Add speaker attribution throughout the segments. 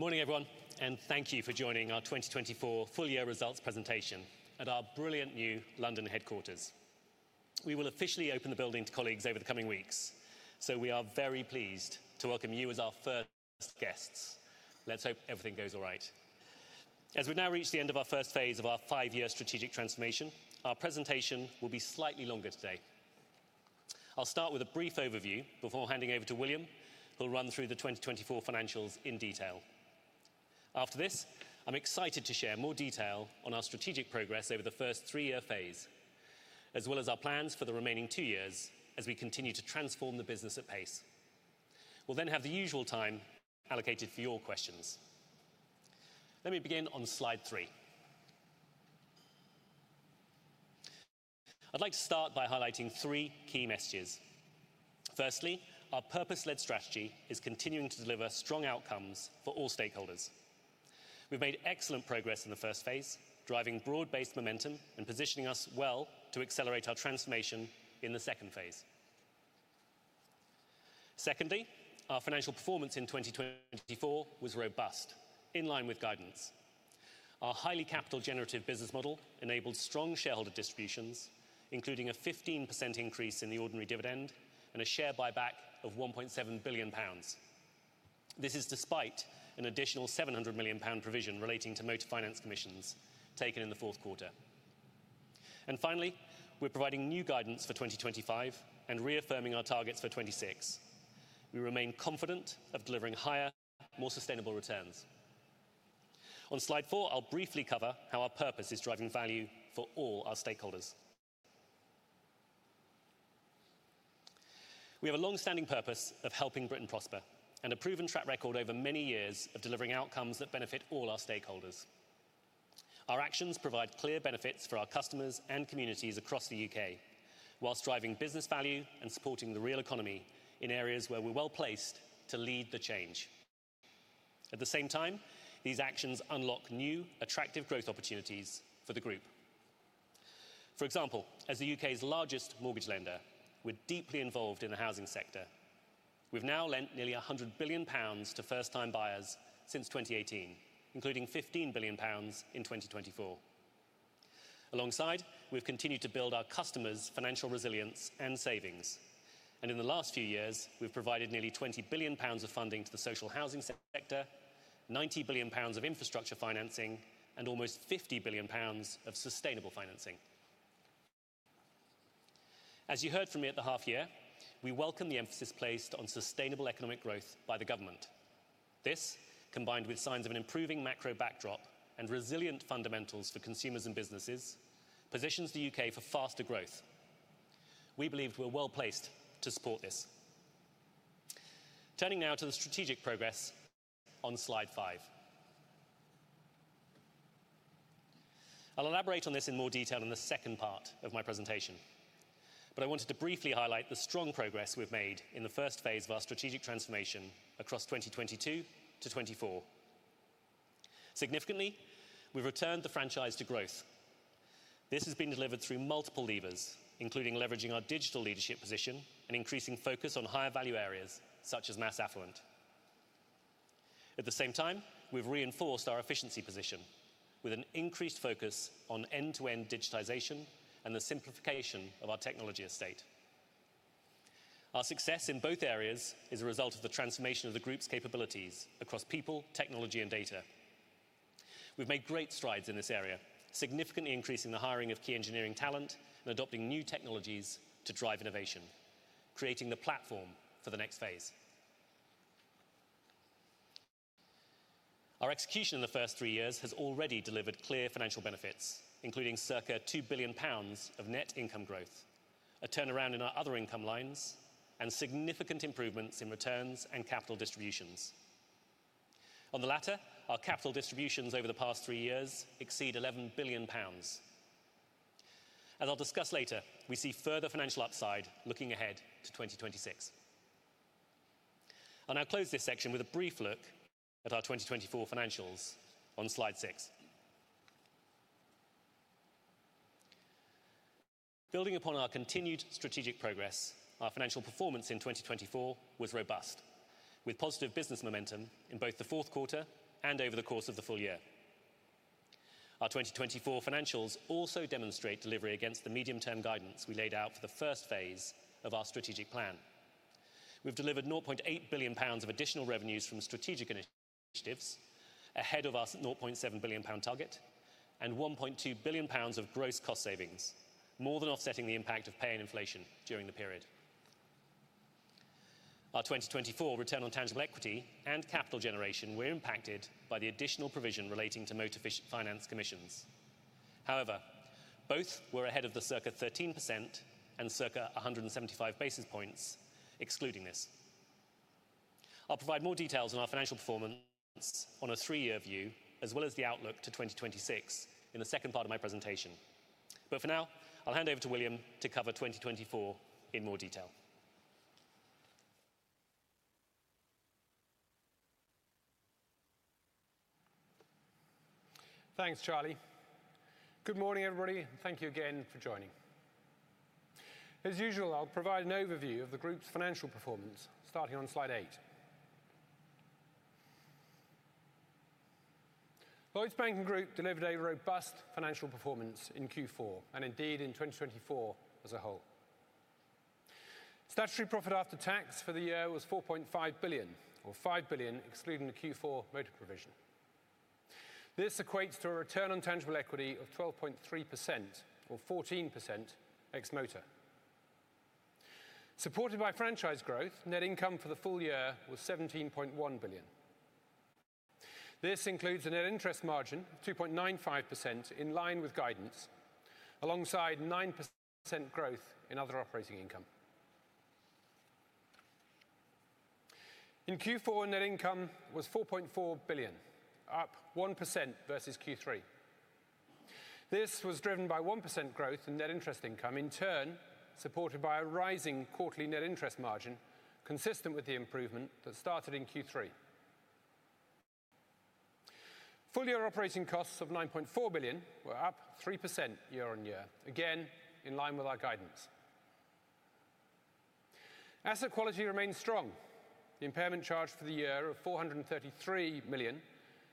Speaker 1: Morning, everyone, and thank you for joining our 2024 full-year results presentation at our brilliant new London headquarters. We will officially open the building to colleagues over the coming weeks, so we are very pleased to welcome you as our first guests. Let's hope everything goes all right. As we've now reached the end of our first phase of our five-year strategic transformation, our presentation will be slightly longer today. I'll start with a brief overview before handing over to William, who'll run through the 2024 financials in detail. After this, I'm excited to share more detail on our strategic progress over the first three-year phase, as well as our plans for the remaining two years as we continue to transform the business at pace. We'll then have the usual time allocated for your questions. Let me begin on slide three. I'd like to start by highlighting three key messages. Firstly, our purpose-led strategy is continuing to deliver strong outcomes for all stakeholders. We've made excellent progress in the first phase, driving broad-based momentum and positioning us well to accelerate our transformation in the second phase. Secondly, our financial performance in 2024 was robust, in line with guidance. Our highly capital-generative business model enabled strong shareholder distributions, including a 15% increase in the ordinary dividend and a share buyback of 1.7 billion pounds. This is despite an additional 700 million pound provision relating to motor finance commissions taken in the fourth quarter. And finally, we're providing new guidance for 2025 and reaffirming our targets for 2026. We remain confident of delivering higher, more sustainable returns. On slide four, I'll briefly cover how our purpose is driving value for all our stakeholders. We have a long-standing purpose of helping Britain prosper and a proven track record over many years of delivering outcomes that benefit all our stakeholders. Our actions provide clear benefits for our customers and communities across the U.K., while driving business value and supporting the real economy in areas where we're well placed to lead the change. At the same time, these actions unlock new, attractive growth opportunities for the group. For example, as the U.K.'s largest mortgage lender, we're deeply involved in the housing sector. We've now lent nearly 100 billion pounds to first-time buyers since 2018, including 15 billion pounds in 2024. Alongside, we've continued to build our customers' financial resilience and savings. And in the last few years, we've provided nearly 20 billion pounds of funding to the social housing sector, 90 billion pounds of infrastructure financing, and almost 50 billion pounds of sustainable financing. As you heard from me at the half-year, we welcome the emphasis placed on sustainable economic growth by the government. This, combined with signs of an improving macro backdrop and resilient fundamentals for consumers and businesses, positions the U.K. for faster growth. We believe we're well placed to support this. Turning now to the strategic progress on slide five. I'll elaborate on this in more detail in the second part of my presentation, but I wanted to briefly highlight the strong progress we've made in the first phase of our strategic transformation across 2022 to 2024. Significantly, we've returned the franchise to growth. This has been delivered through multiple levers, including leveraging our digital leadership position and increasing focus on higher value areas such mass affluent. At the same time, we've reinforced our efficiency position with an increased focus on end-to-end digitization and the simplification of our technology estate. Our success in both areas is a result of the transformation of the group's capabilities across people, technology, and data. We've made great strides in this area, significantly increasing the hiring of key engineering talent and adopting new technologies to drive innovation, creating the platform for the next phase. Our execution in the first three years has already delivered clear financial benefits, including circa 2 billion pounds of net income growth, a turnaround in our other income lines, and significant improvements in returns and capital distributions. On the latter, our capital distributions over the past three years exceed 11 billion pounds. As I'll discuss later, we see further financial upside looking ahead to 2026. I'll now close this section with a brief look at our 2024 financials on slide six. Building upon our continued strategic progress, our financial performance in 2024 was robust, with positive business momentum in both the fourth quarter and over the course of the full year. Our 2024 financials also demonstrate delivery against the medium-term guidance we laid out for the first phase of our strategic plan. We've delivered 0.8 billion pounds of additional revenues from strategic initiatives ahead of our 0.7 billion pound target and 1.2 billion pounds of gross cost savings, more than offsetting the impact of pay and inflation during the period. Our 2024 return on tangible equity and capital generation were impacted by the additional provision relating to motor finance commissions. However, both were ahead of the circa 13% and circa 175 basis points excluding this. I'll provide more details on our financial performance on a three-year view, as well as the outlook to 2026 in the second part of my presentation. But for now, I'll hand over to William to cover 2024 in more detail.
Speaker 2: Thanks, Charlie. Good morning, everybody, and thank you again for joining. As usual, I'll provide an overview of the group's financial performance starting on slide eight. Lloyds Banking Group delivered a robust financial performance in Q4 and indeed in 2024 as a whole. Statutory profit after tax for the year was 4.5 billion, or 5 billion excluding the Q4 motor provision. This equates to a return on tangible equity of 12.3%, or 14% ex-motor. Supported by franchise growth, net income for the full year was 17.1 billion. This includes a net interest margin of 2.95% in line with guidance, alongside 9% growth in other operating income. In Q4, net income was 4.4 billion, up 1% versus Q3. This was driven by 1% growth in net interest income, in turn supported by a rising quarterly net interest margin consistent with the improvement that started in Q3. Full-year operating costs of 9.4 billion were up 3% year-on-year, again in line with our guidance. Asset quality remained strong. The impairment charge for the year of 433 million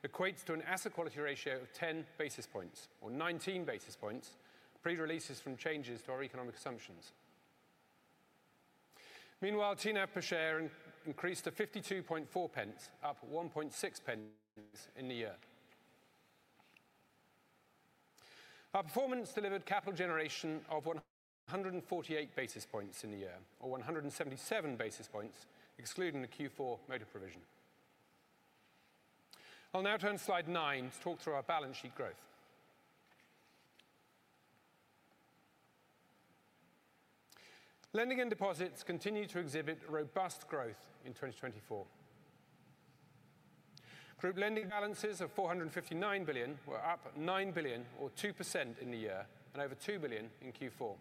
Speaker 2: equates to an asset quality ratio of 10 basis points, or 19 basis points, pre-releases from changes to our economic assumptions. Meanwhile, TNAV per share increased to 52.4, up 1.6 in the year. Our performance delivered capital generation of 148 basis points in the year, or 177 basis points excluding the Q4 motor provision. I'll now turn to slide nine to talk through our balance sheet growth. Lending and deposits continue to exhibit robust growth in 2024. Group lending balances of 459 billion were up 9 billion, or 2% in the year, and over 2 billion in Q4.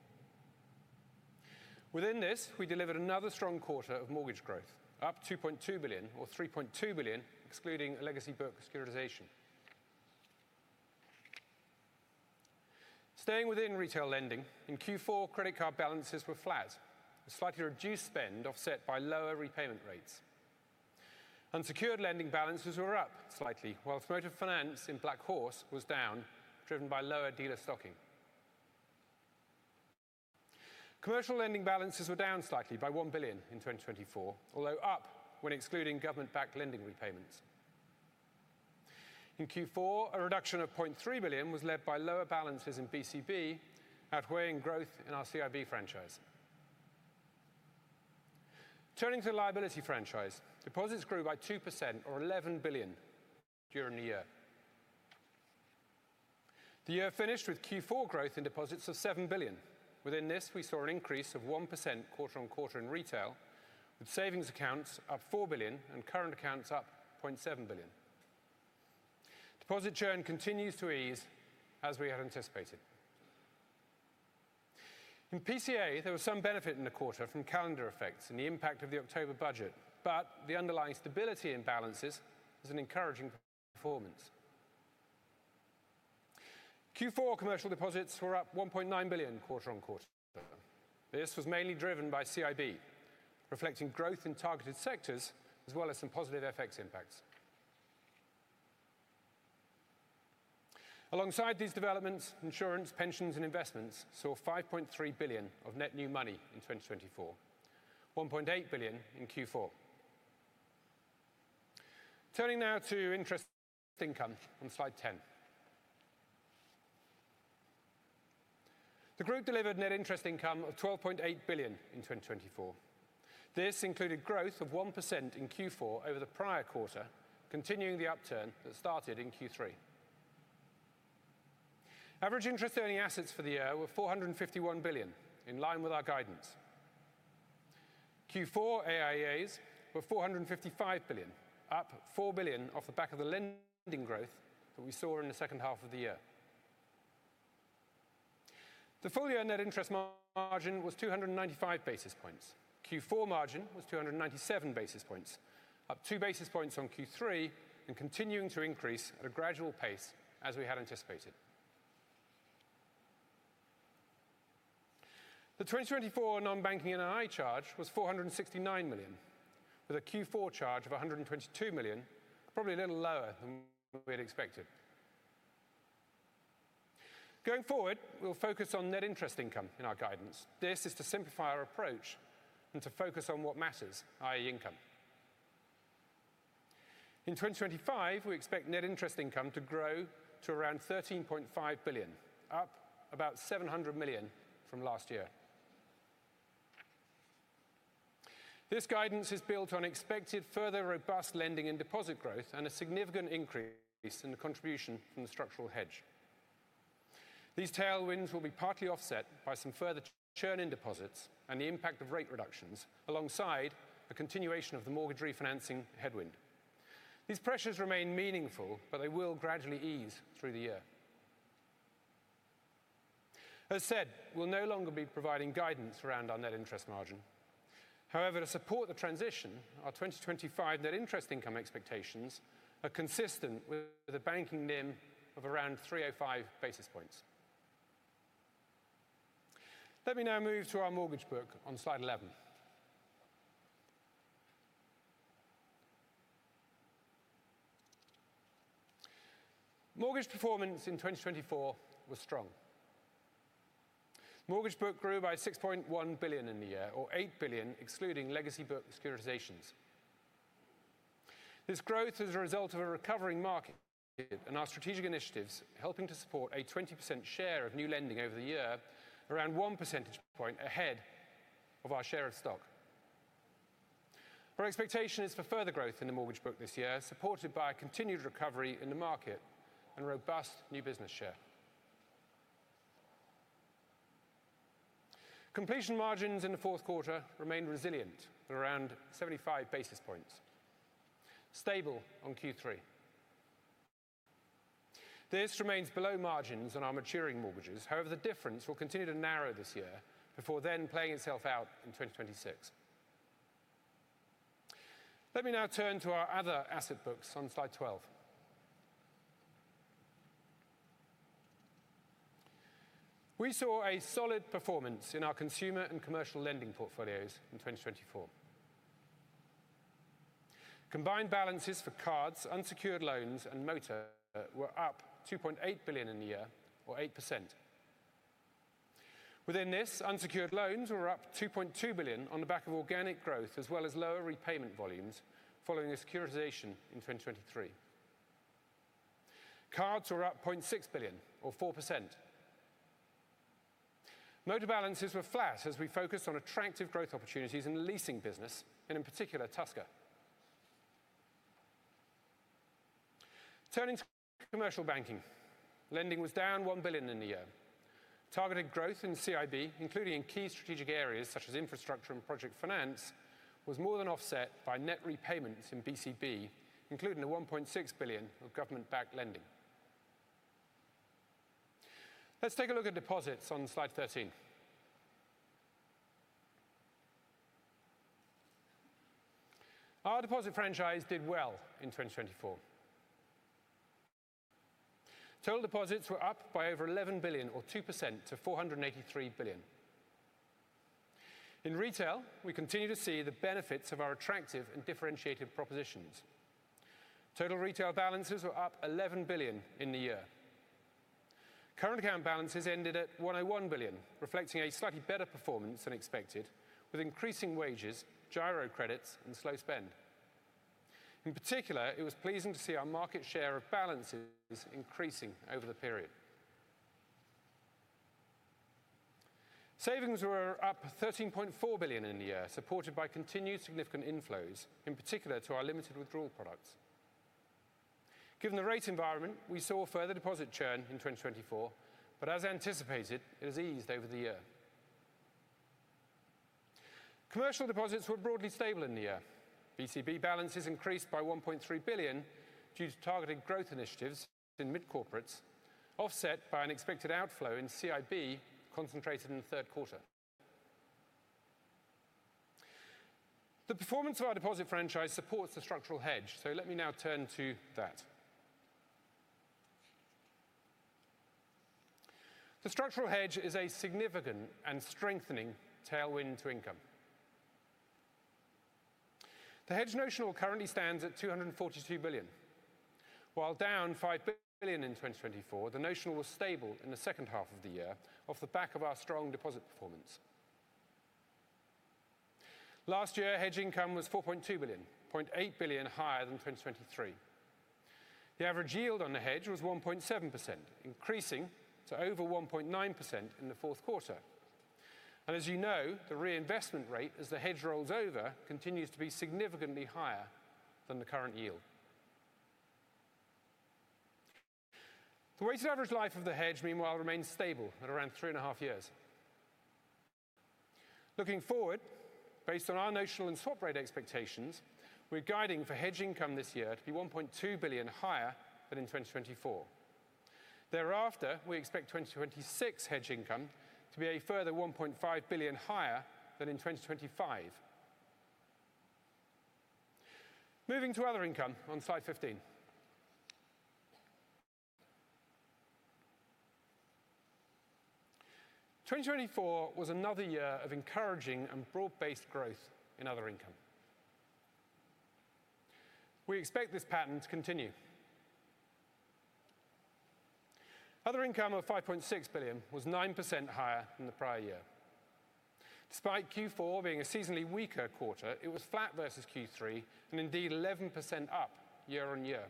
Speaker 2: Within this, we delivered another strong quarter of mortgage growth, up 2.2 billion, or 3.2 billion, excluding legacy book securitization. Staying within Retail lending, in Q4, credit card balances were flat, with slightly reduced spend offset by lower repayment rates. Unsecured lending balances were up slightly, while motor finance in Black Horse was down, driven by lower dealer stocking. Commercial lending balances were down slightly by 1 billion in 2024, although up when excluding government-backed lending repayments. In Q4, a reduction of 0.3 billion was led by lower balances in BCB, outweighing growth in our CIB franchise. Turning to the liability franchise, deposits grew by 2%, or 11 billion, during the year. The year finished with Q4 growth in deposits of 7 billion. Within this, we saw an increase of 1% quarter-on-quarter in Retail, with savings accounts up 4 billion and current accounts up 0.7 billion. Deposit churn continues to ease as we had anticipated. In PCA, there was some benefit in the quarter from calendar effects and the impact of the October Budget, but the underlying stability in balances was an encouraging performance. Q4 commercial deposits were up 1.9 billion quarter-on-quarter. This was mainly driven by CIB, reflecting growth in targeted sectors as well as some positive FX impacts. Alongside these developments, Insurance, Pensions, and Investments saw 5.3 billion of net new money in 2024, 1.8 billion in Q4. Turning now to interest income on slide 10. The group delivered net interest income of 12.8 billion in 2024. This included growth of 1% in Q4 over the prior quarter, continuing the upturn that started in Q3. Average interest-earning assets for the year were 451 billion, in line with our guidance. Q4 AIAs were 455 billion, up 4 billion off the back of the lending growth that we saw in the second half of the year. The full-year net interest margin was 295 basis points. Q4 margin was 297 basis points, up two basis points on Q3 and continuing to increase at a gradual pace as we had anticipated. The 2024 non-banking NII charge was 469 million, with a Q4 charge of 122 million, probably a little lower than we had expected. Going forward, we'll focus on net interest income in our guidance. This is to simplify our approach and to focus on what matters, i.e., income. In 2025, we expect net interest income to grow to around 13.5 billion, up about 700 million from last year. This guidance is built on expected further robust lending and deposit growth and a significant increase in the contribution from the structural hedge. These tailwinds will be partly offset by some further churn in deposits and the impact of rate reductions, alongside a continuation of the mortgage refinancing headwind. These pressures remain meaningful, but they will gradually ease through the year. As said, we'll no longer be providing guidance around our net interest margin. However, to support the transition, our 2025 net interest income expectations are consistent with a banking NIM of around 305 basis points. Let me now move to our mortgage book on slide 11. Mortgage performance in 2024 was strong. Mortgage book grew by 6.1 billion in the year, or 8 billion excluding legacy book securitizations. This growth is a result of a recovering market and our strategic initiatives helping to support a 20% share of new lending over the year, around one percentage point ahead of our share of stock. Our expectation is for further growth in the mortgage book this year, supported by a continued recovery in the market and robust new business share. Completion margins in the fourth quarter remained resilient at around 75 basis points, stable on Q3. This remains below margins on our maturing mortgages. However, the difference will continue to narrow this year before then playing itself out in 2026. Let me now turn to our other asset books on slide 12. We saw a solid performance in our consumer and commercial lending portfolios in 2024. Combined balances for cards, unsecured loans, and motor were up 2.8 billion in the year, or 8%. Within this, unsecured loans were up 2.2 billion on the back of organic growth, as well as lower repayment volumes following a securitization in 2023. Cards were up 0.6 billion, or 4%. Motor balances were flat as we focused on attractive growth opportunities in the leasing business, and in particular, Tusker. Turning to Commercial Banking, lending was down 1 billion in the year. Targeted growth in CIB, including in key strategic areas such as infrastructure and project finance, was more than offset by net repayments in BCB, including the 1.6 billion of government-backed lending. Let's take a look at deposits on slide 13. Our deposit franchise did well in 2024. Total deposits were up by over 11 billion, or 2%, to 483 billion. In Retail, we continue to see the benefits of our attractive and differentiated propositions. Total retail balances were up 11 billion in the year. Current account balances ended at 101 billion, reflecting a slightly better performance than expected, with increasing wages, giro credits, and slow spend. In particular, it was pleasing to see our market share of balances increasing over the period. Savings were up 13.4 billion in the year, supported by continued significant inflows, in particular to our limited withdrawal products. Given the rate environment, we saw further deposit churn in 2024, but as anticipated, it has eased over the year. Commercial deposits were broadly stable in the year. BCB balances increased by 1.3 billion due to targeted growth initiatives in mid-corporates, offset by an expected outflow in CIB concentrated in the third quarter. The performance of our deposit franchise supports the structural hedge, so let me now turn to that. The structural hedge is a significant and strengthening tailwind to income. The hedge notional currently stands at 242 billion. While down 5 billion in 2024, the notional was stable in the second half of the year off the back of our strong deposit performance. Last year, hedge income was 4.2 billion, 0.8 billion higher than 2023. The average yield on the hedge was 1.7%, increasing to over 1.9% in the fourth quarter. And as you know, the reinvestment rate, as the hedge rolls over, continues to be significantly higher than the current yield. The weighted average life of the hedge, meanwhile, remains stable at around three and a half years. Looking forward, based on our notional and swap rate expectations, we're guiding for hedge income this year to be 1.2 billion higher than in 2024. Thereafter, we expect 2026 hedge income to be a further 1.5 billion higher than in 2025. Moving to other income on slide 15. 2024 was another year of encouraging and broad-based growth in other income. We expect this pattern to continue. Other income of 5.6 billion was 9% higher than the prior year. Despite Q4 being a seasonally weaker quarter, it was flat versus Q3 and indeed 11% up year-on-year.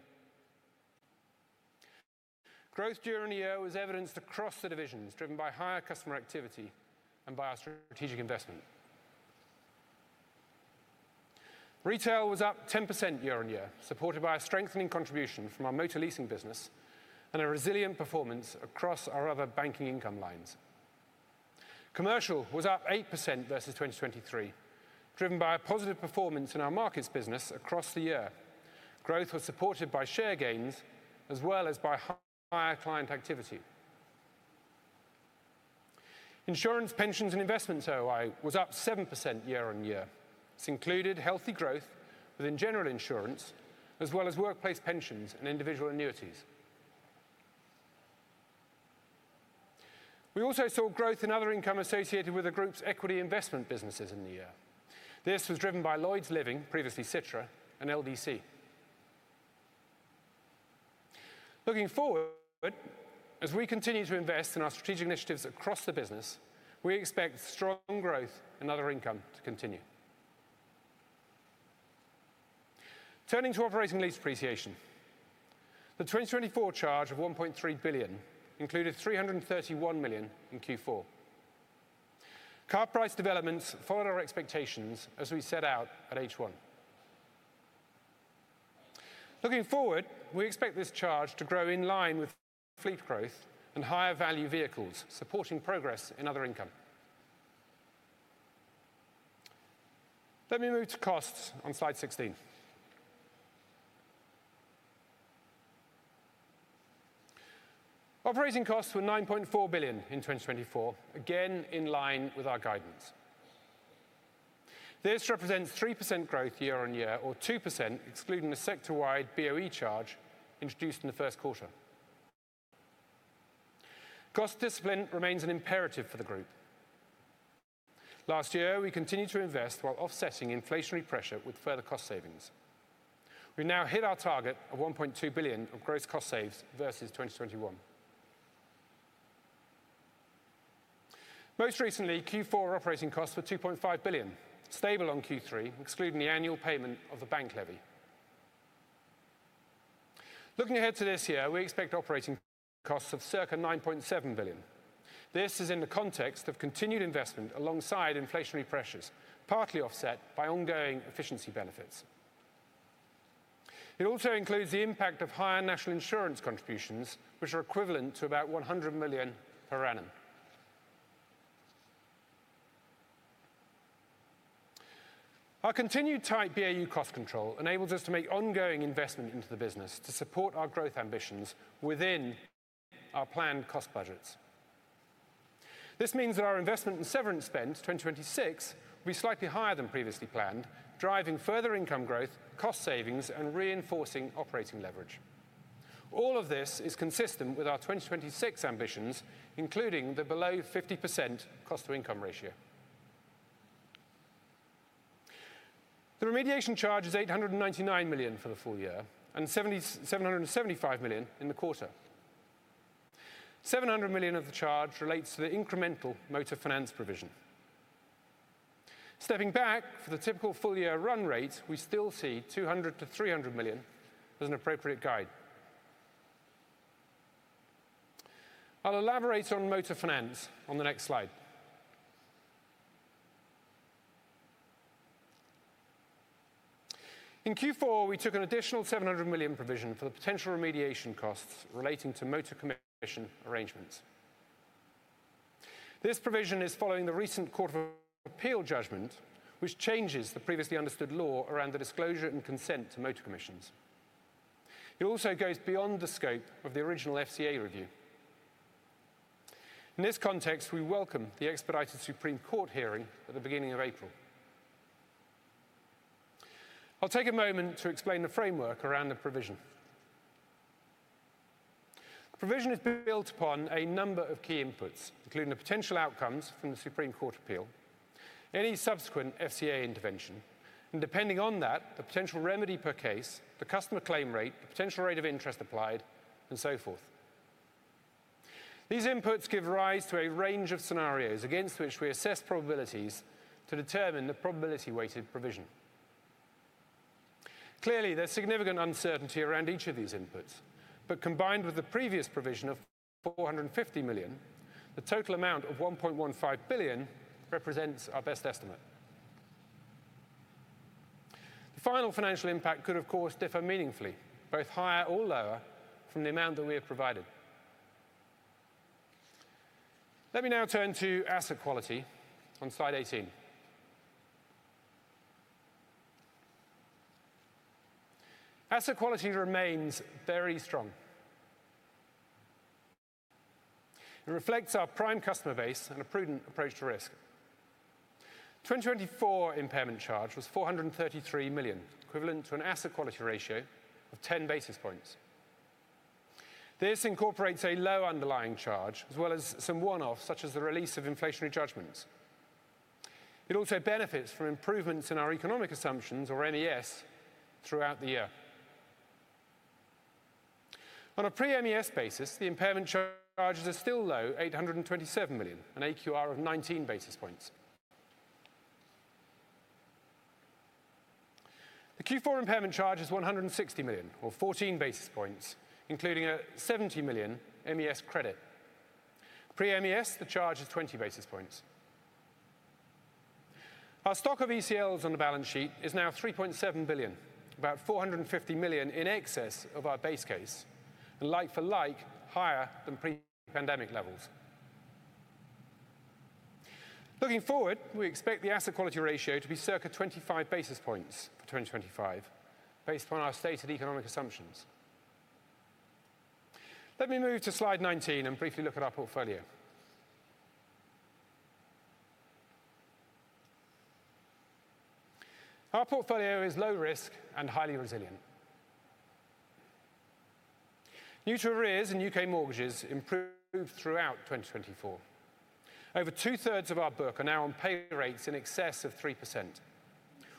Speaker 2: Growth during the year was evidenced across the divisions, driven by higher customer activity and by our strategic investment. Retail was up 10% year-on-year, supported by a strengthening contribution from our motor leasing business and a resilient performance across our other banking income lines. Commercial was up 8% versus 2023, driven by a positive performance in our markets business across the year. Growth was supported by share gains as well as by higher client activity. Insurance, Pensions, and Investments, OOI, was up 7% year-on-year. This included healthy growth within general insurance, as well as workplace pensions and individual annuities. We also saw growth in other income associated with the group's equity investment businesses in the year. This was driven by Lloyds Living, previously Citra, and LDC. Looking forward, as we continue to invest in our strategic initiatives across the business, we expect strong growth in other income to continue. Turning to operating lease depreciation, the 2024 charge of 1.3 billion included 331 million in Q4. Car price developments followed our expectations as we set out at H1. Looking forward, we expect this charge to grow in line with fleet growth and higher value vehicles, supporting progress in other income. Let me move to costs on slide 16. Operating costs were 9.4 billion in 2024, again in line with our guidance. This represents 3% growth year-on-year, or 2% excluding the sector-wide BOE charge introduced in the first quarter. Cost discipline remains an imperative for the group. Last year, we continued to invest while offsetting inflationary pressure with further cost savings. We now hit our target of 1.2 billion of gross cost saves versus 2021. Most recently, Q4 operating costs were 2.5 billion, stable on Q3, excluding the annual payment of the bank levy. Looking ahead to this year, we expect operating costs of circa 9.7 billion. This is in the context of continued investment alongside inflationary pressures, partly offset by ongoing efficiency benefits. It also includes the impact of higher National Insurance contributions, which are equivalent to about 100 million per annum. Our continued tight BAU cost control enables us to make ongoing investment into the business to support our growth ambitions within our planned cost budgets. This means that our investment and severance spend 2026 will be slightly higher than previously planned, driving further income growth, cost savings, and reinforcing operating leverage. All of this is consistent with our 2026 ambitions, including the below 50% cost-to-income ratio. The remediation charge is 899 million for the full year and 775 million in the quarter. 700 million of the charge relates to the incremental motor finance provision. Stepping back for the typical full-year run rate, we still see 200 million-300 million as an appropriate guide. I'll elaborate on motor finance on the next slide. In Q4, we took an additional 700 million provision for the potential remediation costs relating to motor commission arrangements. This provision is following the recent Court of Appeal judgment, which changes the previously understood law around the disclosure and consent to motor commissions. It also goes beyond the scope of the original FCA review. In this context, we welcome the expedited Supreme Court hearing at the beginning of April. I'll take a moment to explain the framework around the provision. The provision is built upon a number of key inputs, including the potential outcomes from the Supreme Court appeal, any subsequent FCA intervention, and depending on that, the potential remedy per case, the customer claim rate, the potential rate of interest applied, and so forth. These inputs give rise to a range of scenarios against which we assess probabilities to determine the probability-weighted provision. Clearly, there's significant uncertainty around each of these inputs, but combined with the previous provision of 450 million, the total amount of 1.15 billion represents our best estimate. The final financial impact could, of course, differ meaningfully, both higher or lower, from the amount that we have provided. Let me now turn to asset quality on slide 18. Asset quality remains very strong. It reflects our prime customer base and a prudent approach to risk. The 2024 impairment charge was 433 million, equivalent to an asset quality ratio of 10 basis points. This incorporates a low underlying charge, as well as some one-offs, such as the release of inflationary judgments. It also benefits from improvements in our economic assumptions, or MES, throughout the year. On a pre-MES basis, the impairment charges are still low, 827 million, an AQR of 19 basis points. The Q4 impairment charge is 160 million, or 14 basis points, including a 70 million MES credit. Pre-MES, the charge is 20 basis points. Our stock of ECLs on the balance sheet is now 3.7 billion, about 450 million in excess of our base case, and like for like, higher than pre-pandemic levels. Looking forward, we expect the asset quality ratio to be circa 25 basis points for 2025, based upon our stated economic assumptions. Let me move to slide 19 and briefly look at our portfolio. Our portfolio is low risk and highly resilient. Mortgage arrears and U.K. mortgages improved throughout 2024. Over two-thirds of our book are now on pay rates in excess of 3%,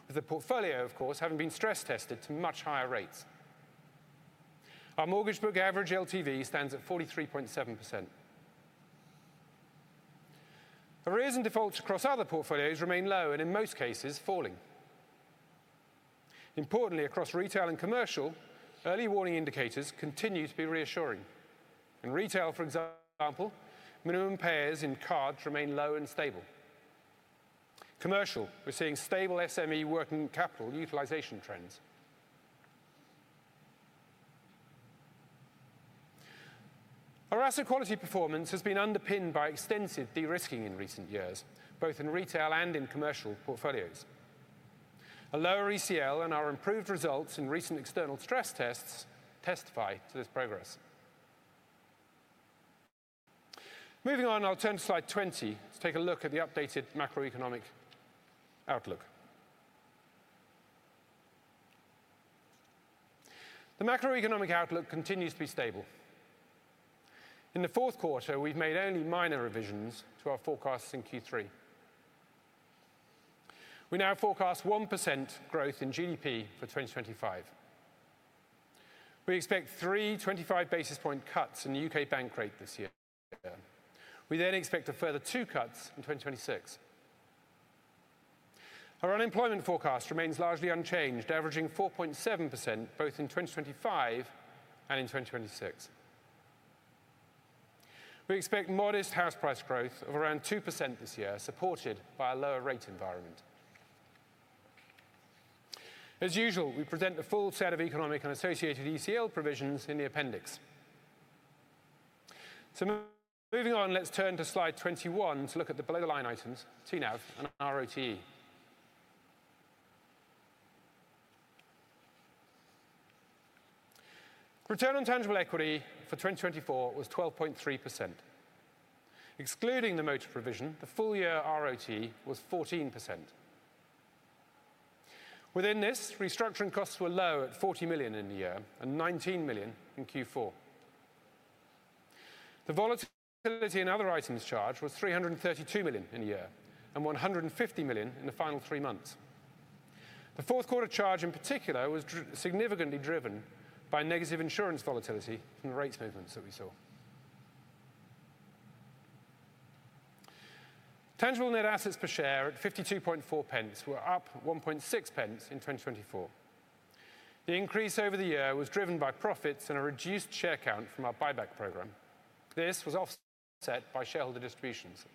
Speaker 2: with the portfolio, of course, having been stress tested to much higher rates. Our mortgage book average LTV stands at 43.7%. Arrears and defaults across other portfolios remain low and, in most cases, falling. Importantly, across Retail and Commercial, early warning indicators continue to be reassuring. In Retail, for example, minimum payers in cards remain low and stable. Commercial, we're seeing stable SME working capital utilization trends. Our asset quality performance has been underpinned by extensive de-risking in recent years, both in Retail and in Commercial portfolios. A lower ECL and our improved results in recent external stress tests testify to this progress. Moving on, I'll turn to slide 20 to take a look at the updated macroeconomic outlook. The macroeconomic outlook continues to be stable. In the fourth quarter, we've made only minor revisions to our forecasts in Q3. We now forecast 1% growth in GDP for 2025. We expect three 25 basis point cuts in the U.K. Bank Rate this year. We then expect a further two cuts in 2026. Our unemployment forecast remains largely unchanged, averaging 4.7% both in 2025 and in 2026. We expect modest house price growth of around 2% this year, supported by a lower rate environment. As usual, we present the full set of economic and associated ECL provisions in the appendix. Moving on, let's turn to slide 21 to look at the below-the-line items, TNAV and RoTE. Return on tangible equity for 2024 was 12.3%. Excluding the motor provision, the full-year RoTE was 14%. Within this, restructuring costs were low at 40 million in the year and 19 million in Q4. The volatility in other items charge was 332 million in a year and 150 million in the final three months. The fourth quarter charge, in particular, was significantly driven by negative insurance volatility from the rate movements that we saw. Tangible net assets per share at 52.4 pence were up 1.6 pence in 2024. The increase over the year was driven by profits and a reduced share count from our buyback program. This was offset by shareholder distributions.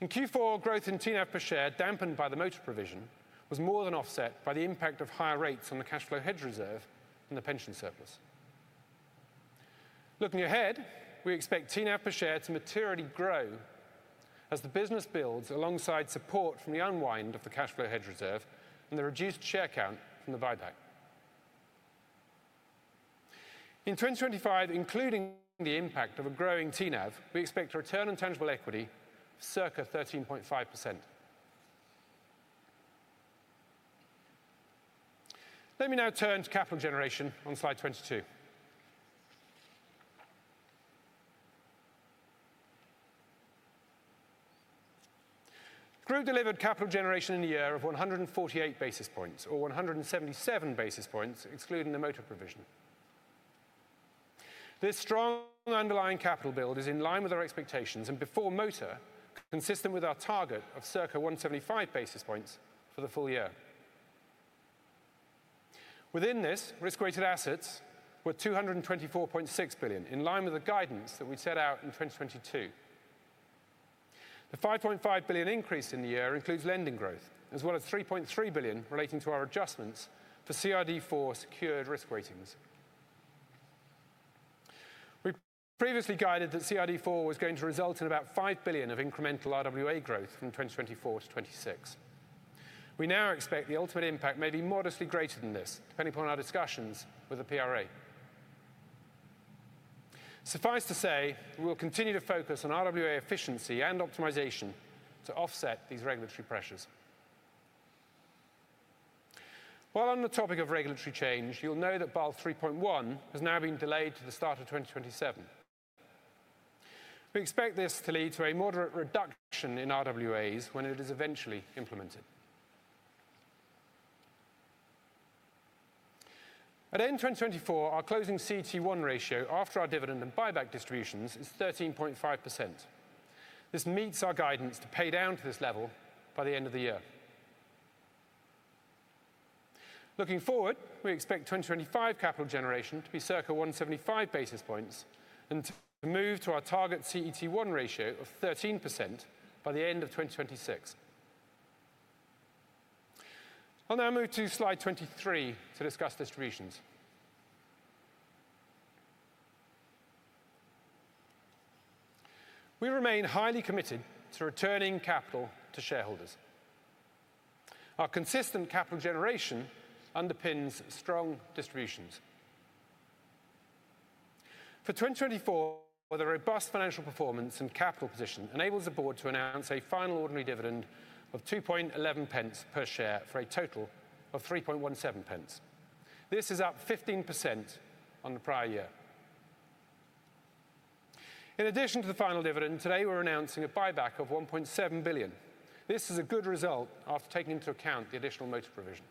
Speaker 2: In Q4, growth in TNAV per share, dampened by the motor provision, was more than offset by the impact of higher rates on the cash flow hedge reserve and the pension surplus. Looking ahead, we expect TNAV per share to materially grow as the business builds alongside support from the unwind of the cash flow hedge reserve and the reduced share count from the buyback. In 2025, including the impact of a growing TNAV, we expect return on tangible equity, circa 13.5%. Let me now turn to capital generation on slide 22. Group delivered capital generation in the year of 148 basis points, or 177 basis points, excluding the motor provision. This strong underlying capital build is in line with our expectations and before motor, consistent with our target of circa 175 basis points for the full year. Within this, risk-weighted assets were 224.6 billion, in line with the guidance that we set out in 2022. The 5.5 billion increase in the year includes lending growth, as well as 3.3 billion relating to our adjustments for CRD IV secured risk ratings. We previously guided that CRD IV was going to result in about 5 billion of incremental RWA growth from 2024 to 2026. We now expect the ultimate impact may be modestly greater than this, depending upon our discussions with the PRA. Suffice to say, we will continue to focus on RWA efficiency and optimization to offset these regulatory pressures. While on the topic of regulatory change, you'll know that Basel 3.1 has now been delayed to the start of 2027. We expect this to lead to a moderate reduction in RWAs when it is eventually implemented. At end 2024, our closing CET1 ratio after our dividend and buyback distributions is 13.5%. This meets our guidance to pay down to this level by the end of the year. Looking forward, we expect 2025 capital generation to be circa 175 basis points and to move to our target CET1 ratio of 13% by the end of 2026. I'll now move to slide 23 to discuss distributions. We remain highly committed to returning capital to shareholders. Our consistent capital generation underpins strong distributions. For 2024, the robust financial performance and capital position enables the board to announce a final ordinary dividend of 2.11 pence per share for a total of 3.17 pence. This is up 15% on the prior year. In addition to the final dividend, today we're announcing a buyback of 1.7 billion. This is a good result after taking into account the additional motor provision.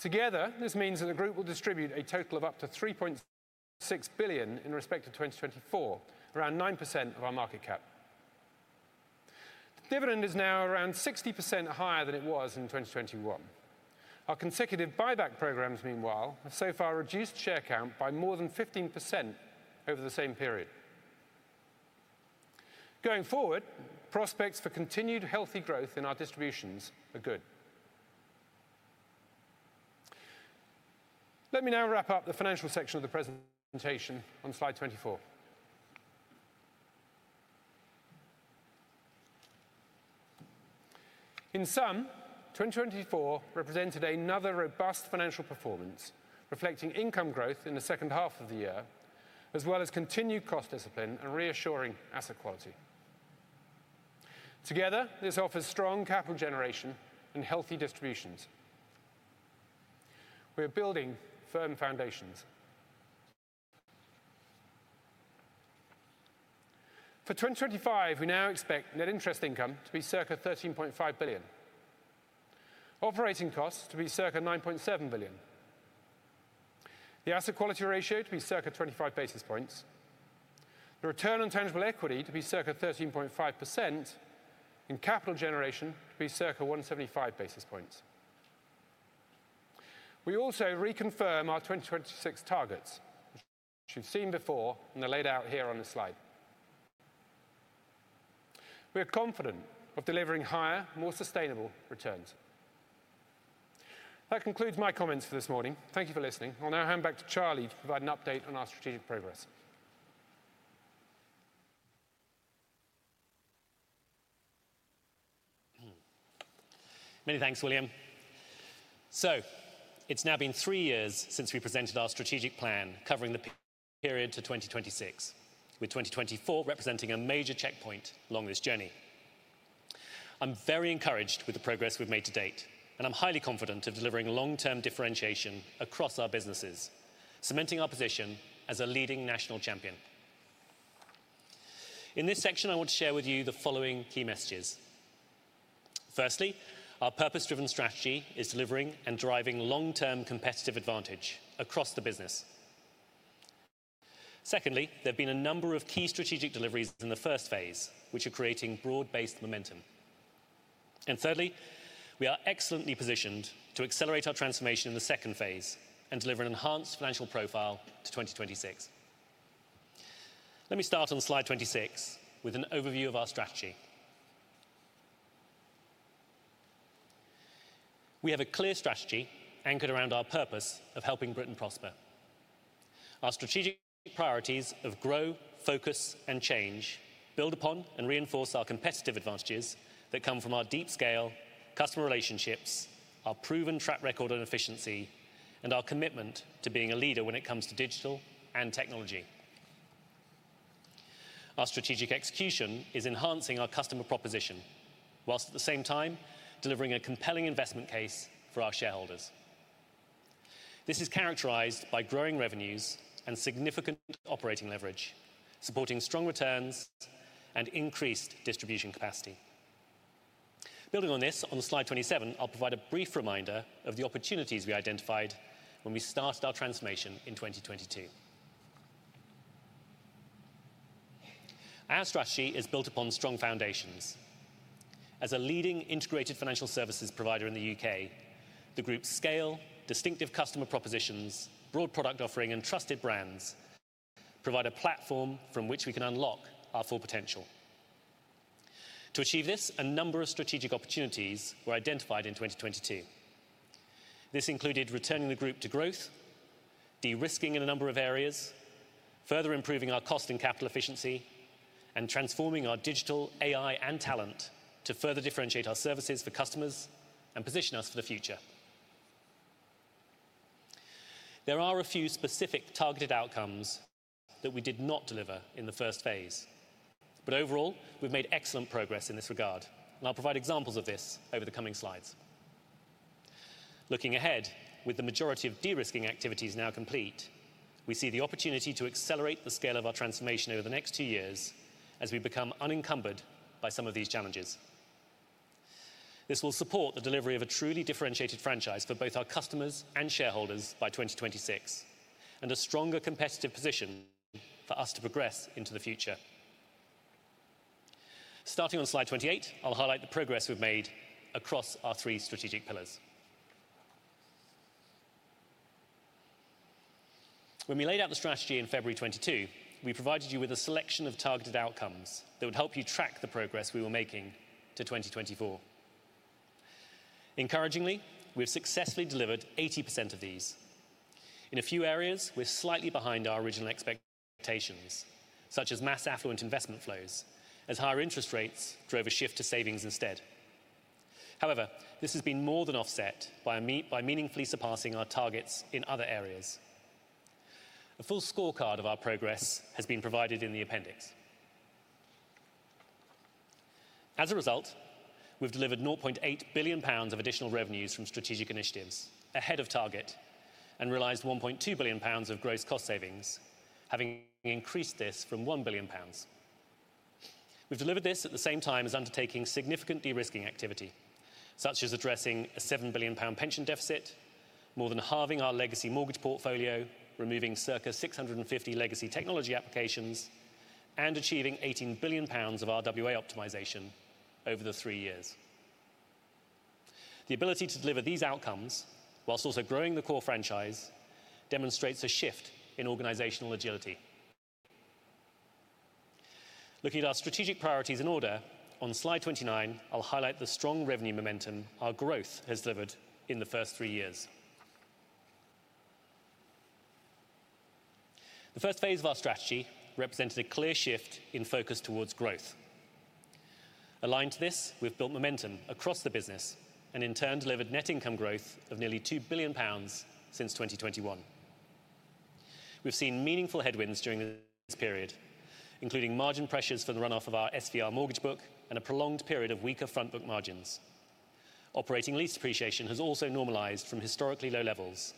Speaker 2: Together, this means that the group will distribute a total of up to 3.6 billion in respect to 2024, around 9% of our market cap. The dividend is now around 60% higher than it was in 2021. Our consecutive buyback programs, meanwhile, have so far reduced share count by more than 15% over the same period. Going forward, prospects for continued healthy growth in our distributions are good. Let me now wrap up the financial section of the presentation on slide 24. In sum, 2024 represented another robust financial performance, reflecting income growth in the second half of the year, as well as continued cost discipline and reassuring asset quality. Together, this offers strong capital generation and healthy distributions. We are building firm foundations. For 2025, we now expect net interest income to be circa 13.5 billion, operating costs to be circa 9.7 billion, the asset quality ratio to be circa 25 basis points, the return on tangible equity to be circa 13.5%, and capital generation to be circa 175 basis points. We also reconfirm our 2026 targets, which you've seen before and are laid out here on this slide. We are confident of delivering higher, more sustainable returns. That concludes my comments for this morning. Thank you for listening. I'll now hand back to Charlie to provide an update on our strategic progress.
Speaker 1: Many thanks, William. So it's now been three years since we presented our strategic plan covering the period to 2026, with 2024 representing a major checkpoint along this journey. I'm very encouraged with the progress we've made to date, and I'm highly confident of delivering long-term differentiation across our businesses, cementing our position as a leading national champion. In this section, I want to share with you the following key messages. Firstly, our purpose-driven strategy is delivering and driving long-term competitive advantage across the business. Secondly, there have been a number of key strategic deliveries in the first phase, which are creating broad-based momentum, and thirdly, we are excellently positioned to accelerate our transformation in the second phase and deliver an enhanced financial profile to 2026. Let me start on slide 26 with an overview of our strategy. We have a clear strategy anchored around our purpose of helping Britain prosper. Our strategic priorities of grow, focus, and change build upon and reinforce our competitive advantages that come from our deep scale, customer relationships, our proven track record on efficiency, and our commitment to being a leader when it comes to digital and technology. Our strategic execution is enhancing our customer proposition while, at the same time, delivering a compelling investment case for our shareholders. This is characterized by growing revenues and significant operating leverage, supporting strong returns and increased distribution capacity. Building on this, on slide 27, I'll provide a brief reminder of the opportunities we identified when we started our transformation in 2022. Our strategy is built upon strong foundations. As a leading integrated financial services provider in the U.K., the group's scale, distinctive customer propositions, broad product offering, and trusted brands provide a platform from which we can unlock our full potential. To achieve this, a number of strategic opportunities were identified in 2022. This included returning the group to growth, de-risking in a number of areas, further improving our cost and capital efficiency, and transforming our digital, AI, and talent to further differentiate our services for customers and position us for the future. There are a few specific targeted outcomes that we did not deliver in the first phase, but overall, we've made excellent progress in this regard, and I'll provide examples of this over the coming slides. Looking ahead, with the majority of de-risking activities now complete, we see the opportunity to accelerate the scale of our transformation over the next two years as we become unencumbered by some of these challenges. This will support the delivery of a truly differentiated franchise for both our customers and shareholders by 2026 and a stronger competitive position for us to progress into the future. Starting on slide 28, I'll highlight the progress we've made across our three strategic pillars. When we laid out the strategy in February 2022, we provided you with a selection of targeted outcomes that would help you track the progress we were making to 2024. Encouragingly, we have successfully delivered 80% of these. In a few areas, we're slightly behind our original expectations, such mass affluent investment flows, as higher interest rates drove a shift to savings instead. However, this has been more than offset by meaningfully surpassing our targets in other areas. A full scorecard of our progress has been provided in the appendix. As a result, we've delivered 0.8 billion pounds of additional revenues from strategic initiatives ahead of target and realized 1.2 billion pounds of gross cost savings, having increased this from 1 billion pounds. We've delivered this at the same time as undertaking significant de-risking activity, such as addressing a 7 billion pound pension deficit, more than halving our legacy mortgage portfolio, removing circa 650 legacy technology applications, and achieving 18 billion pounds of RWA optimization over the three years. The ability to deliver these outcomes, whilst also growing the core franchise, demonstrates a shift in organizational agility. Looking at our strategic priorities in order, on slide 29, I'll highlight the strong revenue momentum our growth has delivered in the first three years. The first phase of our strategy represented a clear shift in focus towards growth. Aligned to this, we've built momentum across the business and, in turn, delivered net income growth of nearly 2 billion pounds since 2021. We've seen meaningful headwinds during this period, including margin pressures for the runoff of our SVR mortgage book and a prolonged period of weaker front book margins. Operating lease depreciation has also normalized from historically low levels,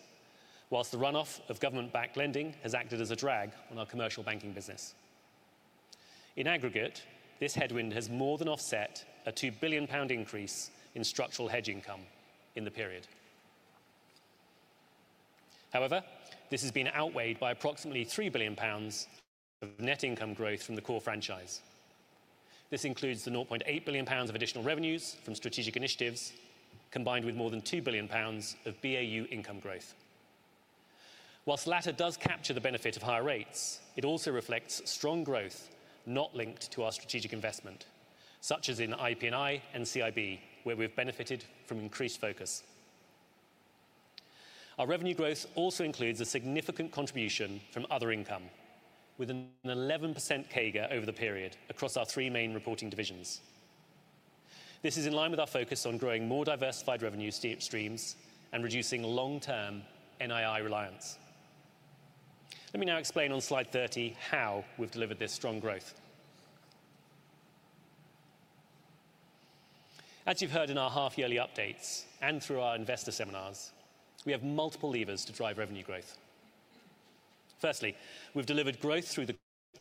Speaker 1: while the runoff of government-backed lending has acted as a drag on our Commercial Banking business. In aggregate, this headwind has more than offset a 2 billion pound increase in structural hedge income in the period. However, this has been outweighed by approximately 3 billion pounds of net income growth from the core franchise. This includes the 0.8 billion pounds of additional revenues from strategic initiatives, combined with more than 2 billion pounds of BAU income growth. While the latter does capture the benefit of higher rates, it also reflects strong growth not linked to our strategic investment, such as in IP&I and CIB, where we've benefited from increased focus. Our revenue growth also includes a significant contribution from other income, with an 11% CAGR over the period across our three main reporting divisions. This is in line with our focus on growing more diversified revenue streams and reducing long-term NII reliance. Let me now explain on slide 30 how we've delivered this strong growth. As you've heard in our half-yearly updates and through our investor seminars, we have multiple levers to drive revenue growth. Firstly, we've delivered growth through the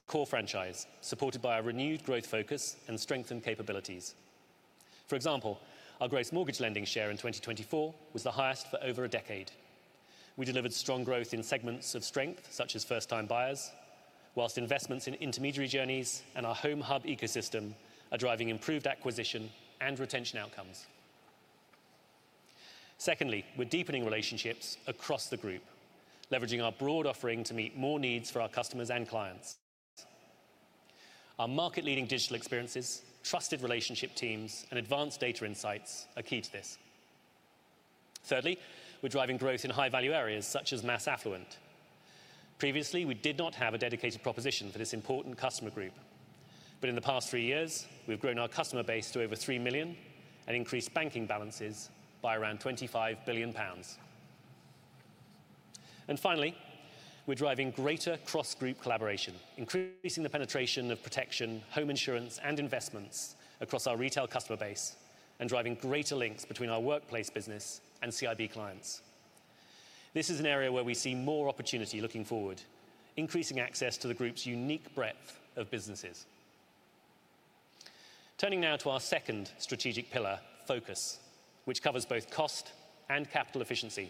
Speaker 1: core franchise, supported by our renewed growth focus and strengthened capabilities. For example, our gross mortgage lending share in 2024 was the highest for over a decade. We delivered strong growth in segments of strength, such as first-time buyers, whilst investments in intermediary journeys and our Home Hub ecosystem are driving improved acquisition and retention outcomes. Secondly, we're deepening relationships across the group, leveraging our broad offering to meet more needs for our customers and clients. Our market-leading digital experiences, trusted relationship teams, and advanced data insights are key to this. Thirdly, we're driving growth in high-value areas, such as mass affluent. Previously, we did not have a dedicated proposition for this important customer group, but in the past three years, we've grown our customer base to over 3 million and increased banking balances by around 25 billion pounds. And finally, we're driving greater cross-group collaboration, increasing the penetration of protection, home insurance, and investments across our retail customer base and driving greater links between our workplace business and CIB clients. This is an area where we see more opportunity looking forward, increasing access to the group's unique breadth of businesses. Turning now to our second strategic pillar, focus, which covers both cost and capital efficiency.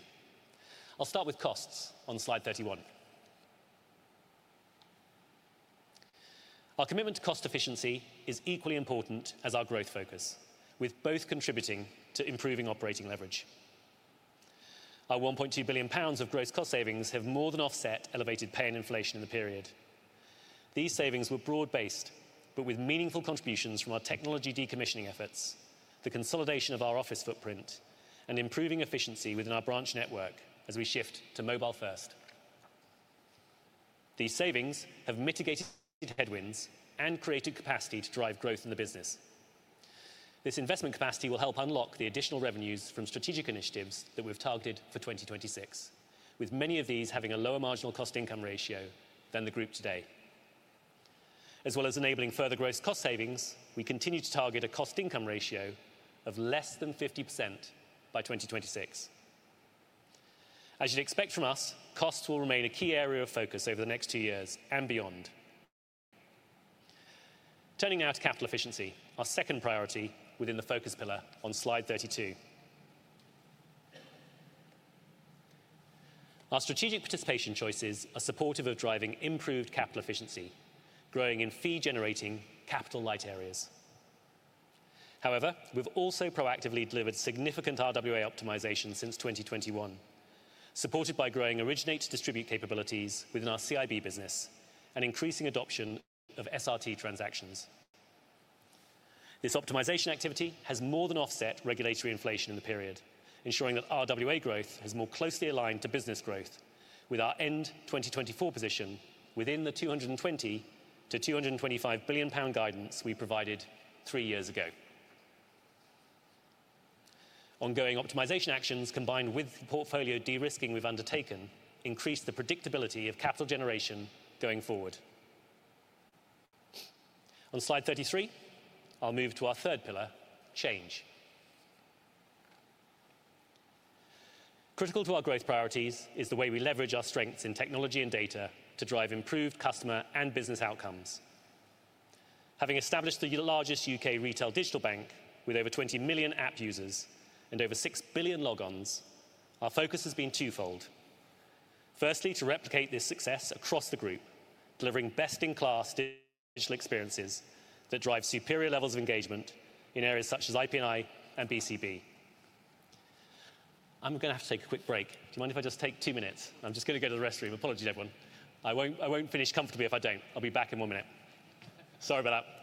Speaker 1: I'll start with costs on slide 31. Our commitment to cost efficiency is equally important as our growth focus, with both contributing to improving operating leverage. Our 1.2 billion pounds of gross cost savings have more than offset elevated pay and inflation in the period. These savings were broad-based, but with meaningful contributions from our technology decommissioning efforts, the consolidation of our office footprint, and improving efficiency within our branch network as we shift to mobile-first. These savings have mitigated headwinds and created capacity to drive growth in the business. This investment capacity will help unlock the additional revenues from strategic initiatives that we've targeted for 2026, with many of these having a lower marginal cost income ratio than the group today. As well as enabling further gross cost savings, we continue to target a cost income ratio of less than 50% by 2026. As you'd expect from us, costs will remain a key area of focus over the next two years and beyond. Turning now to capital efficiency, our second priority within the focus pillar on slide 32. Our strategic participation choices are supportive of driving improved capital efficiency, growing in fee-generating capital light areas. However, we've also proactively delivered significant RWA optimization since 2021, supported by growing originate-to-distribute capabilities within our CIB business and increasing adoption of SRT transactions. This optimization activity has more than offset regulatory inflation in the period, ensuring that RWA growth has more closely aligned to business growth with our end 2024 position within the 220 billion-225 billion pound guidance we provided three years ago. Ongoing optimization actions combined with the portfolio de-risking we've undertaken increase the predictability of capital generation going forward. On slide 33, I'll move to our third pillar, change. Critical to our growth priorities is the way we leverage our strengths in technology and data to drive improved customer and business outcomes. Having established the largest U.K. Retail digital bank with over 20 million app users and over 6 billion logons, our focus has been twofold. Firstly, to replicate this success across the group, delivering best-in-class digital experiences that drive superior levels of engagement in areas such as IP&I and BCB. I'm going to have to take a quick break. Do you mind if I just take two minutes? I'm just going to go to the restroom. Apologies, everyone. I won't finish comfortably if I don't. I'll be back in one minute. Sorry about that. Sorry about that.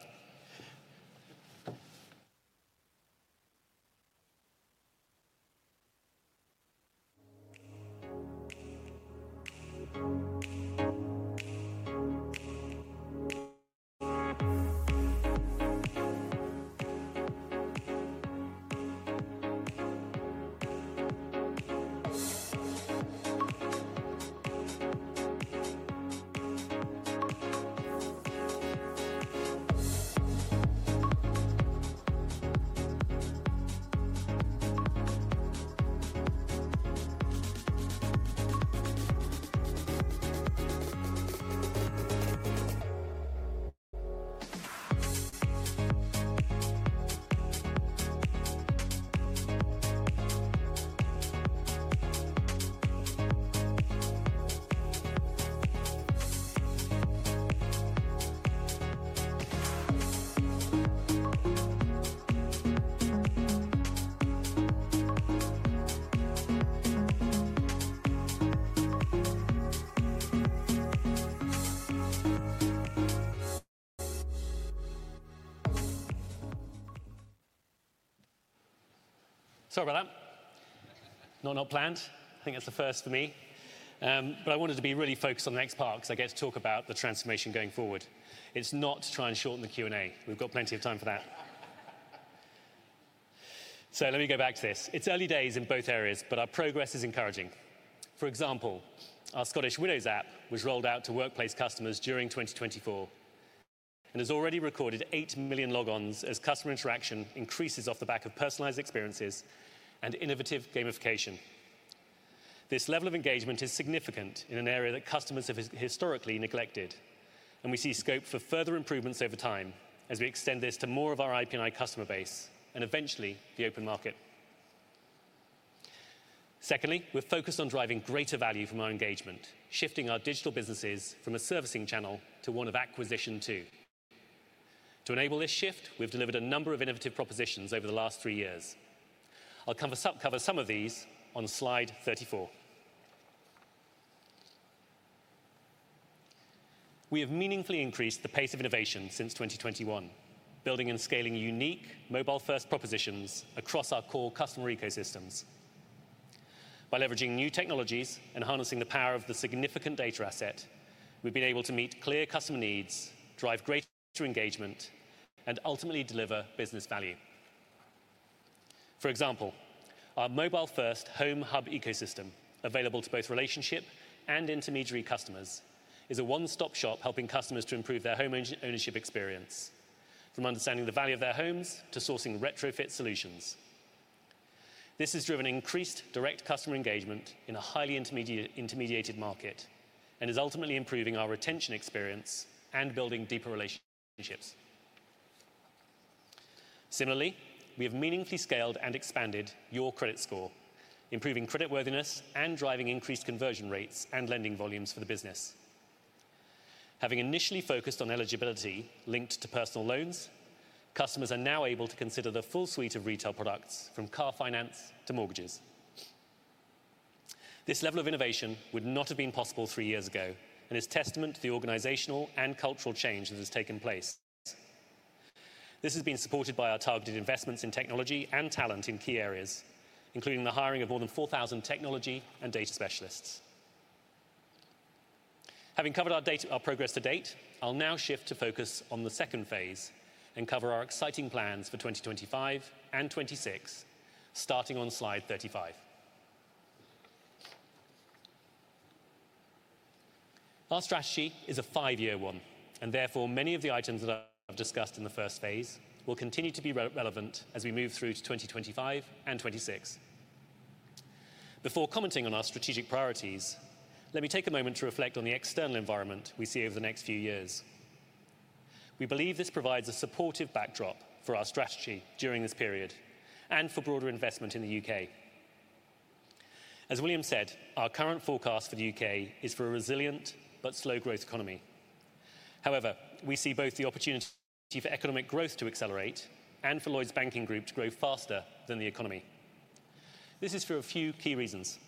Speaker 1: Not planned. I think that's the first for me. But I wanted to be really focused on the next part because I get to talk about the transformation going forward. It's not to try and shorten the Q&A. We've got plenty of time for that. So let me go back to this. It's early days in both areas, but our progress is encouraging. For example, our Scottish Widows app was rolled out to workplace customers during 2024 and has already recorded eight million logons as customer interaction increases off the back of personalized experiences and innovative gamification. This level of engagement is significant in an area that customers have historically neglected, and we see scope for further improvements over time as we extend this to more of our IP&I customer base and eventually the open market. Secondly, we're focused on driving greater value from our engagement, shifting our digital businesses from a servicing channel to one of acquisition too. To enable this shift, we've delivered a number of innovative propositions over the last three years. I'll cover some of these on slide 34. We have meaningfully increased the pace of innovation since 2021, building and scaling unique mobile-first propositions across our core customer ecosystems. By leveraging new technologies and harnessing the power of the significant data asset, we've been able to meet clear customer needs, drive greater engagement, and ultimately deliver business value. For example, our mobile-first Home Hub ecosystem, available to both relationship and intermediary customers, is a one-stop shop helping customers to improve their home ownership experience, from understanding the value of their homes to sourcing retrofit solutions. This has driven increased direct customer engagement in a highly intermediated market and is ultimately improving our retention experience and building deeper relationships. Similarly, we have meaningfully scaled and expanded Your Credit Score, improving creditworthiness and driving increased conversion rates and lending volumes for the business. Having initially focused on eligibility linked to personal loans, customers are now able to consider the full suite of retail products, from car finance to mortgages. This level of innovation would not have been possible three years ago and is testament to the organizational and cultural change that has taken place. This has been supported by our targeted investments in technology and talent in key areas, including the hiring of more than 4,000 technology and data specialists. Having covered our progress to date, I'll now shift to focus on the second phase and cover our exciting plans for 2025 and 2026, starting on slide 35. Our strategy is a five-year one, and therefore many of the items that I've discussed in the first phase will continue to be relevant as we move through to 2025 and 2026. Before commenting on our strategic priorities, let me take a moment to reflect on the external environment we see over the next few years. We believe this provides a supportive backdrop for our strategy during this period and for broader investment in the U.K. As William said, our current forecast for the U.K. is for a resilient but slow-growth economy. However, we see both the opportunity for economic growth to accelerate and for Lloyds Banking Group to grow faster than the economy. This is for a few key reasons.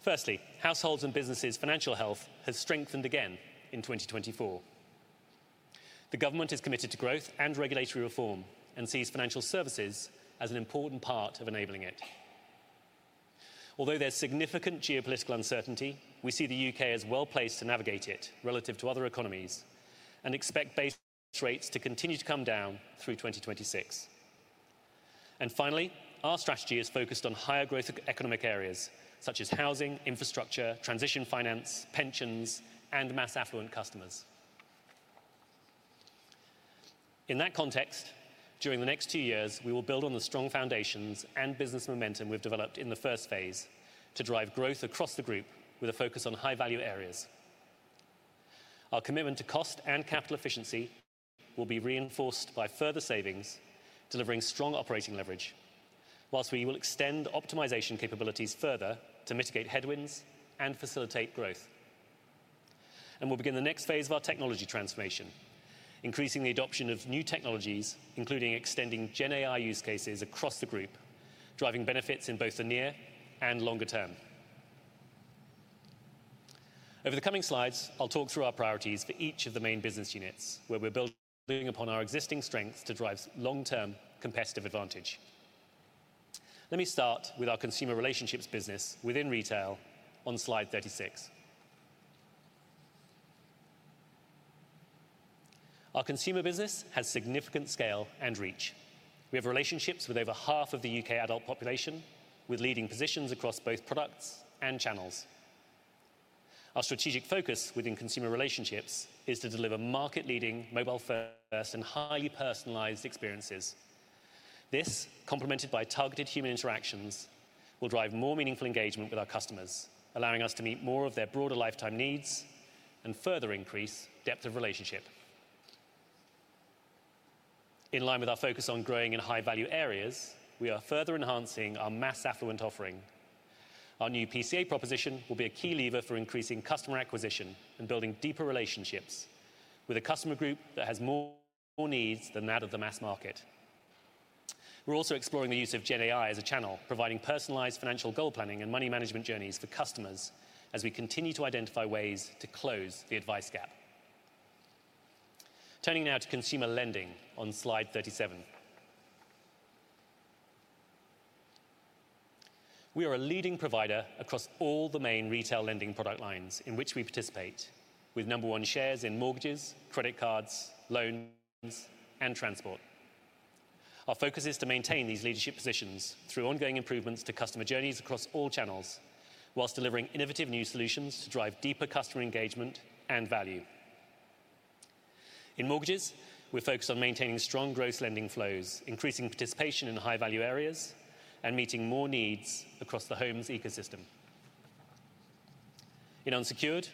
Speaker 1: Firstly, households and businesses' financial health has strengthened again in 2024. The government is committed to growth and regulatory reform and sees financial services as an important part of enabling it. Although there's significant geopolitical uncertainty, we see the U.K. as well-placed to navigate it relative to other economies and expect base rates to continue to come down through 2026. And finally, our strategy is focused on higher growth economic areas such as housing, infrastructure, transition finance, pensions, mass affluent customers. In that context, during the next two years, we will build on the strong foundations and business momentum we've developed in the first phase to drive growth across the group with a focus on high-value areas. Our commitment to cost and capital efficiency will be reinforced by further savings, delivering strong operating leverage, whilst we will extend optimization capabilities further to mitigate headwinds and facilitate growth, and we'll begin the next phase of our technology transformation, increasing the adoption of new technologies, including extending GenAI use cases across the group, driving benefits in both the near and longer term. Over the coming slides, I'll talk through our priorities for each of the main business units, where we're building upon our existing strengths to drive long-term competitive advantage. Let me start with our Consumer Relationships business within Retail on slide 36. Our consumer business has significant scale and reach. We have relationships with over half of the U.K. adult population, with leading positions across both products and channels. Our strategic focus within Consumer Relationships is to deliver market-leading mobile-first and highly personalized experiences. This, complemented by targeted human interactions, will drive more meaningful engagement with our customers, allowing us to meet more of their broader lifetime needs and further increase depth of relationship. In line with our focus on growing in high-value areas, we are further enhancing mass affluent offering. Our new PCA proposition will be a key lever for increasing customer acquisition and building deeper relationships with a customer group that has more needs than that of the mass market. We're also exploring the use of GenAI as a channel, providing personalized financial goal planning and money management journeys for customers as we continue to identify ways to close the advice gap. Turning now to Consumer Lending on slide 37. We are a leading provider across all the main retail lending product lines in which we participate, with number one shares in mortgages, credit cards, loans, and transport. Our focus is to maintain these leadership positions through ongoing improvements to customer journeys across all channels, while delivering innovative new solutions to drive deeper customer engagement and value. In mortgages, we're focused on maintaining strong gross lending flows, increasing participation in high-value areas, and meeting more needs across the homes ecosystem. In unsecured,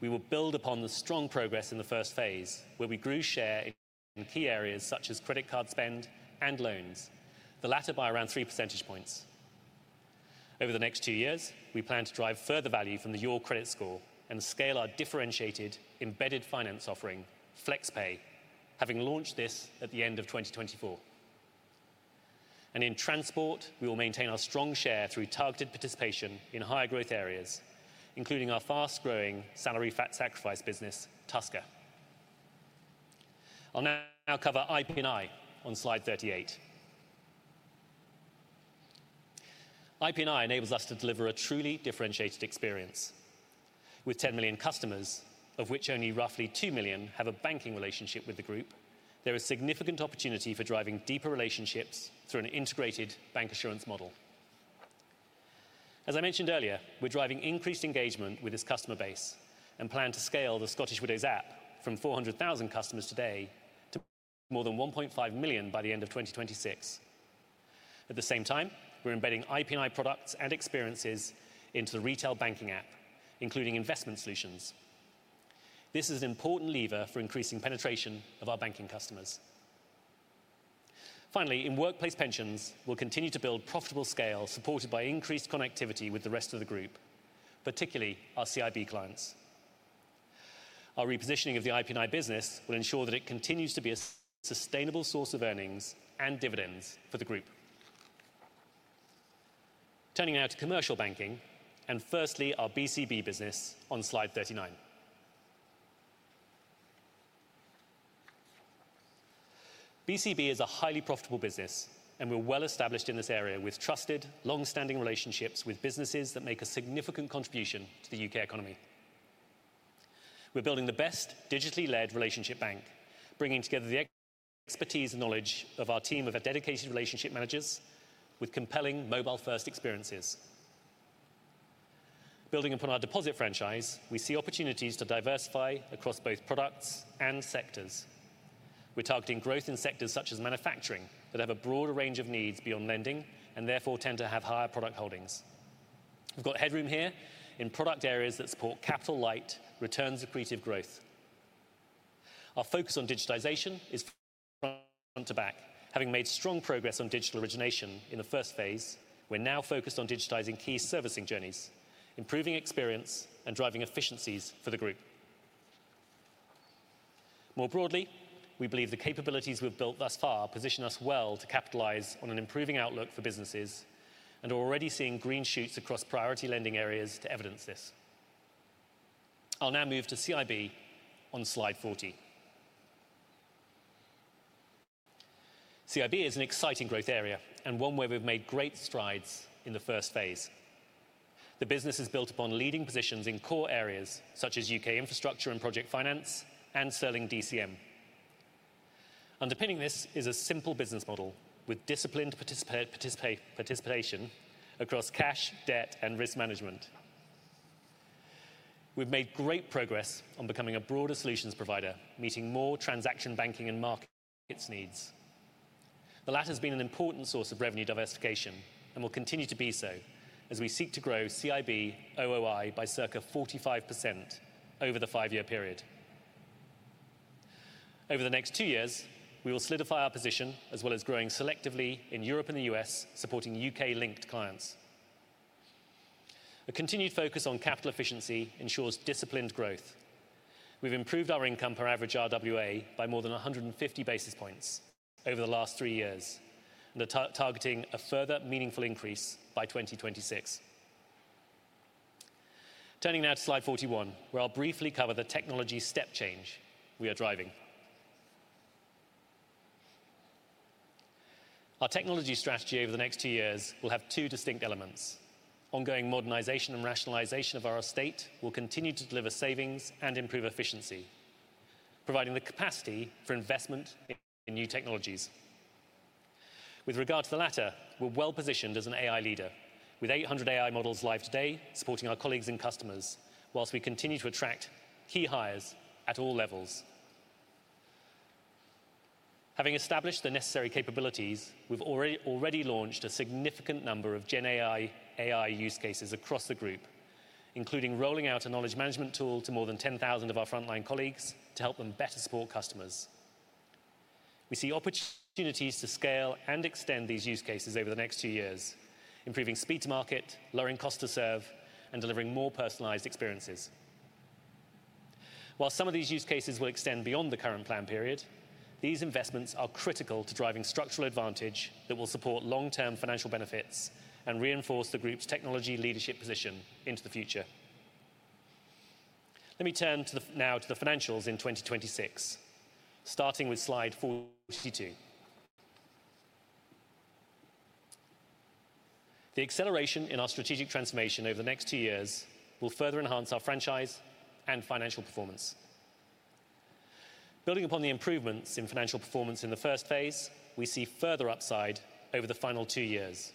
Speaker 1: we will build upon the strong progress in the first phase, where we grew share in key areas such as credit card spend and loans, the latter by around 3 percentage points. Over the next two years, we plan to drive further value from the Your Credit Score and scale our differentiated embedded finance offering, FlexPay, having launched this at the end of 2024. And in transport, we will maintain our strong share through targeted participation in higher growth areas, including our fast-growing salary sacrifice business, Tusker. I'll now cover IP&I on slide 38. IP&I enables us to deliver a truly differentiated experience. With 10 million customers, of which only roughly 2 million have a banking relationship with the group, there is significant opportunity for driving deeper relationships through an integrated bancassurance model. As I mentioned earlier, we're driving increased engagement with this customer base and plan to scale the Scottish Widows app from 400,000 customers today to more than 1.5 million by the end of 2026. At the same time, we're embedding IP&I products and experiences into the retail banking app, including investment solutions. This is an important lever for increasing penetration of our banking customers. Finally, in workplace pensions, we'll continue to build profitable scale supported by increased connectivity with the rest of the group, particularly our CIB clients. Our repositioning of the IP&I business will ensure that it continues to be a sustainable source of earnings and dividends for the group. Turning now to Commercial Banking and firstly our BCB business on slide 39. BCB is a highly profitable business, and we're well established in this area with trusted, long-standing relationships with businesses that make a significant contribution to the U.K. economy. We're building the best digitally-led relationship bank, bringing together the expertise and knowledge of our team of dedicated relationship managers with compelling mobile-first experiences. Building upon our deposit franchise, we see opportunities to diversify across both products and sectors. We're targeting growth in sectors such as manufacturing that have a broader range of needs beyond lending and therefore tend to have higher product holdings. We've got headroom here in product areas that support capital light returns-accretive growth. Our focus on digitization is front to back. Having made strong progress on digital origination in the first phase, we're now focused on digitizing key servicing journeys, improving experience, and driving efficiencies for the group. More broadly, we believe the capabilities we've built thus far position us well to capitalize on an improving outlook for businesses and are already seeing green shoots across priority lending areas to evidence this. I'll now move to CIB on slide 40. CIB is an exciting growth area and one where we've made great strides in the first phase. The business is built upon leading positions in core areas such as U.K. infrastructure and project finance and Sterling DCM. Underpinning this is a simple business model with disciplined participation across cash, debt, and risk management. We've made great progress on becoming a broader solutions provider, meeting more transaction banking and markets needs. The latter has been an important source of revenue diversification and will continue to be so as we seek to grow CIB OOI by circa 45% over the five-year period. Over the next two years, we will solidify our position as well as growing selectively in Europe and the U.S., supporting U.K.-linked clients. A continued focus on capital efficiency ensures disciplined growth. We've improved our income per average RWA by more than 150 basis points over the last three years and are targeting a further meaningful increase by 2026. Turning now to slide 41, where I'll briefly cover the technology step change, we are driving. Our technology strategy over the next two years will have two distinct elements. Ongoing modernization and rationalization of our estate will continue to deliver savings and improve efficiency, providing the capacity for investment in new technologies. With regard to the latter, we're well positioned as an AI leader, with 800 AI models live today supporting our colleagues and customers, whilst we continue to attract key hires at all levels. Having established the necessary capabilities, we've already launched a significant number of GenAI use cases across the group, including rolling out a knowledge management tool to more than 10,000 of our frontline colleagues to help them better support customers. We see opportunities to scale and extend these use cases over the next two years, improving speed to market, lowering cost to serve, and delivering more personalized experiences. While some of these use cases will extend beyond the current plan period, these investments are critical to driving structural advantage that will support long-term financial benefits and reinforce the group's technology leadership position into the future. Let me turn now to the financials in 2026, starting with slide 42. The acceleration in our strategic transformation over the next two years will further enhance our franchise and financial performance. Building upon the improvements in financial performance in the first phase, we see further upside over the final two years.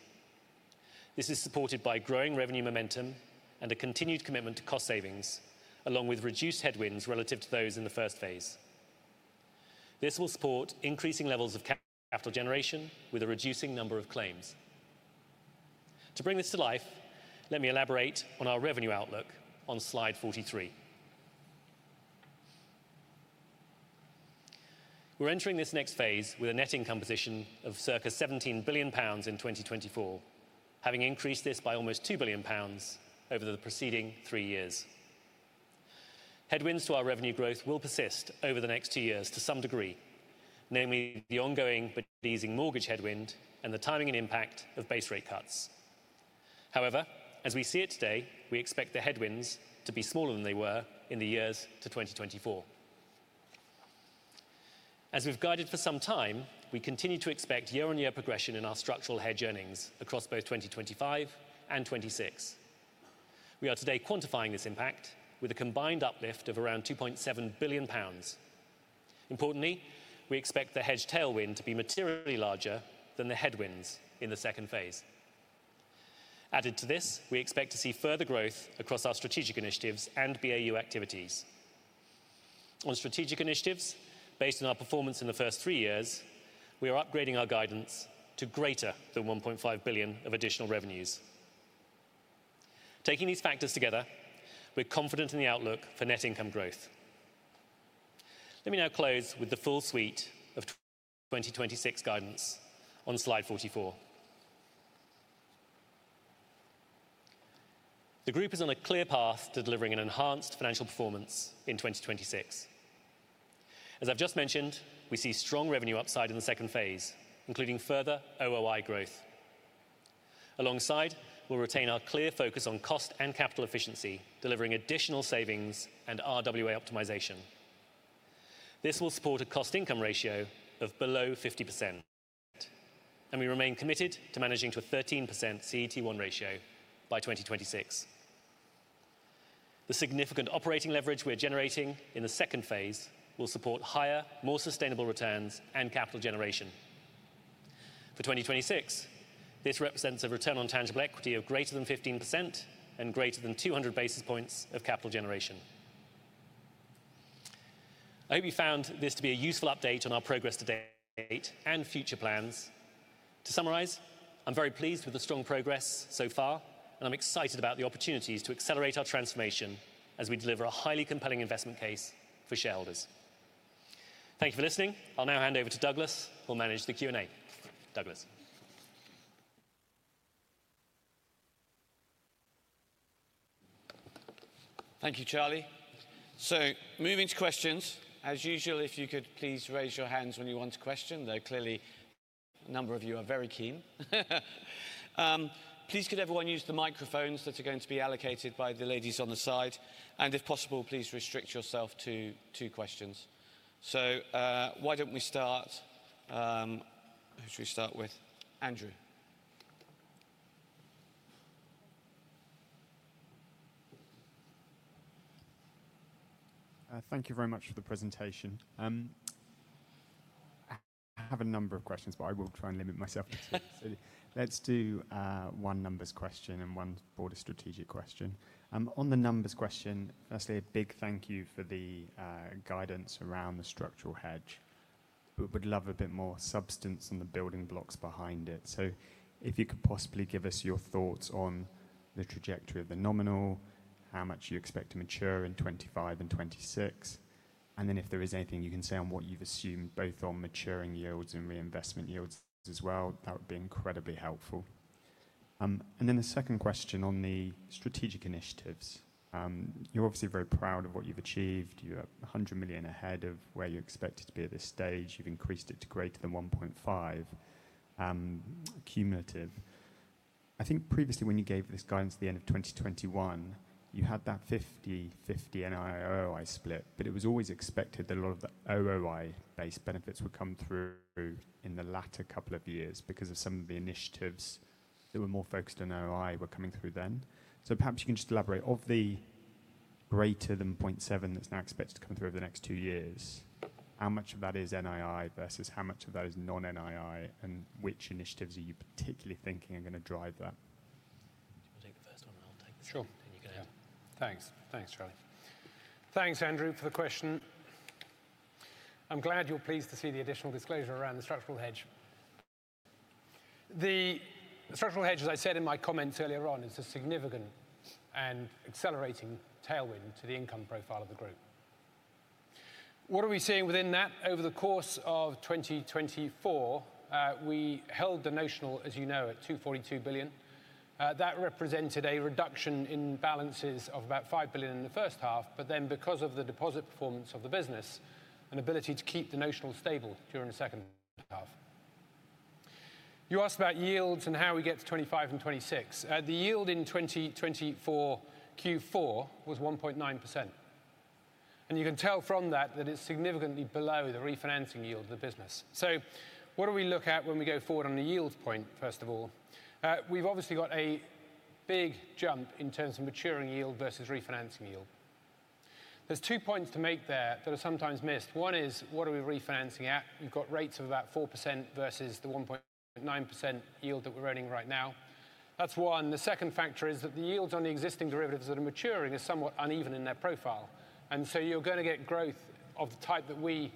Speaker 1: This is supported by growing revenue momentum and a continued commitment to cost savings, along with reduced headwinds relative to those in the first phase. This will support increasing levels of capital generation with a reducing number of claims. To bring this to life, let me elaborate on our revenue outlook on slide 43. We're entering this next phase with a net income position of circa 17 billion pounds in 2024, having increased this by almost 2 billion pounds over the preceding three years. Headwinds to our revenue growth will persist over the next two years to some degree, namely the ongoing but easing mortgage headwind and the timing and impact of base rate cuts. However, as we see it today, we expect the headwinds to be smaller than they were in the years to 2024. As we've guided for some time, we continue to expect year-on-year progression in our structural hedge earnings across both 2025 and 2026. We are today quantifying this impact with a combined uplift of around 2.7 billion pounds. Importantly, we expect the hedge tailwind to be materially larger than the headwinds in the second phase. Added to this, we expect to see further growth across our strategic initiatives and BAU activities. On strategic initiatives, based on our performance in the first three years, we are upgrading our guidance to greater than 1.5 billion of additional revenues. Taking these factors together, we're confident in the outlook for net income growth. Let me now close with the full suite of 2026 guidance on slide 44. The group is on a clear path to delivering an enhanced financial performance in 2026. As I've just mentioned, we see strong revenue upside in the second phase, including further OOI growth. Alongside, we'll retain our clear focus on cost and capital efficiency, delivering additional savings and RWA optimization. This will support a cost-income ratio of below 50%, and we remain committed to managing to a 13% CET1 ratio by 2026. The significant operating leverage we are generating in the second phase will support higher, more sustainable returns and capital generation. For 2026, this represents a return on tangible equity of greater than 15% and greater than 200 basis points of capital generation. I hope you found this to be a useful update on our progress to date and future plans. To summarize, I'm very pleased with the strong progress so far, and I'm excited about the opportunities to accelerate our transformation as we deliver a highly compelling investment case for shareholders. Thank you for listening. I'll now hand over to Douglas, who will manage the Q&A. Douglas.
Speaker 3: Thank you, Charlie. So, moving to questions. As usual, if you could please raise your hands when you want a question. There are clearly a number of you who are very keen. Please could everyone use the microphones that are going to be allocated by the ladies on the side? And if possible, please restrict yourself to two questions. So, why don't we start? Who should we start with? Andrew. Thank you very much for the presentation. I have a number of questions, but I will try and limit myself to two. So let's do one numbers question and one broader strategic question. On the numbers question, firstly, a big thank you for the guidance around the structural hedge. We would love a bit more substance on the building blocks behind it. So, if you could possibly give us your thoughts on the trajectory of the nominal, how much you expect to mature in 2025 and 2026, and then if there is anything you can say on what you've assumed, both on maturing yields and reinvestment yields as well, that would be incredibly helpful. And then the second question on the strategic initiatives. You're obviously very proud of what you've achieved. You're 100 million ahead of where you expected to be at this stage. You've increased it to greater than 1.5 cumulative. I think previously, when you gave this guidance at the end of 2021, you had that 50/50 NII/OOI split, but it was always expected that a lot of the OOI-based benefits would come through in the latter couple of years because of some of the initiatives that were more focused on OOI were coming through then. So, perhaps you can just elaborate on the greater than 0.7 that's now expected to come through over the next two years, how much of that is NII versus how much of that is non-NII, and which initiatives are you particularly thinking are going to drive that?
Speaker 1: Do you want to take the first one, and I'll take the second?
Speaker 2: Sure.
Speaker 1: Then you go ahead.
Speaker 2: Thanks. Thanks, Charlie. Thanks, Andrew, for the question. I'm glad you're pleased to see the additional disclosure around the structural hedge. The structural hedge, as I said in my comments earlier on, is a significant and accelerating tailwind to the income profile of the group. What are we seeing within that? Over the course of 2024, we held the notional, as you know, at 242 billion. That represented a reduction in balances of about 5 billion in the first half, but then because of the deposit performance of the business, an ability to keep the notional stable during the second half. You asked about yields and how we get to 2025 and 2026. The yield in 2024 Q4 was 1.9%, and you can tell from that that it's significantly below the refinancing yield of the business, so what do we look at when we go forward on the yield point, first of all? We've obviously got a big jump in terms of maturing yield versus refinancing yield. There's two points to make there that are sometimes missed. One is, what are we refinancing at? You've got rates of about 4% versus the 1.9% yield that we're earning right now. That's one. The second factor is that the yields on the existing derivatives that are maturing are somewhat uneven in their profile. And so, you're going to get growth of the type that we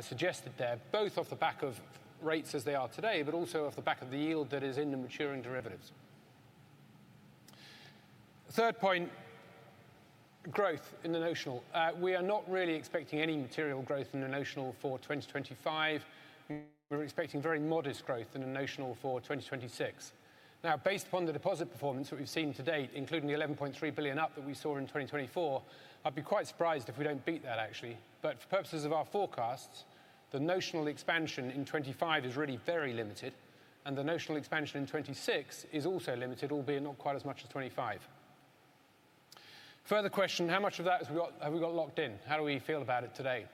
Speaker 2: suggested there, both off the back of rates as they are today, but also off the back of the yield that is in the maturing derivatives. Third point, growth in the notional. We are not really expecting any material growth in the notional for 2025. We're expecting very modest growth in the notional for 2026. Now, based upon the deposit performance that we've seen to date, including the 11.3 billion up that we saw in 2024, I'd be quite surprised if we don't beat that, actually. But for purposes of our forecasts, the notional expansion in 2025 is really very limited, and the notional expansion in 2026 is also limited, albeit not quite as much as 2025. Further question, how much of that have we got locked in? How do we feel about it today?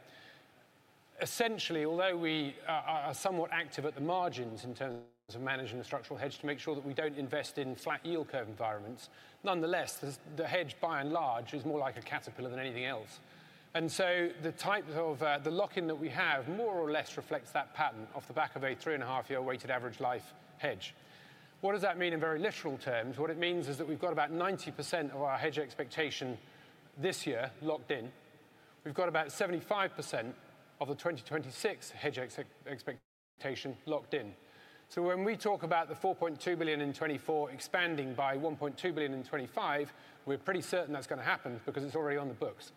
Speaker 2: Essentially, although we are somewhat active at the margins in terms of managing the structural hedge to make sure that we don't invest in flat yield curve environments, nonetheless, the hedge by and large is more like a caterpillar than anything else, and so, the type of the lock-in that we have more or less reflects that pattern off the back of a three-and-a-half-year weighted average life hedge. What does that mean in very literal terms? What it means is that we've got about 90% of our hedge expectation this year locked in. We've got about 75% of the 2026 hedge expectation locked in. So, when we talk about the 4.2 billion in 2024 expanding by 1.2 billion in 2025, we're pretty certain that's going to happen because it's already on the books.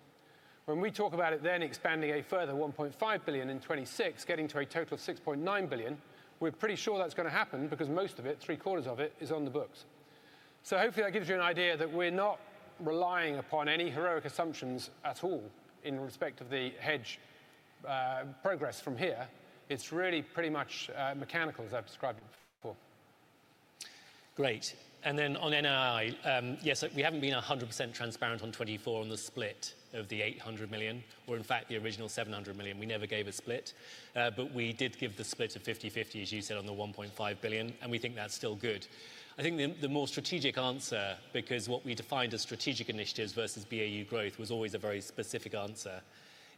Speaker 2: When we talk about it then expanding a further 1.5 billion in 2026, getting to a total of 6.9 billion, we're pretty sure that's going to happen because most of it, three-quarters of it, is on the books. So, hopefully, that gives you an idea that we're not relying upon any heroic assumptions at all in respect of the hedge progress from here. It's really pretty much mechanical, as I've described it before.
Speaker 1: Great. And then on NII, yes, we haven't been 100% transparent on 2024 on the split of the 800 million or, in fact, the original 700 million. We never gave a split, but we did give the split of 50/50, as you said, on the 1.5 billion, and we think that's still good. I think the more strategic answer, because what we defined as strategic initiatives versus BAU growth, was always a very specific answer.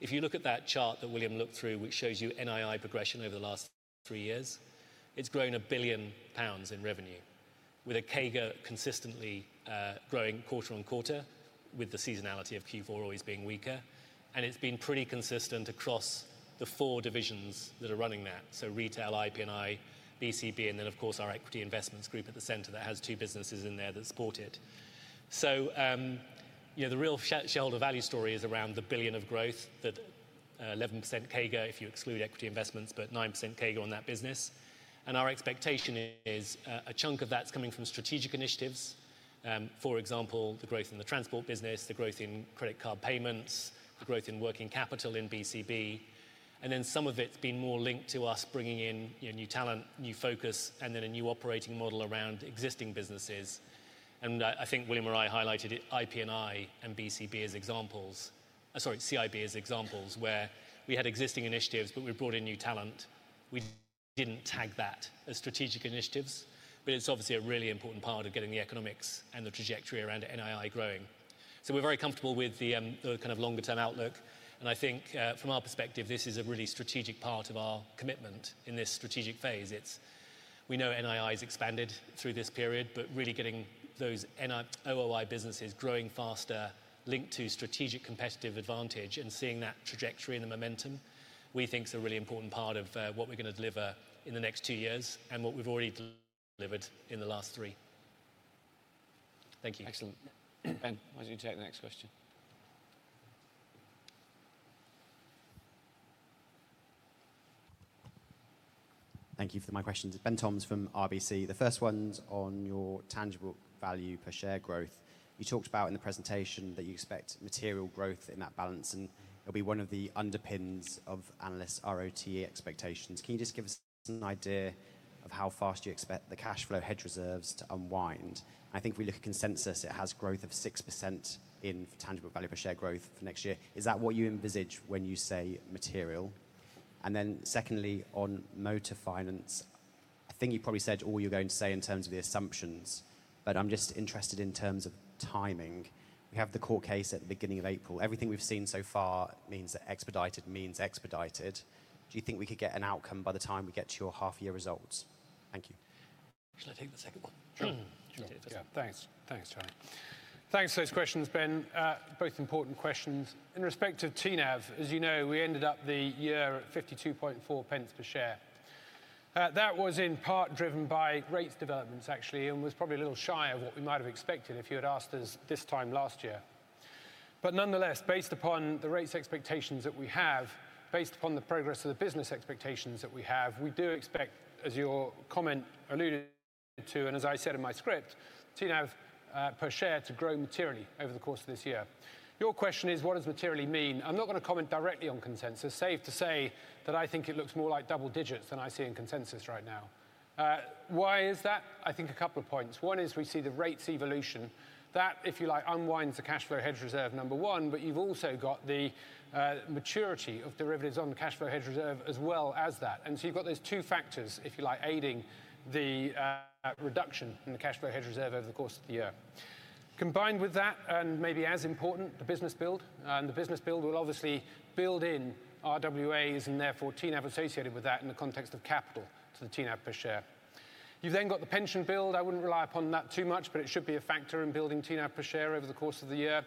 Speaker 1: If you look at that chart that William looked through, which shows you NII progression over the last three years, it's grown 1 billion pounds in revenue, with a CAGR consistently growing quarter on quarter, with the seasonality of Q4 always being weaker. It's been pretty consistent across the four divisions that are running that, so Retail, IP&I, BCB, and then, of course, our Equity Investments group at the center that has two businesses in there that support it. So, you know, the real shell of the value story is around the billion of growth, that 11% CAGR if you exclude equity investments, but 9% CAGR on that business. And our expectation is a chunk of that's coming from strategic initiatives, for example, the growth in the transport business, the growth in credit card payments, the growth in working capital in BCB, and then some of it's been more linked to us bringing in new talent, new focus, and then a new operating model around existing businesses. And I think William and I highlighted IP&I and BCB as examples, sorry, CIB as examples, where we had existing initiatives, but we brought in new talent. We didn't tag that as strategic initiatives, but it's obviously a really important part of getting the economics and the trajectory around NII growing. So, we're very comfortable with the kind of longer-term outlook. And I think, from our perspective, this is a really strategic part of our commitment in this strategic phase. We know NII has expanded through this period, but really getting those OOI businesses growing faster, linked to strategic competitive advantage and seeing that trajectory and the momentum, we think is a really important part of what we're going to deliver in the next two years and what we've already delivered in the last three. Thank you. Excellent.
Speaker 3: Ben, why don't you take the next question?
Speaker 4: Thank you for my question. Ben Toms from RBC. The first one's on your tangible value per share growth. You talked about in the presentation that you expect material growth in that balance, and it'll be one of the underpins of analysts' RoTE expectations. Can you just give us an idea of how fast you expect the cash flow hedge reserves to unwind? I think we look at consensus. It has growth of 6% in tangible value per share growth for next year. Is that what you envisage when you say material? And then secondly, on motor finance, I think you probably said all you're going to say in terms of the assumptions, but I'm just interested in terms of timing. We have the court case at the beginning of April. Everything we've seen so far means that expedited means expedited. Do you think we could get an outcome by the time we get to your half-year results? Thank you.
Speaker 1: Shall I take the second one?
Speaker 2: Sure. Yeah. Thanks. Thanks, Charlie. Thanks for those questions, Ben. Both important questions. In respect of TNAV, as you know, we ended up the year at 52.4 pence per share. That was in part driven by rates developments, actually, and was probably a little shy of what we might have expected if you had asked us this time last year. But nonetheless, based upon the rates expectations that we have, based upon the progress of the business expectations that we have, we do expect, as your comment alluded to, and as I said in my script, TNAV per share to grow materially over the course of this year. Your question is, what does materially mean? I'm not going to comment directly on consensus. Safe to say that I think it looks more like double digits than I see in consensus right now. Why is that? I think a couple of points. One is we see the rates evolution. That, if you like, unwinds the cash flow hedge reserve, number one, but you've also got the maturity of derivatives on the cash flow hedge reserve as well as that. And so, you've got those two factors, if you like, aiding the reduction in the cash flow hedge reserve over the course of the year. Combined with that, and maybe as important, the business build. And the business build will obviously build in RWAs and therefore TNAV associated with that in the context of capital to the TNAV per share. You've then got the pension build. I wouldn't rely upon that too much, but it should be a factor in building TNAV per share over the course of the year,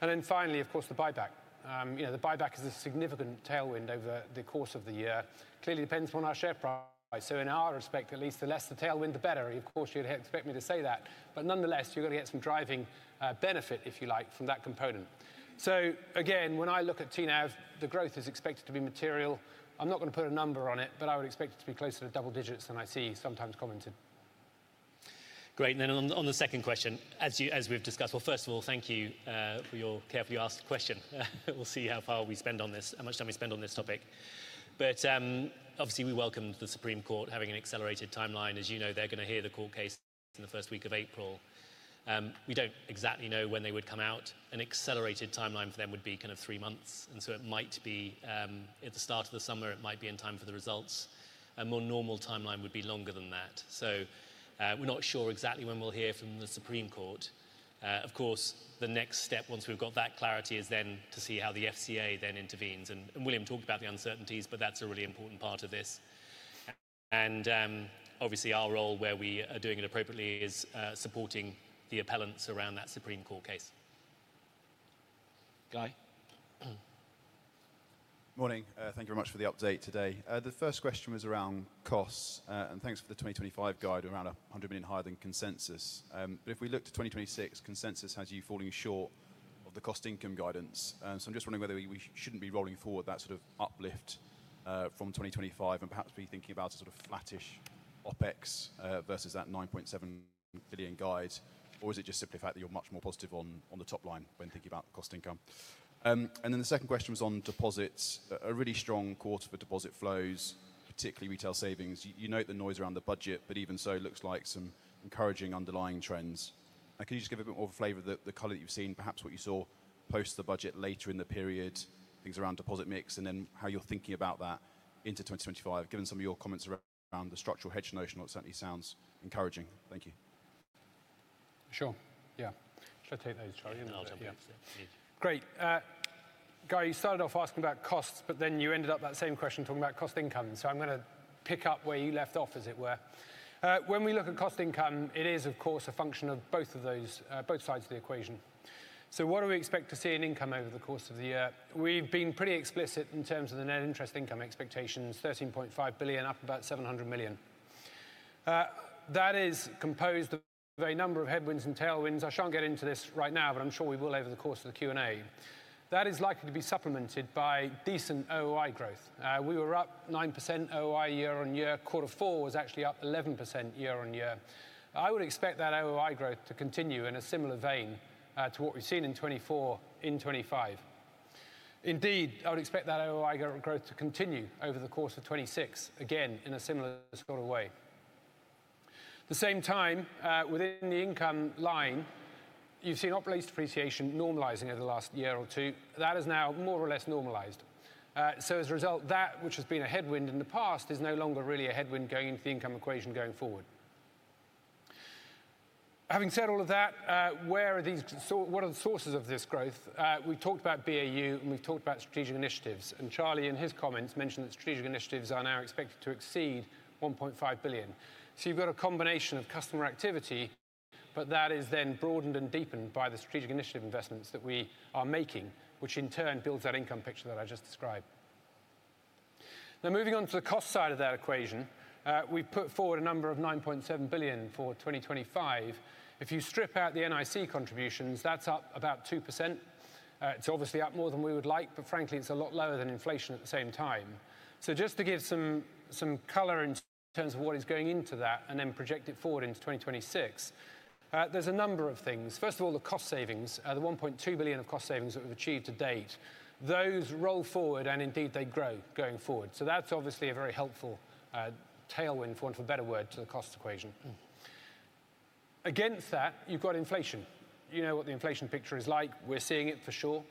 Speaker 2: and then finally, of course, the buyback. The buyback is a significant tailwind over the course of the year. Clearly depends upon our share price. So, in our respect, at least the less the tailwind, the better. Of course, you'd expect me to say that, but nonetheless, you're going to get some driving benefit, if you like, from that component, so, again, when I look at TNAV, the growth is expected to be material. I'm not going to put a number on it, but I would expect it to be closer to double digits than I see sometimes commented.
Speaker 1: Great, and then on the second question, as we've discussed, well, first of all, thank you for your carefully asked question. We'll see how far we spend on this, how much time we spend on this topic, but obviously, we welcomed the Supreme Court having an accelerated timeline. As you know, they're going to hear the court case in the first week of April. We don't exactly know when they would come out. An accelerated timeline for them would be kind of three months, and so, it might be at the start of the summer. It might be in time for the results. A more normal timeline would be longer than that, so, we're not sure exactly when we'll hear from the Supreme Court. Of course, the next step, once we've got that clarity, is then to see how the FCA then intervenes, and William talked about the uncertainties, but that's a really important part of this. And obviously, our role where we are doing it appropriately is supporting the appellants around that Supreme Court case.
Speaker 3: Guy? Morning. Thank you very much for the update today. The first question was around costs, and thanks for the 2025 guide around 100 million higher than consensus. But if we look to 2026, consensus has you falling short of the cost income guidance. So, I'm just wondering whether we shouldn't be rolling forward that sort of uplift from 2025 and perhaps be thinking about a sort of flattish OpEx versus that 9.7 billion guide, or is it just simply the fact that you're much more positive on the top line when thinking about cost income? And then the second question was on deposits. A really strong quarter for deposit flows, particularly retail savings. You note the noise around the Budget, but even so, it looks like some encouraging underlying trends. Can you just give a bit more of a flavor of the color that you've seen, perhaps what you saw post the Budget later in the period, things around deposit mix, and then how you're thinking about that into 2025, given some of your comments around the structural hedge notion, what certainly sounds encouraging? Thank you.
Speaker 2: Sure. Yeah. Shall I take those, Charlie?
Speaker 1: Yeah.
Speaker 2: Great. Guy, you started off asking about costs, but then you ended up in that same question talking about cost income. So, I'm going to pick up where you left off, as it were. When we look at cost income, it is, of course, a function of both of those, both sides of the equation. So, what do we expect to see in income over the course of the year? We've been pretty explicit in terms of the net interest income expectations, 13.5 billion, up about 700 million. That is composed of a number of headwinds and tailwinds. I shan't get into this right now, but I'm sure we will over the course of the Q&A. That is likely to be supplemented by decent OOI growth. We were up 9% OOI year-on-year. Quarter four was actually up 11% year-on-year. I would expect that OOI growth to continue in a similar vein to what we've seen in 2024 in 2025. Indeed, I would expect that OOI growth to continue over the course of 2026, again, in a similar sort of way. At the same time, within the income line, you've seen operating lease depreciation normalizing over the last year or two. That is now more or less normalized. So, as a result, that, which has been a headwind in the past, is no longer really a headwind going into the income equation going forward. Having said all of that, where are these? What are the sources of this growth? We've talked about BAU, and we've talked about strategic initiatives. And Charlie, in his comments, mentioned that strategic initiatives are now expected to exceed 1.5 billion. So, you've got a combination of customer activity, but that is then broadened and deepened by the strategic initiative investments that we are making, which in turn builds that income picture that I just described. Now, moving on to the cost side of that equation, we've put forward a number of 9.7 billion for 2025. If you strip out the NIC contributions, that's up about 2%. It's obviously up more than we would like, but frankly, it's a lot lower than inflation at the same time. So, just to give some color in terms of what is going into that and then project it forward into 2026, there's a number of things. First of all, the cost savings, the 1.2 billion of cost savings that we've achieved to date, those roll forward, and indeed, they grow going forward. So, that's obviously a very helpful tailwind, for want of a better word, to the cost equation. Against that, you've got inflation. You know what the inflation picture is like. We're seeing it for sure.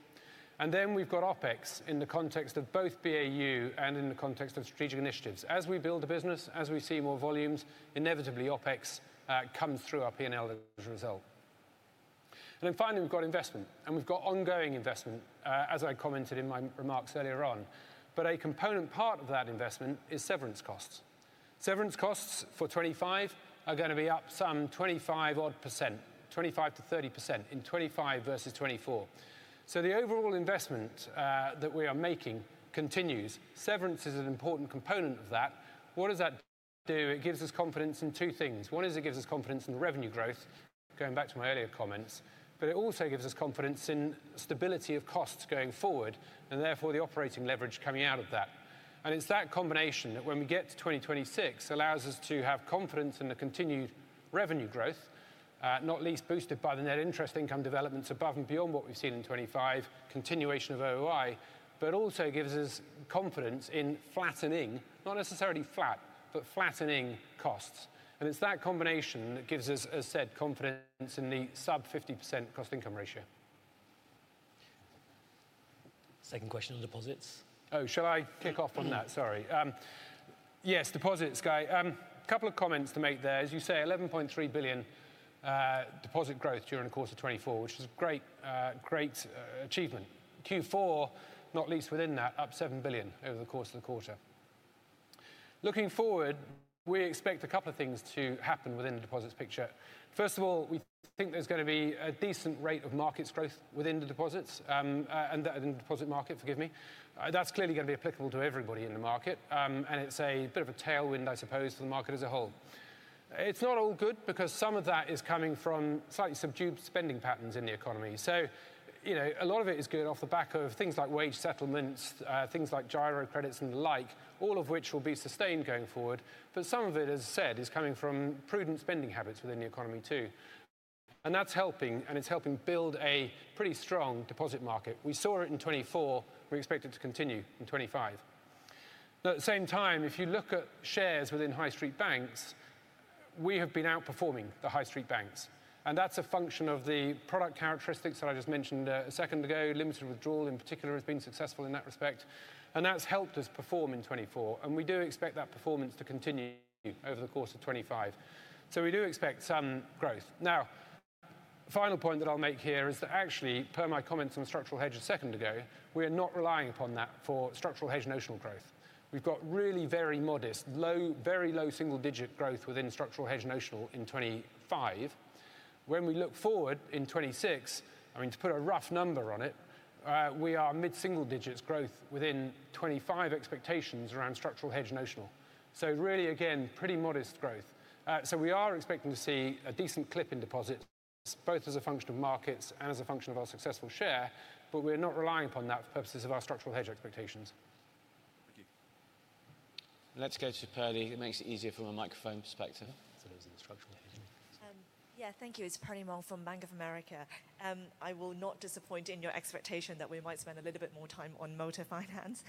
Speaker 2: And then we've got OpEx in the context of both BAU and in the context of strategic initiatives. As we build a business, as we see more volumes, inevitably, OpEx comes through our P&L as a result. And then finally, we've got investment, and we've got ongoing investment, as I commented in my remarks earlier on. But a component part of that investment is severance costs. Severance costs for 2025 are going to be up some 25-odd%, 25%-30% in 2025 versus 2024. So, the overall investment that we are making continues. Severance is an important component of that. What does that do? It gives us confidence in two things. One is it gives us confidence in revenue growth, going back to my earlier comments, but it also gives us confidence in stability of costs going forward and therefore the operating leverage coming out of that. It's that combination that, when we get to 2026, allows us to have confidence in the continued revenue growth, not least boosted by the net interest income developments above and beyond what we've seen in 2025, continuation of OOI, but also gives us confidence in flattening, not necessarily flat, but flattening costs. It's that combination that gives us, as said, confidence in the sub 50% cost income ratio.
Speaker 1: Second question on deposits.
Speaker 2: Oh, shall I kick off on that? Sorry. Yes, deposits, Guy. A couple of comments to make there. As you say, 11.3 billion deposit growth during the course of 2024, which is a great achievement. Q4, not least within that, up 7 billion over the course of the quarter. Looking forward, we expect a couple of things to happen within the deposits picture. First of all, we think there's going to be a decent rate of markets growth within the deposits, and that in the deposit market, forgive me. That's clearly going to be applicable to everybody in the market, and it's a bit of a tailwind, I suppose, for the market as a whole. It's not all good because some of that is coming from slightly subdued spending patterns in the economy. So, a lot of it is good off the back of things like wage settlements, things like giro credits and the like, all of which will be sustained going forward. But some of it, as said, is coming from prudent spending habits within the economy too. And that's helping, and it's helping build a pretty strong deposit market. We saw it in 2024. We expect it to continue in 2025. Now, at the same time, if you look at shares within high street banks, we have been outperforming the high street banks. And that's a function of the product characteristics that I just mentioned a second ago. Limited withdrawal, in particular, has been successful in that respect. And that's helped us perform in 2024. And we do expect that performance to continue over the course of 2025. So, we do expect some growth. Now, final point that I'll make here is that actually, per my comments on structural hedge a second ago, we are not relying upon that for structural hedge notional growth. We've got really very modest, low, very low single digit growth within structural hedge notional in 2025. When we look forward in 2026, I mean, to put a rough number on it, we are mid-single digits growth within 2025 expectations around structural hedge notional. So, really, again, pretty modest growth. So, we are expecting to see a decent clip in deposits, both as a function of markets and as a function of our successful share, but we are not relying upon that for purposes of our structural hedge expectations. Thank you.
Speaker 3: Let's go to Perlie. It makes it easier from a microphone perspective.
Speaker 5: Yeah, thank you. It's Perlie Mong from Bank of America. I will not disappoint in your expectation that we might spend a little bit more time on motor finance.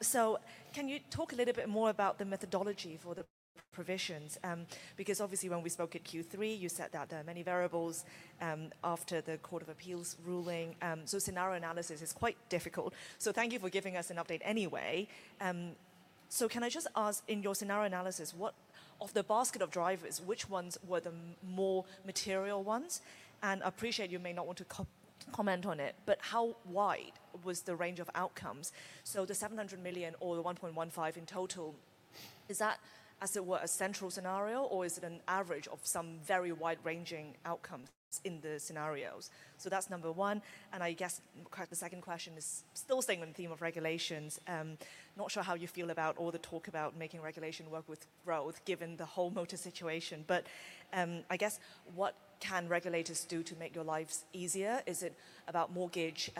Speaker 5: So, can you talk a little bit more about the methodology for the provisions? Because obviously, when we spoke at Q3, you said that there are many variables after the Court of Appeal ruling. So, scenario analysis is quite difficult. So, thank you for giving us an update anyway. So, can I just ask, in your scenario analysis, of the basket of drivers, which ones were the more material ones? And I appreciate you may not want to comment on it, but how wide was the range of outcomes? So, the 700 million or the 1.15 billion in total, is that, as it were, a central scenario, or is it an average of some very wide-ranging outcomes in the scenarios? So, that's number one. And I guess the second question is still staying on the theme of regulations. Not sure how you feel about all the talk about making regulation work with growth, given the whole motor situation. But I guess, what can regulators do to make your lives easier? Is it about mortgage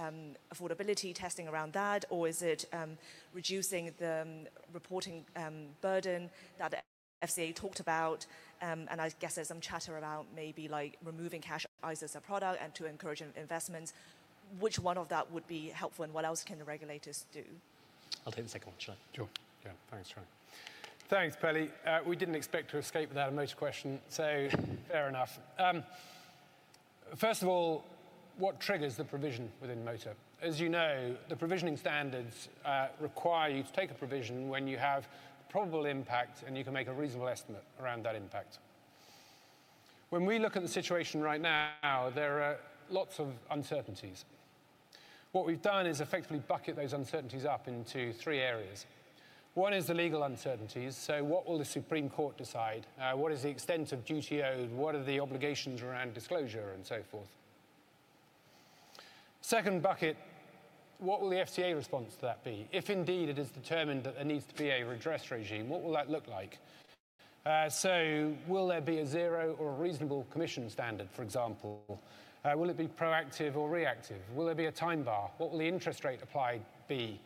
Speaker 5: affordability testing around that, or is it reducing the reporting burden that the FCA talked about? I guess there's some chatter about maybe removing cash as a product and to encourage investments. Which one of that would be helpful, and what else can the regulators do?
Speaker 1: I'll take the second one, shall I?
Speaker 2: Sure. Yeah. Thanks, Charlie. Thanks, Perlie. We didn't expect to escape without a motor question. Fair enough. First of all, what triggers the provision within motor? As you know, the provisioning standards require you to take a provision when you have probable impact, and you can make a reasonable estimate around that impact. When we look at the situation right now, there are lots of uncertainties. What we've done is effectively bucket those uncertainties up into three areas. One is the legal uncertainties. So, what will the Supreme Court decide? What is the extent of duty owed? What are the obligations around disclosure and so forth? Second bucket, what will the FCA response to that be? If indeed it is determined that there needs to be a redress regime, what will that look like? So, will there be a zero or a reasonable commission standard, for example? Will it be proactive or reactive? Will there be a time bar? What will the interest rate applied be?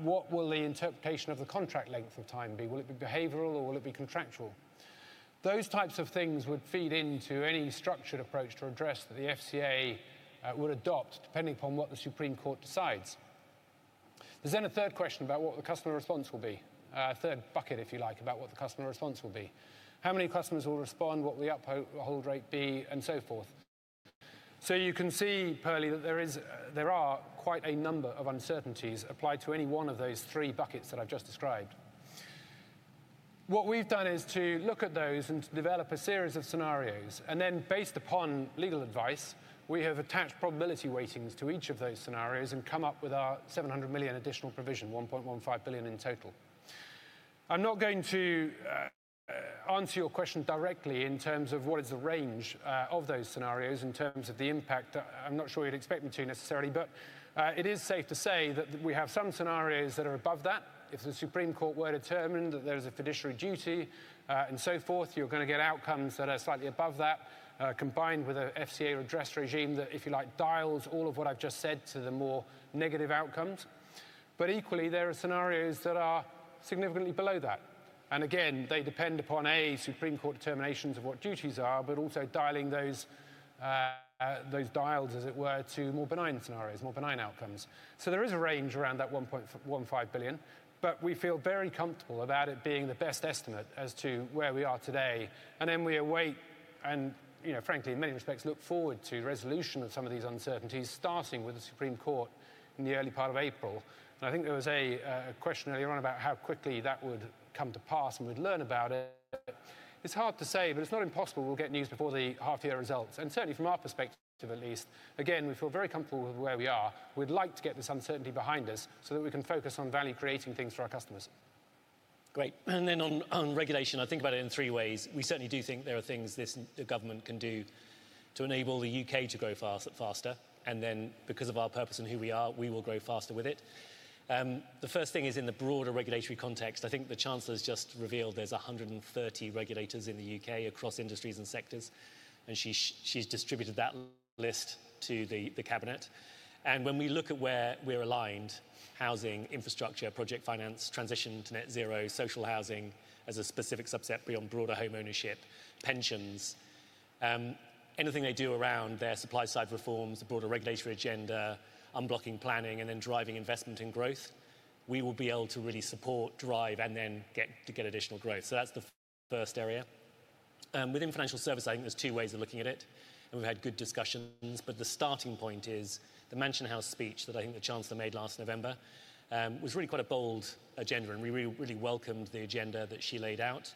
Speaker 2: What will the interpretation of the contract length of time be? Will it be behavioral, or will it be contractual? Those types of things would feed into any structured approach to redress that the FCA would adopt, depending upon what the Supreme Court decides. There's then a third question about what the customer response will be, a third bucket, if you like, about what the customer response will be. How many customers will respond? What will the uphold rate be? And so forth. You can see, Perlie, that there are quite a number of uncertainties applied to any one of those three buckets that I've just described. What we've done is to look at those and to develop a series of scenarios. Then, based upon legal advice, we have attached probability weightings to each of those scenarios and come up with our 700 million additional provision, 1.15 billion in total. I'm not going to answer your question directly in terms of what is the range of those scenarios in terms of the impact. I'm not sure you'd expect me to necessarily, but it is safe to say that we have some scenarios that are above that. If the Supreme Court were to determine that there is a fiduciary duty and so forth, you're going to get outcomes that are slightly above that, combined with an FCA redress regime that, if you like, dials all of what I've just said to the more negative outcomes, but equally there are scenarios that are significantly below that. And again, they depend upon a Supreme Court determination of what duties are, but also dialing those dials, as it were, to more benign scenarios, more benign outcomes, so there is a range around that 1.15 billion, but we feel very comfortable about it being the best estimate as to where we are today, and then we await, and frankly, in many respects, look forward to resolution of some of these uncertainties, starting with the Supreme Court in the early part of April. I think there was a question earlier on about how quickly that would come to pass and we'd learn about it. It's hard to say, but it's not impossible we'll get news before the half-year results. And certainly, from our perspective at least, again, we feel very comfortable with where we are. We'd like to get this uncertainty behind us so that we can focus on value-creating things for our customers.
Speaker 1: Great. And then on regulation, I think about it in three ways. We certainly do think there are things this government can do to enable the U.K. to grow faster. And then, because of our purpose and who we are, we will grow faster with it. The first thing is in the broader regulatory context. I think the Chancellor has just revealed there's 130 regulators in the U.K. across industries and sectors, and she's distributed that list to the Cabinet, and when we look at where we're aligned: housing, infrastructure, project finance, transition to net zero, social housing as a specific subset beyond broader homeownership, pensions, anything they do around their supply-side reforms, the broader regulatory agenda, unblocking planning, and then driving investment and growth, we will be able to really support, drive, and then get additional growth, so that's the first area. Within financial services, I think there's two ways of looking at it, and we've had good discussions, but the starting point is the Mansion House speech that I think the Chancellor made last November was really quite a bold agenda, and we really welcomed the agenda that she laid out,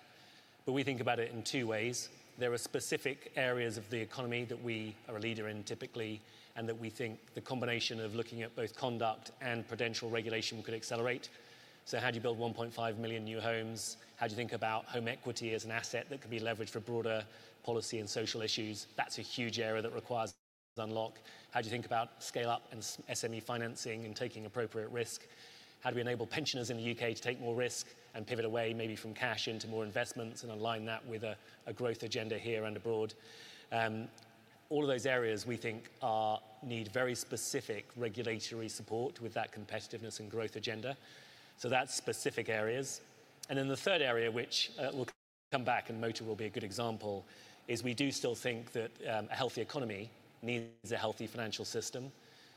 Speaker 1: but we think about it in two ways. There are specific areas of the economy that we are a leader in typically and that we think the combination of looking at both conduct and prudential regulation could accelerate. So, how do you build 1.5 million new homes? How do you think about home equity as an asset that could be leveraged for broader policy and social issues? That's a huge area that requires unlock. How do you think about scale-up and SME financing and taking appropriate risk? How do we enable pensioners in the UK to take more risk and pivot away maybe from cash into more investments and align that with a growth agenda here and abroad? All of those areas we think need very specific regulatory support with that competitiveness and growth agenda. So, that's specific areas. And then the third area, which we'll come back and motor will be a good example, is we do still think that a healthy economy needs a healthy financial system.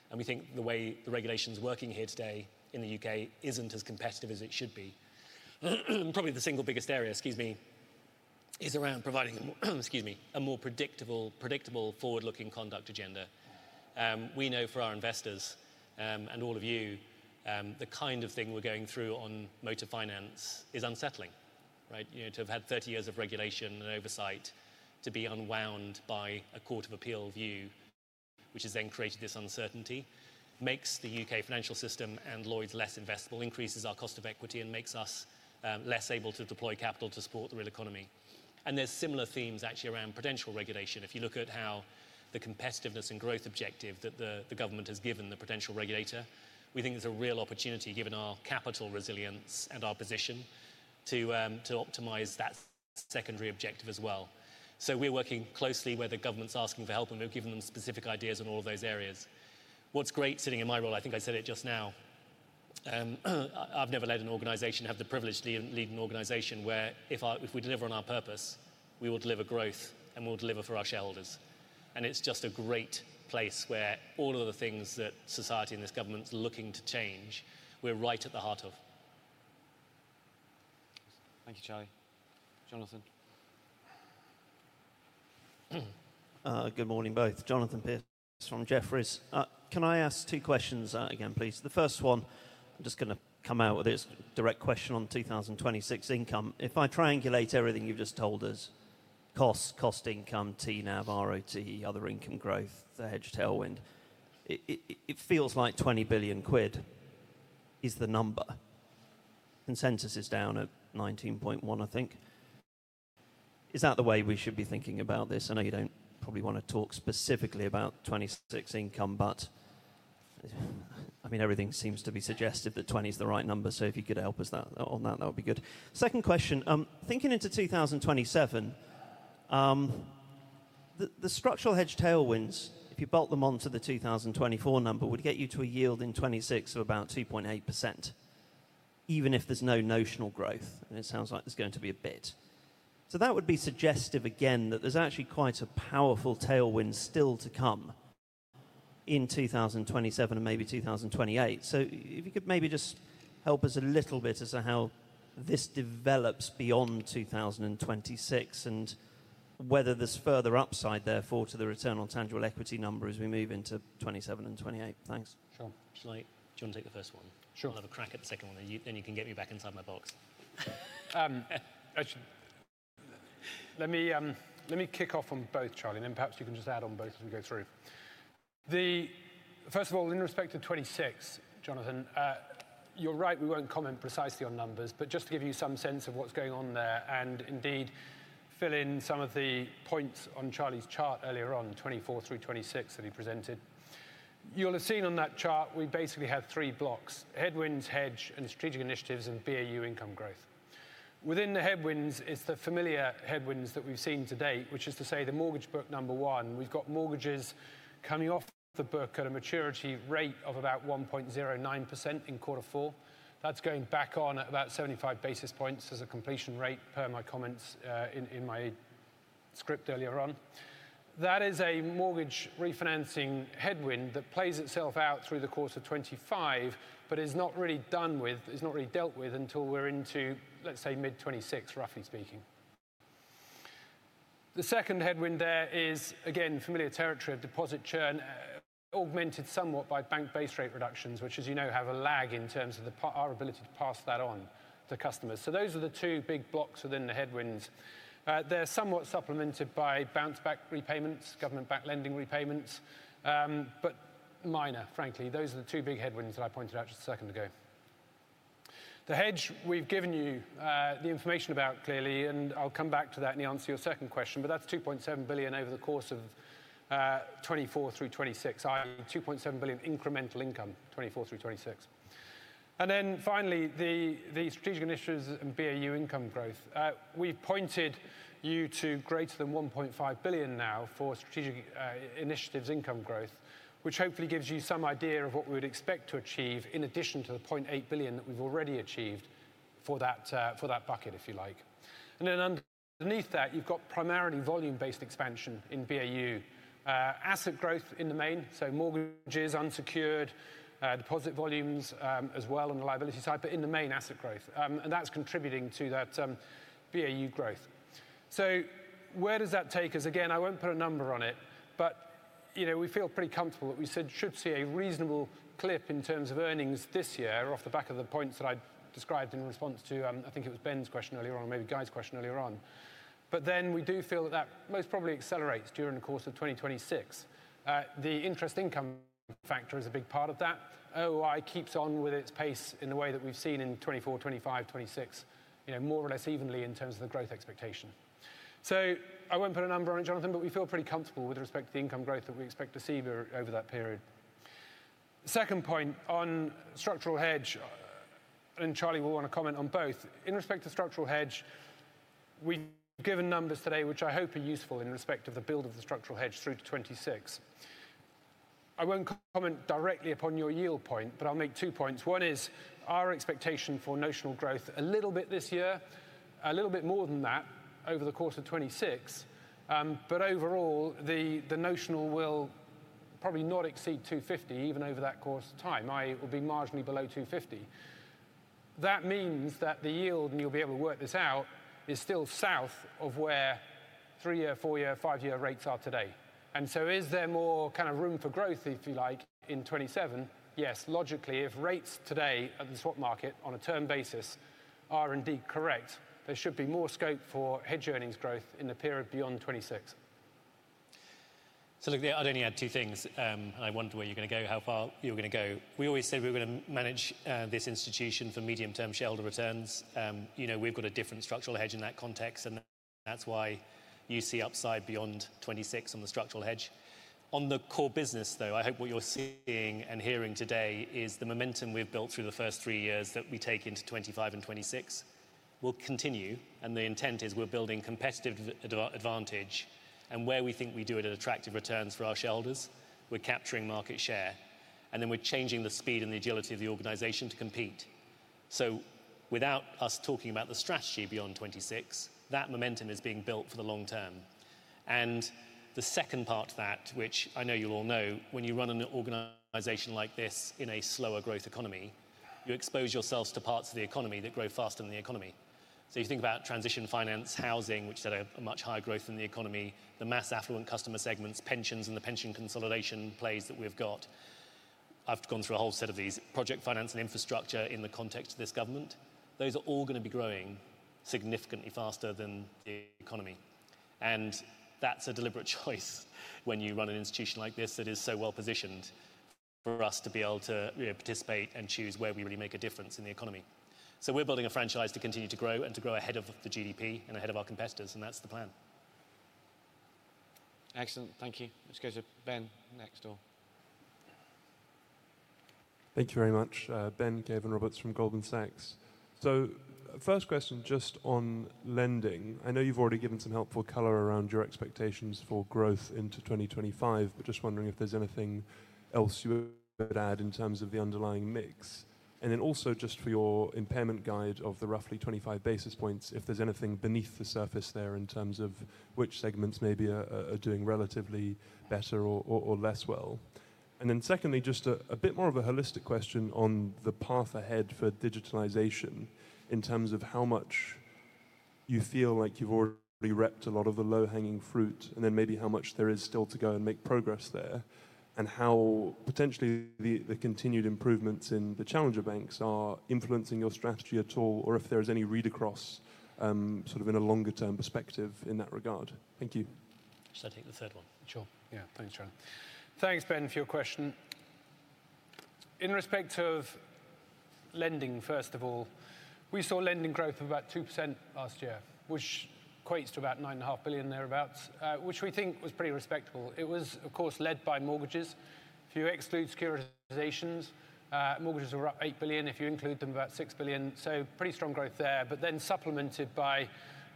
Speaker 1: And we think the way the regulation is working here today in the U.K. isn't as competitive as it should be. Probably the single biggest area, excuse me, is around providing a more predictable forward-looking conduct agenda. We know for our investors and all of you the kind of thing we're going through on motor finance is unsettling, right? To have had 30 years of regulation and oversight, to be unwound by a Court of Appeal view, which has then created this uncertainty, makes the U.K. financial system and Lloyds less investable, increases our cost of equity, and makes us less able to deploy capital to support the real economy. And there's similar themes actually around prudential regulation. If you look at how the competitiveness and growth objective that the government has given the potential regulator, we think there's a real opportunity given our capital resilience and our position to optimize that secondary objective as well. So, we're working closely where the government's asking for help, and we've given them specific ideas in all of those areas. What's great sitting in my role, I think I said it just now, I've never led an organization, have the privilege to lead an organization where if we deliver on our purpose, we will deliver growth and we'll deliver for our shareholders. And it's just a great place where all of the things that society and this government's looking to change, we're right at the heart of.
Speaker 3: Thank you, Charlie. Jonathan?
Speaker 6: Good morning, both. Jonathan Pierce from Jefferies. Can I ask two questions again, please? The first one, I'm just going to come out with it, is a direct question on 2026 income. If I triangulate everything you've just told us, cost, cost income, TNAV, RoTE, other income growth, the hedge tailwind, it feels like 20 billion quid is the number. Consensus is down at 19.1 billion, I think. Is that the way we should be thinking about this? I know you don't probably want to talk specifically about 2026 income, but I mean, everything seems to be suggestive that 20 is the right number. So, if you could help us on that, that would be good. Second question, thinking into 2027, the structural hedge tailwinds, if you bolt them onto the 2024 number, would get you to a yield in 2026 of about 2.8%, even if there's no notional growth. And it sounds like there's going to be a bit. So, that would be suggestive again that there's actually quite a powerful tailwind still to come in 2027 and maybe 2028. So, if you could maybe just help us a little bit as to how this develops beyond 2026 and whether there's further upside, therefore, to the return on tangible equity number as we move into 2027 and 2028. Thanks.
Speaker 1: Sure. Do you want to take the first one? Sure. I'll have a crack at the second one, and then you can get me back inside my box.
Speaker 2: Let me kick off on both, Charlie, and then perhaps you can just add on both as we go through. First of all, in respect to 2026, Jonathan, you're right, we won't comment precisely on numbers, but just to give you some sense of what's going on there and indeed fill in some of the points on Charlie's chart earlier on, 2024 through 2026 that he presented, you'll have seen on that chart we basically have three blocks: headwinds, hedge, and strategic initiatives and BAU income growth. Within the headwinds is the familiar headwinds that we've seen to date, which is to say the mortgage book number one, we've got mortgages coming off the book at a maturity rate of about 1.09% in quarter four. That's going back on at about 75 basis points as a completion rate per my comments in my script earlier on. That is a mortgage refinancing headwind that plays itself out through the course of 2025, but is not really done with, is not really dealt with until we're into, let's say, mid-2026, roughly speaking. The second headwind there is, again, familiar territory of deposit churn, augmented somewhat by bank base rate reductions, which, as you know, have a lag in terms of our ability to pass that on to customers. So, those are the two big blocks within the headwinds. They're somewhat supplemented by Bounce Back repayments, government-backed lending repayments, but minor, frankly. Those are the two big headwinds that I pointed out just a second ago. The hedge, we've given you the information about clearly, and I'll come back to that in the answer to your second question, but that's 2.7 billion over the course of 2024 through 2026. I mean, 2.7 billion incremental income 2024 through 2026. And then finally, the strategic initiatives and BAU income growth. We've pointed you to greater than 1.5 billion now for strategic initiatives income growth, which hopefully gives you some idea of what we would expect to achieve in addition to the 0.8 billion that we've already achieved for that bucket, if you like. And then underneath that, you've got primarily volume-based expansion in BAU, asset growth in the main, so mortgages, unsecured deposit volumes as well on the liability side, but in the main asset growth. And that's contributing to that BAU growth. So, where does that take us? Again, I won't put a number on it, but we feel pretty comfortable that we should see a reasonable clip in terms of earnings this year off the back of the points that I described in response to, I think it was Ben's question earlier on, or maybe Guy's question earlier on. But then we do feel that that most probably accelerates during the course of 2026. The interest income factor is a big part of that. OI keeps on with its pace in the way that we've seen in 2024, 2025, 2026, more or less evenly in terms of the growth expectation. So, I won't put a number on it, Jonathan, but we feel pretty comfortable with respect to the income growth that we expect to see over that period. Second point on structural hedge, and Charlie will want to comment on both. In respect to structural hedge, we've given numbers today, which I hope are useful in respect of the build of the structural hedge through to 2026. I won't comment directly upon your yield point, but I'll make two points. One is our expectation for notional growth a little bit this year, a little bit more than that over the course of 2026, but overall, the notional will probably not exceed 250 even over that course of time. It will be marginally below 250. That means that the yield, and you'll be able to work this out, is still south of where three-year, four-year, five-year rates are today. And so, is there more kind of room for growth, if you like, in 2027? Yes, logically, if rates today at the swap market on a term basis are indeed correct, there should be more scope for hedge earnings growth in the period beyond 2026.
Speaker 1: So look, I'd only add two things, and I wonder where you're going to go, how far you're going to go. We always said we were going to manage this institution for medium-term shareholder returns. We've got a different structural hedge in that context, and that's why you see upside beyond 2026 on the structural hedge. On the core business, though, I hope what you're seeing and hearing today is the momentum we've built through the first three years that we take into 2025 and 2026 will continue, and the intent is we're building competitive advantage and where we think we do it at attractive returns for our shareholders. We're capturing market share, and then we're changing the speed and the agility of the organization to compete. So, without us talking about the strategy beyond 2026, that momentum is being built for the long term. And the second part of that, which I know you'll all know, when you run an organization like this in a slower growth economy, you expose yourselves to parts of the economy that grow faster than the economy. So, if you think about transition finance, housing, which is at a much higher growth than the economy, mass affluent customer segments, pensions, and the pension consolidation plays that we've got, I've gone through a whole set of these, project finance and infrastructure in the context of this government, those are all going to be growing significantly faster than the economy. And that's a deliberate choice when you run an institution like this that is so well positioned for us to be able to participate and choose where we really make a difference in the economy. So, we're building a franchise to continue to grow and to grow ahead of the GDP and ahead of our competitors, and that's the plan.
Speaker 3: Excellent. Thank you. Let's go to Ben next door.
Speaker 7: Thank you very much, Ben Caven-Roberts from Goldman Sachs. So, first question just on lending. I know you've already given some helpful color around your expectations for growth into 2025, but just wondering if there's anything else you would add in terms of the underlying mix. And then also just for your impairment guide of the roughly 25 basis points, if there's anything beneath the surface there in terms of which segments maybe are doing relatively better or less well. And then secondly, just a bit more of a holistic question on the path ahead for digitalization in terms of how much you feel like you've already reaped a lot of the low-hanging fruit and then maybe how much there is still to go and make progress there and how potentially the continued improvements in the challenger banks are influencing your strategy at all or if there is any read across sort of in a longer-term perspective in that regard. Thank you.
Speaker 1: Should I take the third one?
Speaker 2: Sure. Yeah, thanks, Charlie. Thanks, Ben, for your question. In respect of lending, first of all, we saw lending growth of about 2% last year, which equates to about 9.5 billion thereabouts, which we think was pretty respectable. It was, of course, led by mortgages. If you exclude securitizations, mortgages were up 8 billion. If you include them, about 6 billion. Pretty strong growth there, but then supplemented by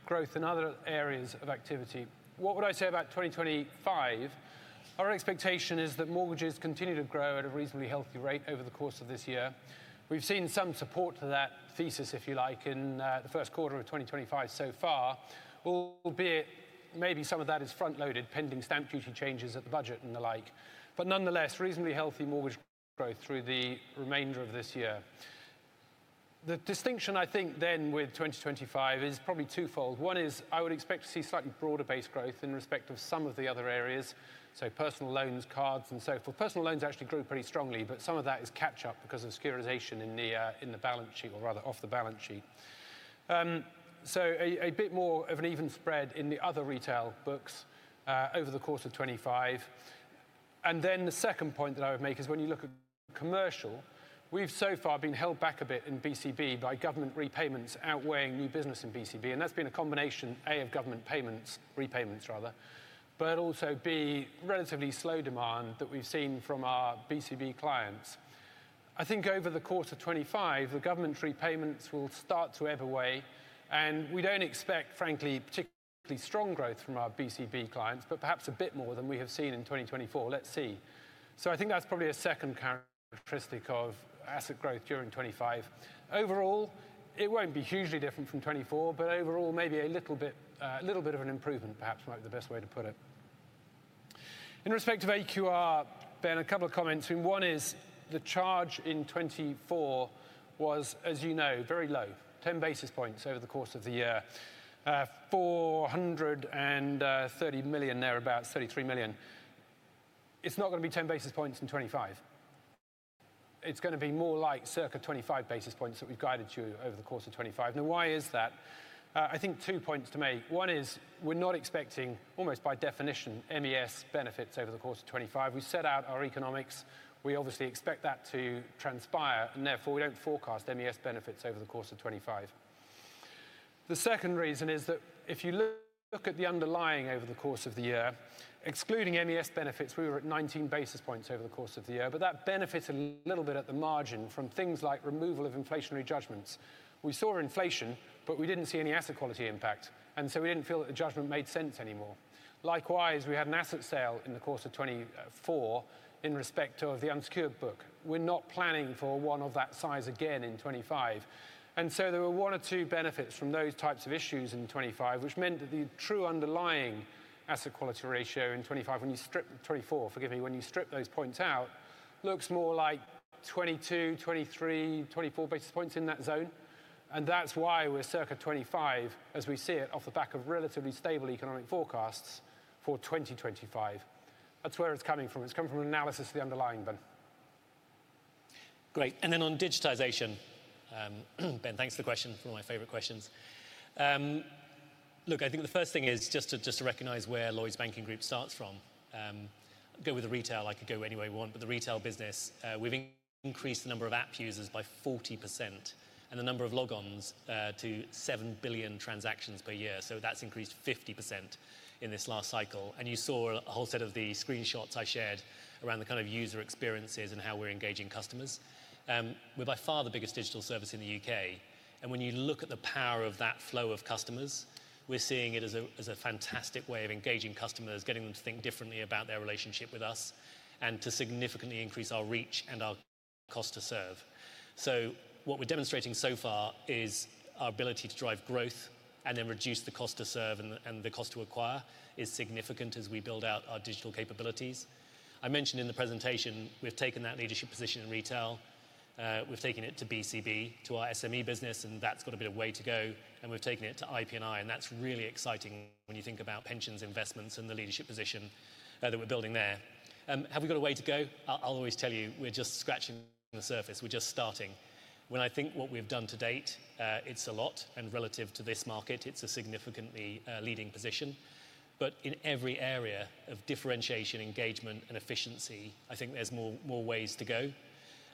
Speaker 2: growth in other areas of activity. What would I say about 2025? Our expectation is that mortgages continue to grow at a reasonably healthy rate over the course of this year. We've seen some support for that thesis, if you like, in the first quarter of 2025 so far, albeit maybe some of that is front-loaded pending stamp duty changes at the Budget and the like, but nonetheless, reasonably healthy mortgage growth through the remainder of this year. The distinction I think then with 2025 is probably twofold. One is I would expect to see slightly broader base growth in respect of some of the other areas, so personal loans, cards, and so forth. Personal loans actually grew pretty strongly, but some of that is catch-up because of securitization in the balance sheet or rather off the balance sheet. A bit more of an even spread in the other retail books over the course of 2025. And then the second point that I would make is when you look at commercial, we've so far been held back a bit in BCB by government repayments outweighing new business in BCB, and that's been a combination, A, of government payments, repayments, rather, but also B, relatively slow demand that we've seen from our BCB clients. I think over the course of 2025, the government repayments will start to ebb away, and we don't expect, frankly, particularly strong growth from our BCB clients, but perhaps a bit more than we have seen in 2024. Let's see. So, I think that's probably a second characteristic of asset growth during 2025. Overall, it won't be hugely different from 2024, but overall, maybe a little bit of an improvement perhaps might be the best way to put it. In respect of AQR, Ben, a couple of comments. One is the charge in 2024 was, as you know, very low, 10 basis points over the course of the year, 430 million thereabouts, 33 million. It's not going to be 10 basis points in 2025. It's going to be more like circa 25 basis points that we've guided you over the course of 2025. Now, why is that? I think two points to make. One is we're not expecting, almost by definition, MES benefits over the course of 2025. We set out our economics. We obviously expect that to transpire, and therefore we don't forecast MES benefits over the course of 2025. The second reason is that if you look at the underlying over the course of the year, excluding MES benefits, we were at 19 basis points over the course of the year, but that benefits a little bit at the margin from things like removal of inflationary judgments. We saw inflation, but we didn't see any asset quality impact, and so we didn't feel that the judgment made sense anymore. Likewise, we had an asset sale in the course of 2024 in respect of the unsecured book. We're not planning for one of that size again in 2025. And so there were one or two benefits from those types of issues in 2025, which meant that the true underlying asset quality ratio in 2025, when you strip 2024, forgive me, when you strip those points out, looks more like 22, 23, 24 basis points in that zone. And that's why we're circa 25, as we see it, off the back of relatively stable economic forecasts for 2025. That's where it's coming from. It's come from analysis of the underlying, Ben.
Speaker 1: Great. And then on digitization, Ben, thanks for the question. One of my favorite questions. Look, I think the first thing is just to recognize where Lloyds Banking Group starts from. I'll go with the Retail. I could go any way I want, but the Retail business. We've increased the number of app users by 40% and the number of logons to 7 billion transactions per year. So, that's increased 50% in this last cycle. And you saw a whole set of the screenshots I shared around the kind of user experiences and how we're engaging customers. We're by far the biggest digital service in the U.K. And when you look at the power of that flow of customers, we're seeing it as a fantastic way of engaging customers, getting them to think differently about their relationship with us, and to significantly increase our reach and our cost to serve. So, what we're demonstrating so far is our ability to drive growth and then reduce the cost to serve and the cost to acquire is significant as we build out our digital capabilities. I mentioned in the presentation, we've taken that leadership position in Retail. We've taken it to BCB, to our SME business, and that's got a bit of way to go. And we've taken it to IP&I, and that's really exciting when you think about pensions, investments, and the leadership position that we're building there. Have we got a way to go? I'll always tell you, we're just scratching the surface. We're just starting. When I think what we've done to date, it's a lot, and relative to this market, it's a significantly leading position. But in every area of differentiation, engagement, and efficiency, I think there's more ways to go.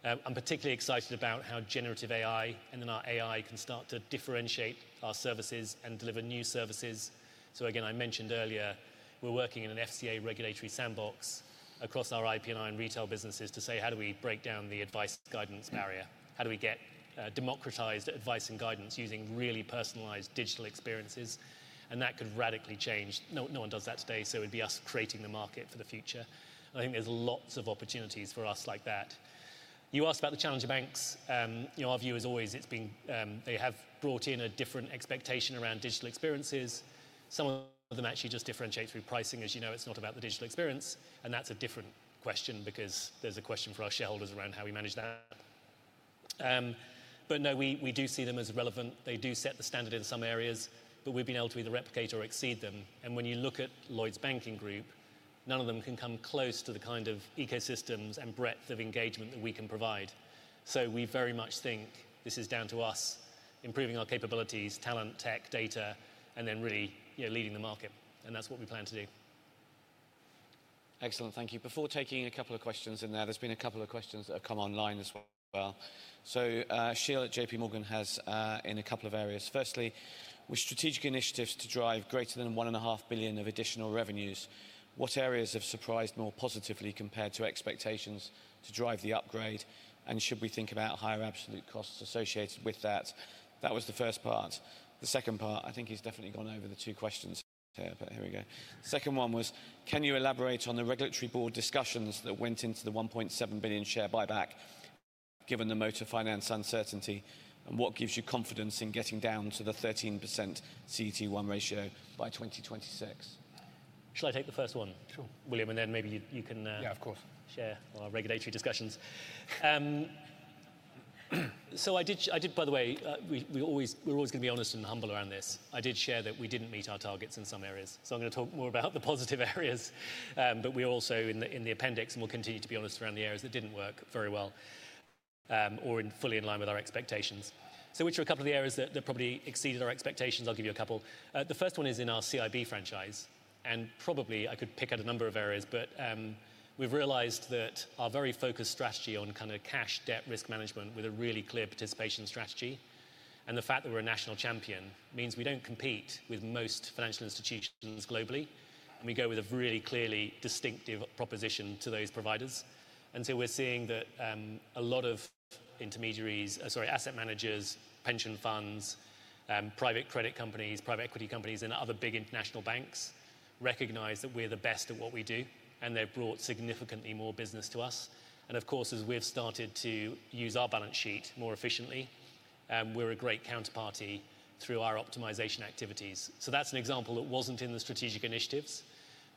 Speaker 1: I'm particularly excited about how generative AI and then our AI can start to differentiate our services and deliver new services. So, again, I mentioned earlier, we're working in an FCA regulatory sandbox across our IP&I and Retail businesses to say, how do we break down the advice guidance barrier? How do we get democratized advice and guidance using really personalized digital experiences? And that could radically change. No one does that today, so it would be us creating the market for the future. I think there's lots of opportunities for us like that. You asked about the challenger banks. Our view is always it's been they have brought in a different expectation around digital experiences. Some of them actually just differentiate through pricing, as you know. It's not about the digital experience. And that's a different question because there's a question for our shareholders around how we manage that. But no, we do see them as relevant. They do set the standard in some areas, but we've been able to either replicate or exceed them. And when you look at Lloyds Banking Group, none of them can come close to the kind of ecosystems and breadth of engagement that we can provide. So, we very much think this is down to us improving our capabilities, talent, tech, data, and then really leading the market. And that's what we plan to do.
Speaker 3: Excellent. Thank you. Before taking a couple of questions in there, there's been a couple of questions that have come online as well. So, Sinha at JP Morgan has in a couple of areas. Firstly, with strategic initiatives to drive greater than 1.5 billion of additional revenues, what areas have surprised more positively compared to expectations to drive the upgrade? And should we think about higher absolute costs associated with that? That was the first part. The second part, I think he's definitely gone over the two questions here, but here we go. The second one was, can you elaborate on the regulatory board discussions that went into the 1.7 billion share buyback given the motor finance uncertainty? And what gives you confidence in getting down to the 13% CET1 ratio by 2026?
Speaker 1: Shall I take the first one?
Speaker 2: Sure.
Speaker 1: William, and then maybe you can share our regulatory discussions. So, I did, by the way, we're always going to be honest and humble around this. I did share that we didn't meet our targets in some areas. So, I'm going to talk more about the positive areas, but we're also in the appendix, and we'll continue to be honest around the areas that didn't work very well or fully in line with our expectations. So, which are a couple of the areas that probably exceeded our expectations? I'll give you a couple. The first one is in our CIB franchise. And probably I could pick out a number of areas, but we've realized that our very focused strategy on kind of cash debt risk management with a really clear participation strategy and the fact that we're a national champion means we don't compete with most financial institutions globally. We go with a really clearly distinctive proposition to those providers. We're seeing that a lot of intermediaries, sorry, asset managers, pension funds, private credit companies, private equity companies, and other big international banks recognize that we're the best at what we do, and they've brought significantly more business to us. Of course, as we've started to use our balance sheet more efficiently, we're a great counterparty through our optimization activities. That's an example that wasn't in the strategic initiatives,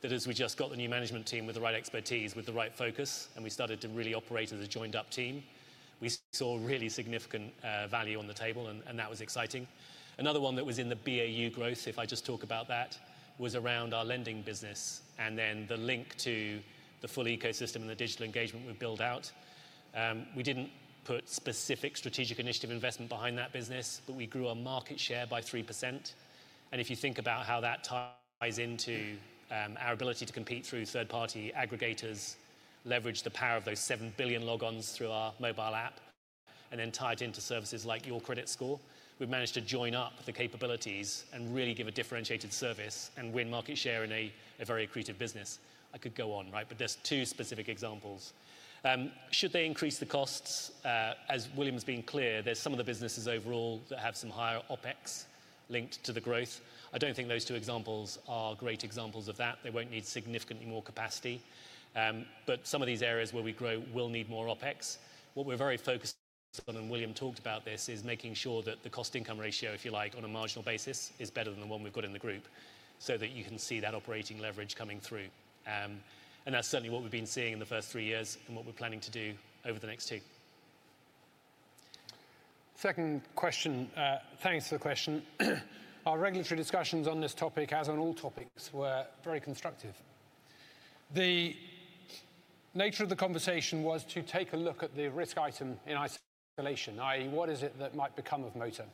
Speaker 1: that as we just got the new management team with the right expertise, with the right focus, and we started to really operate as a joined-up team, we saw really significant value on the table, and that was exciting. Another one that was in the BAU growth, if I just talk about that, was around our lending business and then the link to the full ecosystem and the digital engagement we've built out. We didn't put specific strategic initiative investment behind that business, but we grew our market share by 3%, and if you think about how that ties into our ability to compete through third-party aggregators, leverage the power of those 7 billion logons through our mobile app, and then tie it into services like Your Credit Score, we've managed to join up the capabilities and really give a differentiated service and win market share in a very accretive business. I could go on, right, but there's two specific examples. Should they increase the costs? As William's been clear, there's some of the businesses overall that have some higher OpEx linked to the growth. I don't think those two examples are great examples of that. They won't need significantly more capacity. But some of these areas where we grow will need more OpEx. What we're very focused on, and William talked about this, is making sure that the cost-income ratio, if you like, on a marginal basis is better than the one we've got in the group, so that you can see that operating leverage coming through. And that's certainly what we've been seeing in the first three years and what we're planning to do over the next two.
Speaker 2: Second question. Thanks for the question. Our regulatory discussions on this topic, as on all topics, were very constructive. The nature of the conversation was to take a look at the risk item in isolation, i.e., what is it that might become of motor,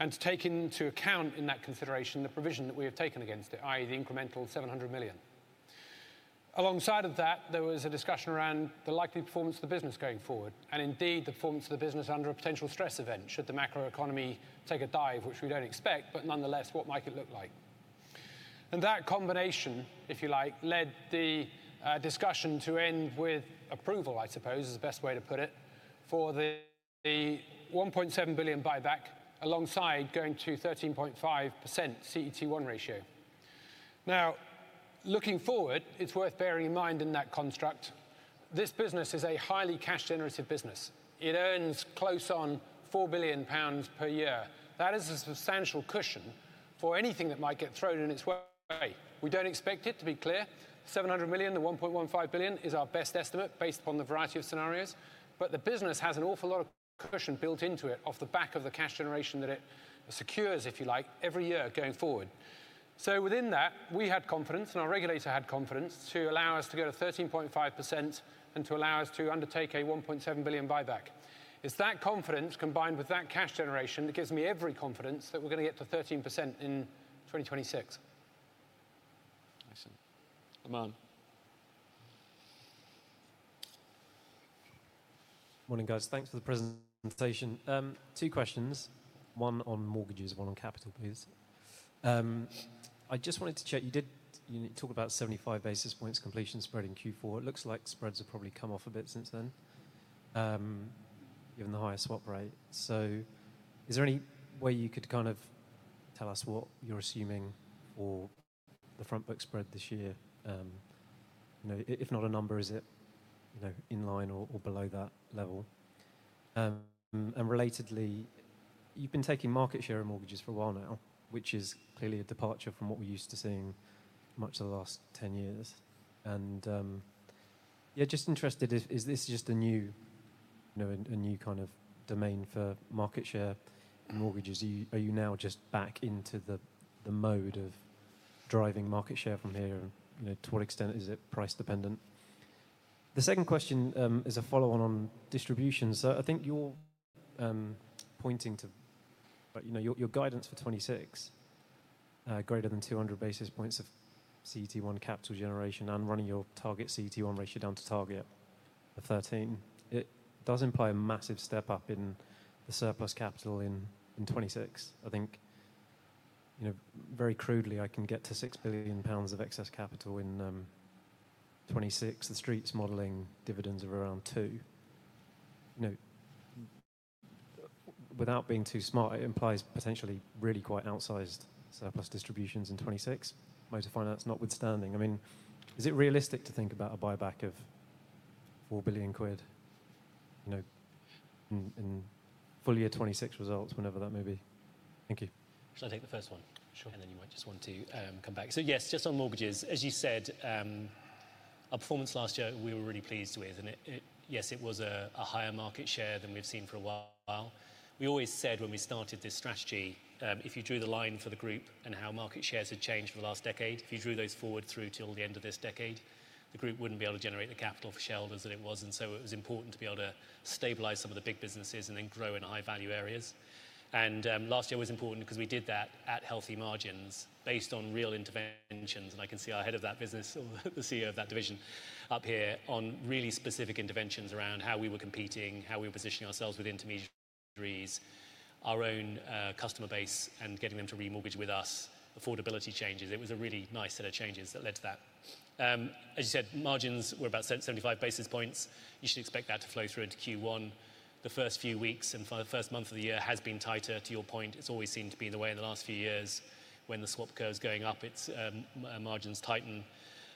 Speaker 2: and to take into account in that consideration the provision that we have taken against it, i.e., the incremental 700 million. Alongside of that, there was a discussion around the likely performance of the business going forward, and indeed the performance of the business under a potential stress event. Should the macroeconomy take a dive, which we don't expect, but nonetheless, what might it look like? And that combination, if you like, led the discussion to end with approval, I suppose, is the best way to put it, for the 1.7 billion buyback alongside going to 13.5% CET1 ratio. Now, looking forward, it's worth bearing in mind in that construct, this business is a highly cash-generative business. It earns close on 4 billion pounds per year. That is a substantial cushion for anything that might get thrown in its way. We don't expect it to be clear. 700 million, the 1.15 billion, is our best estimate based upon the variety of scenarios. But the business has an awful lot of cushion built into it off the back of the cash generation that it secures, if you like, every year going forward. So, within that, we had confidence, and our regulator had confidence to allow us to go to 13.5% and to allow us to undertake a 1.7 billion buyback. It's that confidence combined with that cash generation that gives me every confidence that we're going to get to 13% in 2026.
Speaker 3: Excellent. Aman? Morning, guys. Thanks for the presentation. Two questions. One on mortgages, one on capital, please. I just wanted to check. You did talk about 75 basis points completion spread in Q4. It looks like spreads have probably come off a bit since then, given the higher swap rate. So, is there any way you could kind of tell us what you're assuming for the front book spread this year? If not a number, is it in line or below that level? And relatedly, you've been taking market share in mortgages for a while now, which is clearly a departure from what we're used to seeing much of the last 10 years. And yeah, just interested, is this just a new kind of domain for market share in mortgages? Are you now just back into the mode of driving market share from here? To what extent is it price dependent? The second question is a follow-on on distribution. So, I think you're pointing to your guidance for 2026, greater than 200 basis points of CET1 capital generation and running your target CET1 ratio down to target for 13%. It does imply a massive step up in the surplus capital in 2026. I think very crudely, I can get to 6 billion pounds of excess capital in 2026. The Street's modeling dividends are around two. Without being too smart, it implies potentially really quite outsized surplus distributions in 2026. Motor finance notwithstanding. I mean, is it realistic to think about a buyback of 4 billion quid in full year 2026 results whenever that may be? Thank you.
Speaker 1: Shall I take the first one? And then you might just want to come back. So, yes, just on mortgages. As you said, our performance last year, we were really pleased with. Yes, it was a higher market share than we've seen for a while. We always said when we started this strategy, if you drew the line for the group and how market shares had changed for the last decade, if you drew those forward through till the end of this decade, the group wouldn't be able to generate the capital for shareholders that it was. So, it was important to be able to stabilize some of the big businesses and then grow in high-value areas. Last year was important because we did that at healthy margins based on real interventions. I can see our head of that business, the CEO of that division up here, on really specific interventions around how we were competing, how we were positioning ourselves with intermediaries, our own customer base, and getting them to remortgage with us, affordability changes. It was a really nice set of changes that led to that. As you said, margins were about 75 basis points. You should expect that to flow through into Q1. The first few weeks and first month of the year has been tighter, to your point. It's always seemed to be in the way in the last few years. When the swap curve is going up, margins tighten.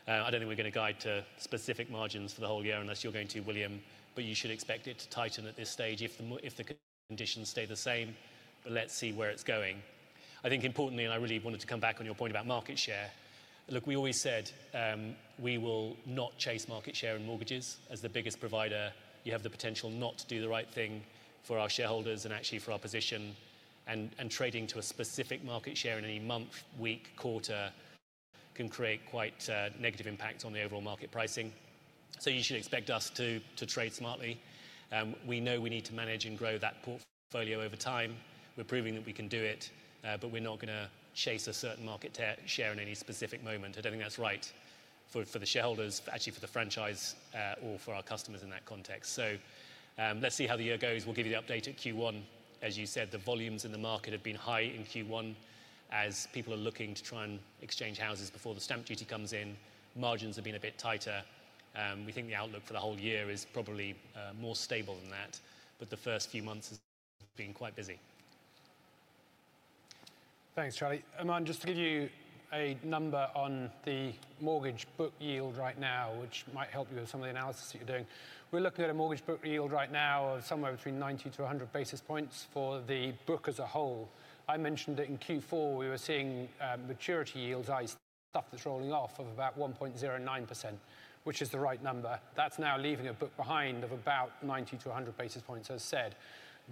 Speaker 1: I don't think we're going to guide to specific margins for the whole year unless you're going to, William. But you should expect it to tighten at this stage if the conditions stay the same. But let's see where it's going. I think importantly, and I really wanted to come back on your point about market share. Look, we always said we will not chase market share in mortgages as the biggest provider. You have the potential not to do the right thing for our shareholders and actually for our position, and trading to a specific market share in any month, week, quarter can create quite a negative impact on the overall market pricing, so you should expect us to trade smartly. We know we need to manage and grow that portfolio over time. We're proving that we can do it, but we're not going to chase a certain market share in any specific moment. I don't think that's right for the shareholders, actually for the franchise or for our customers in that context, so let's see how the year goes. We'll give you the update at Q1. As you said, the volumes in the market have been high in Q1 as people are looking to try and exchange houses before the stamp duty comes in. Margins have been a bit tighter. We think the outlook for the whole year is probably more stable than that, but the first few months have been quite busy.
Speaker 2: Thanks, Charlie. Aman, just to give you a number on the mortgage book yield right now, which might help you with some of the analysis that you're doing. We're looking at a mortgage book yield right now of somewhere between 90-100 basis points for the book as a whole. I mentioned that in Q4, we were seeing maturity yields, i.e. stuff that's rolling off, of about 1.09%, which is the right number. That's now leaving a book behind of about 90-100 basis points, as said,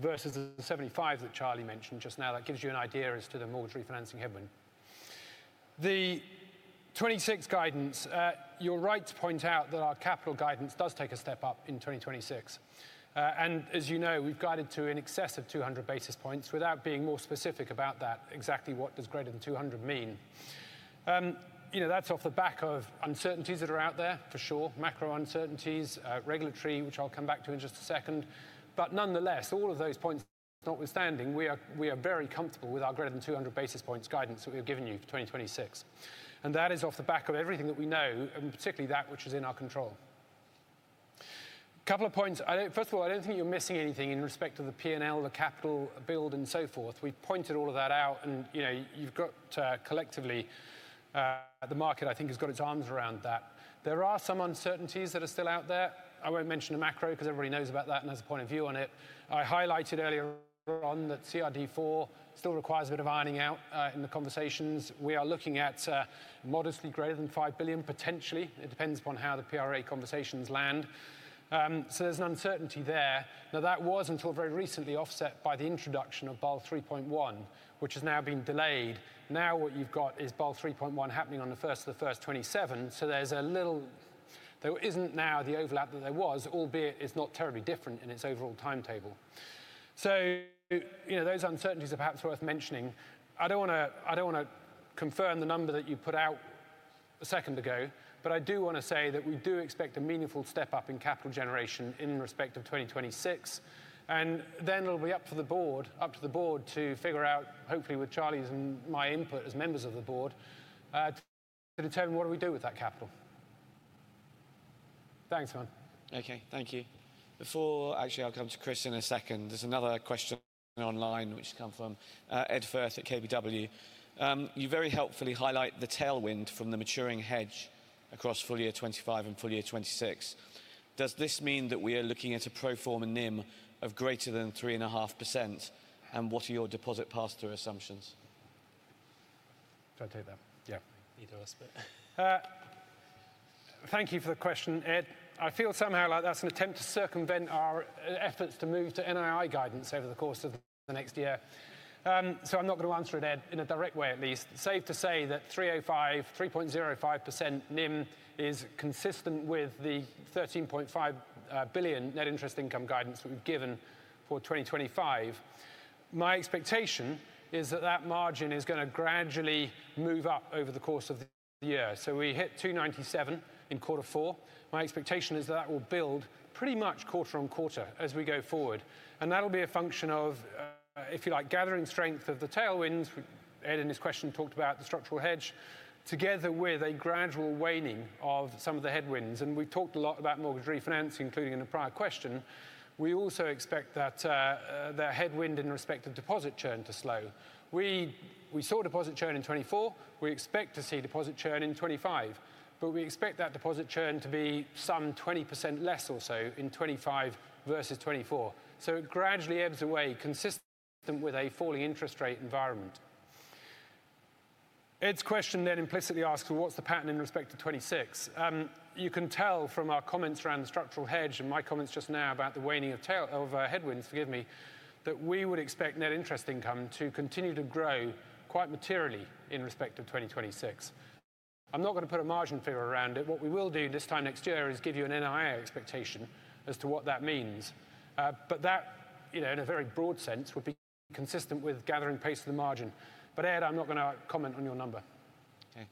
Speaker 2: versus the 75 that Charlie mentioned just now. That gives you an idea as to the mortgage refinancing headwind. The 2026 guidance, you're right to point out that our capital guidance does take a step up in 2026. As you know, we've guided to an excess of 200 basis points without being more specific about that. Exactly what does greater than 200 mean? That's off the back of uncertainties that are out there, for sure, macro uncertainties, regulatory, which I'll come back to in just a second. But nonetheless, all of those points notwithstanding, we are very comfortable with our greater than 200 basis points guidance that we have given you for 2026. That is off the back of everything that we know, and particularly that which is in our control. A couple of points. First of all, I don't think you're missing anything in respect to the P&L, the capital build, and so forth. We've pointed all of that out, and you've got collectively the market, I think, has got its arms around that. There are some uncertainties that are still out there. I won't mention the macro because everybody knows about that and has a point of view on it. I highlighted earlier on that CRD IV still requires a bit of ironing out in the conversations. We are looking at modestly greater than 5 billion, potentially. It depends upon how the PRA conversations land. So, there's an uncertainty there. Now, that was until very recently offset by the introduction of Basel 3.1, which has now been delayed. Now, what you've got is Basel 3.1 happening on the first of January 2027. So, there's a little there isn't now the overlap that there was, albeit it's not terribly different in its overall timetable. So, those uncertainties are perhaps worth mentioning. I don't want to confirm the number that you put out a second ago, but I do want to say that we do expect a meaningful step up in capital generation in respect of 2026. And then it'll be up to the board to figure out, hopefully with Charlie's and my input as members of the board, to determine what do we do with that capital. Thanks, Aman.
Speaker 3: Okay, thank you. Before actually, I'll come to Chris in a second. There's another question online, which has come from Ed Firth at KBW. You very helpfully highlight the tailwind from the maturing hedge across full year 2025 and full year 2026. Does this mean that we are looking at a pro forma NIM of greater than 3.5%? And what are your deposit pass-through assumptions?
Speaker 1: Try to take that. Yeah. Need to ask that.
Speaker 2: Thank you for the question, Ed. I feel somehow like that's an attempt to circumvent our efforts to move to NII guidance over the course of the next year. So, I'm not going to answer it in a direct way, at least. Safe to say that 3.05% NIM is consistent with the 13.5 billion net interest income guidance we've given for 2025. My expectation is that that margin is going to gradually move up over the course of the year. So, we hit 2.97% in quarter four. My expectation is that that will build pretty much quarter on quarter as we go forward. And that'll be a function of, if you like, gathering strength of the tailwinds. Ed, in his question, talked about the structural hedge together with a gradual waning of some of the headwinds. And we've talked a lot about mortgage refinancing, including in a prior question. We also expect that the headwind in respect of deposit churn to slow. We saw deposit churn in 2024. We expect to see deposit churn in 2025. But we expect that deposit churn to be some 20% less or so in 2025 versus 2024. So, it gradually ebbs away, consistent with a falling interest rate environment. Ed's question then implicitly asks, well, what's the pattern in respect to 2026? You can tell from our comments around the structural hedge and my comments just now about the waning of headwinds, forgive me, that we would expect net interest income to continue to grow quite materially in respect of 2026. I'm not going to put a margin figure around it. What we will do this time next year is give you an NII expectation as to what that means. But that, in a very broad sense, would be consistent with gathering pace of the margin. But Ed, I'm not going to comment on your number.
Speaker 3: Okay.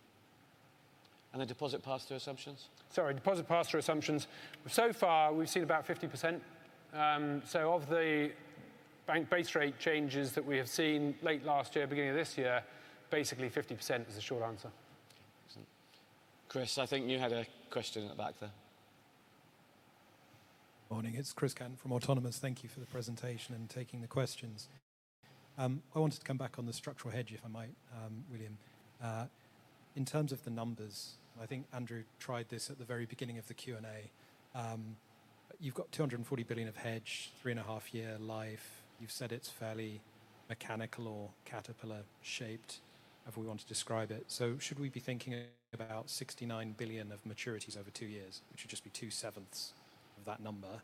Speaker 3: And the deposit pass-through assumptions?
Speaker 1: Sorry, deposit pass-through assumptions. So far, we've seen about 50%. So, of the bank base rate changes that we have seen late last year, beginning of this year, basically 50% is the short answer.
Speaker 3: Excellent. Chris, I think you had a question at the back there.
Speaker 8: Morning, it's Chris Cant from Autonomous. Thank you for the presentation and taking the questions. I wanted to come back on the structural hedge, if I might, William. In terms of the numbers, I think Andrew tried this at the very beginning of the Q&A. You've got 240 billion of hedge, three and a half year life. You've said it's fairly mechanical or caterpillar shaped, if we want to describe it. So, should we be thinking about 69 billion of maturities over two years, which would just be two sevenths of that number?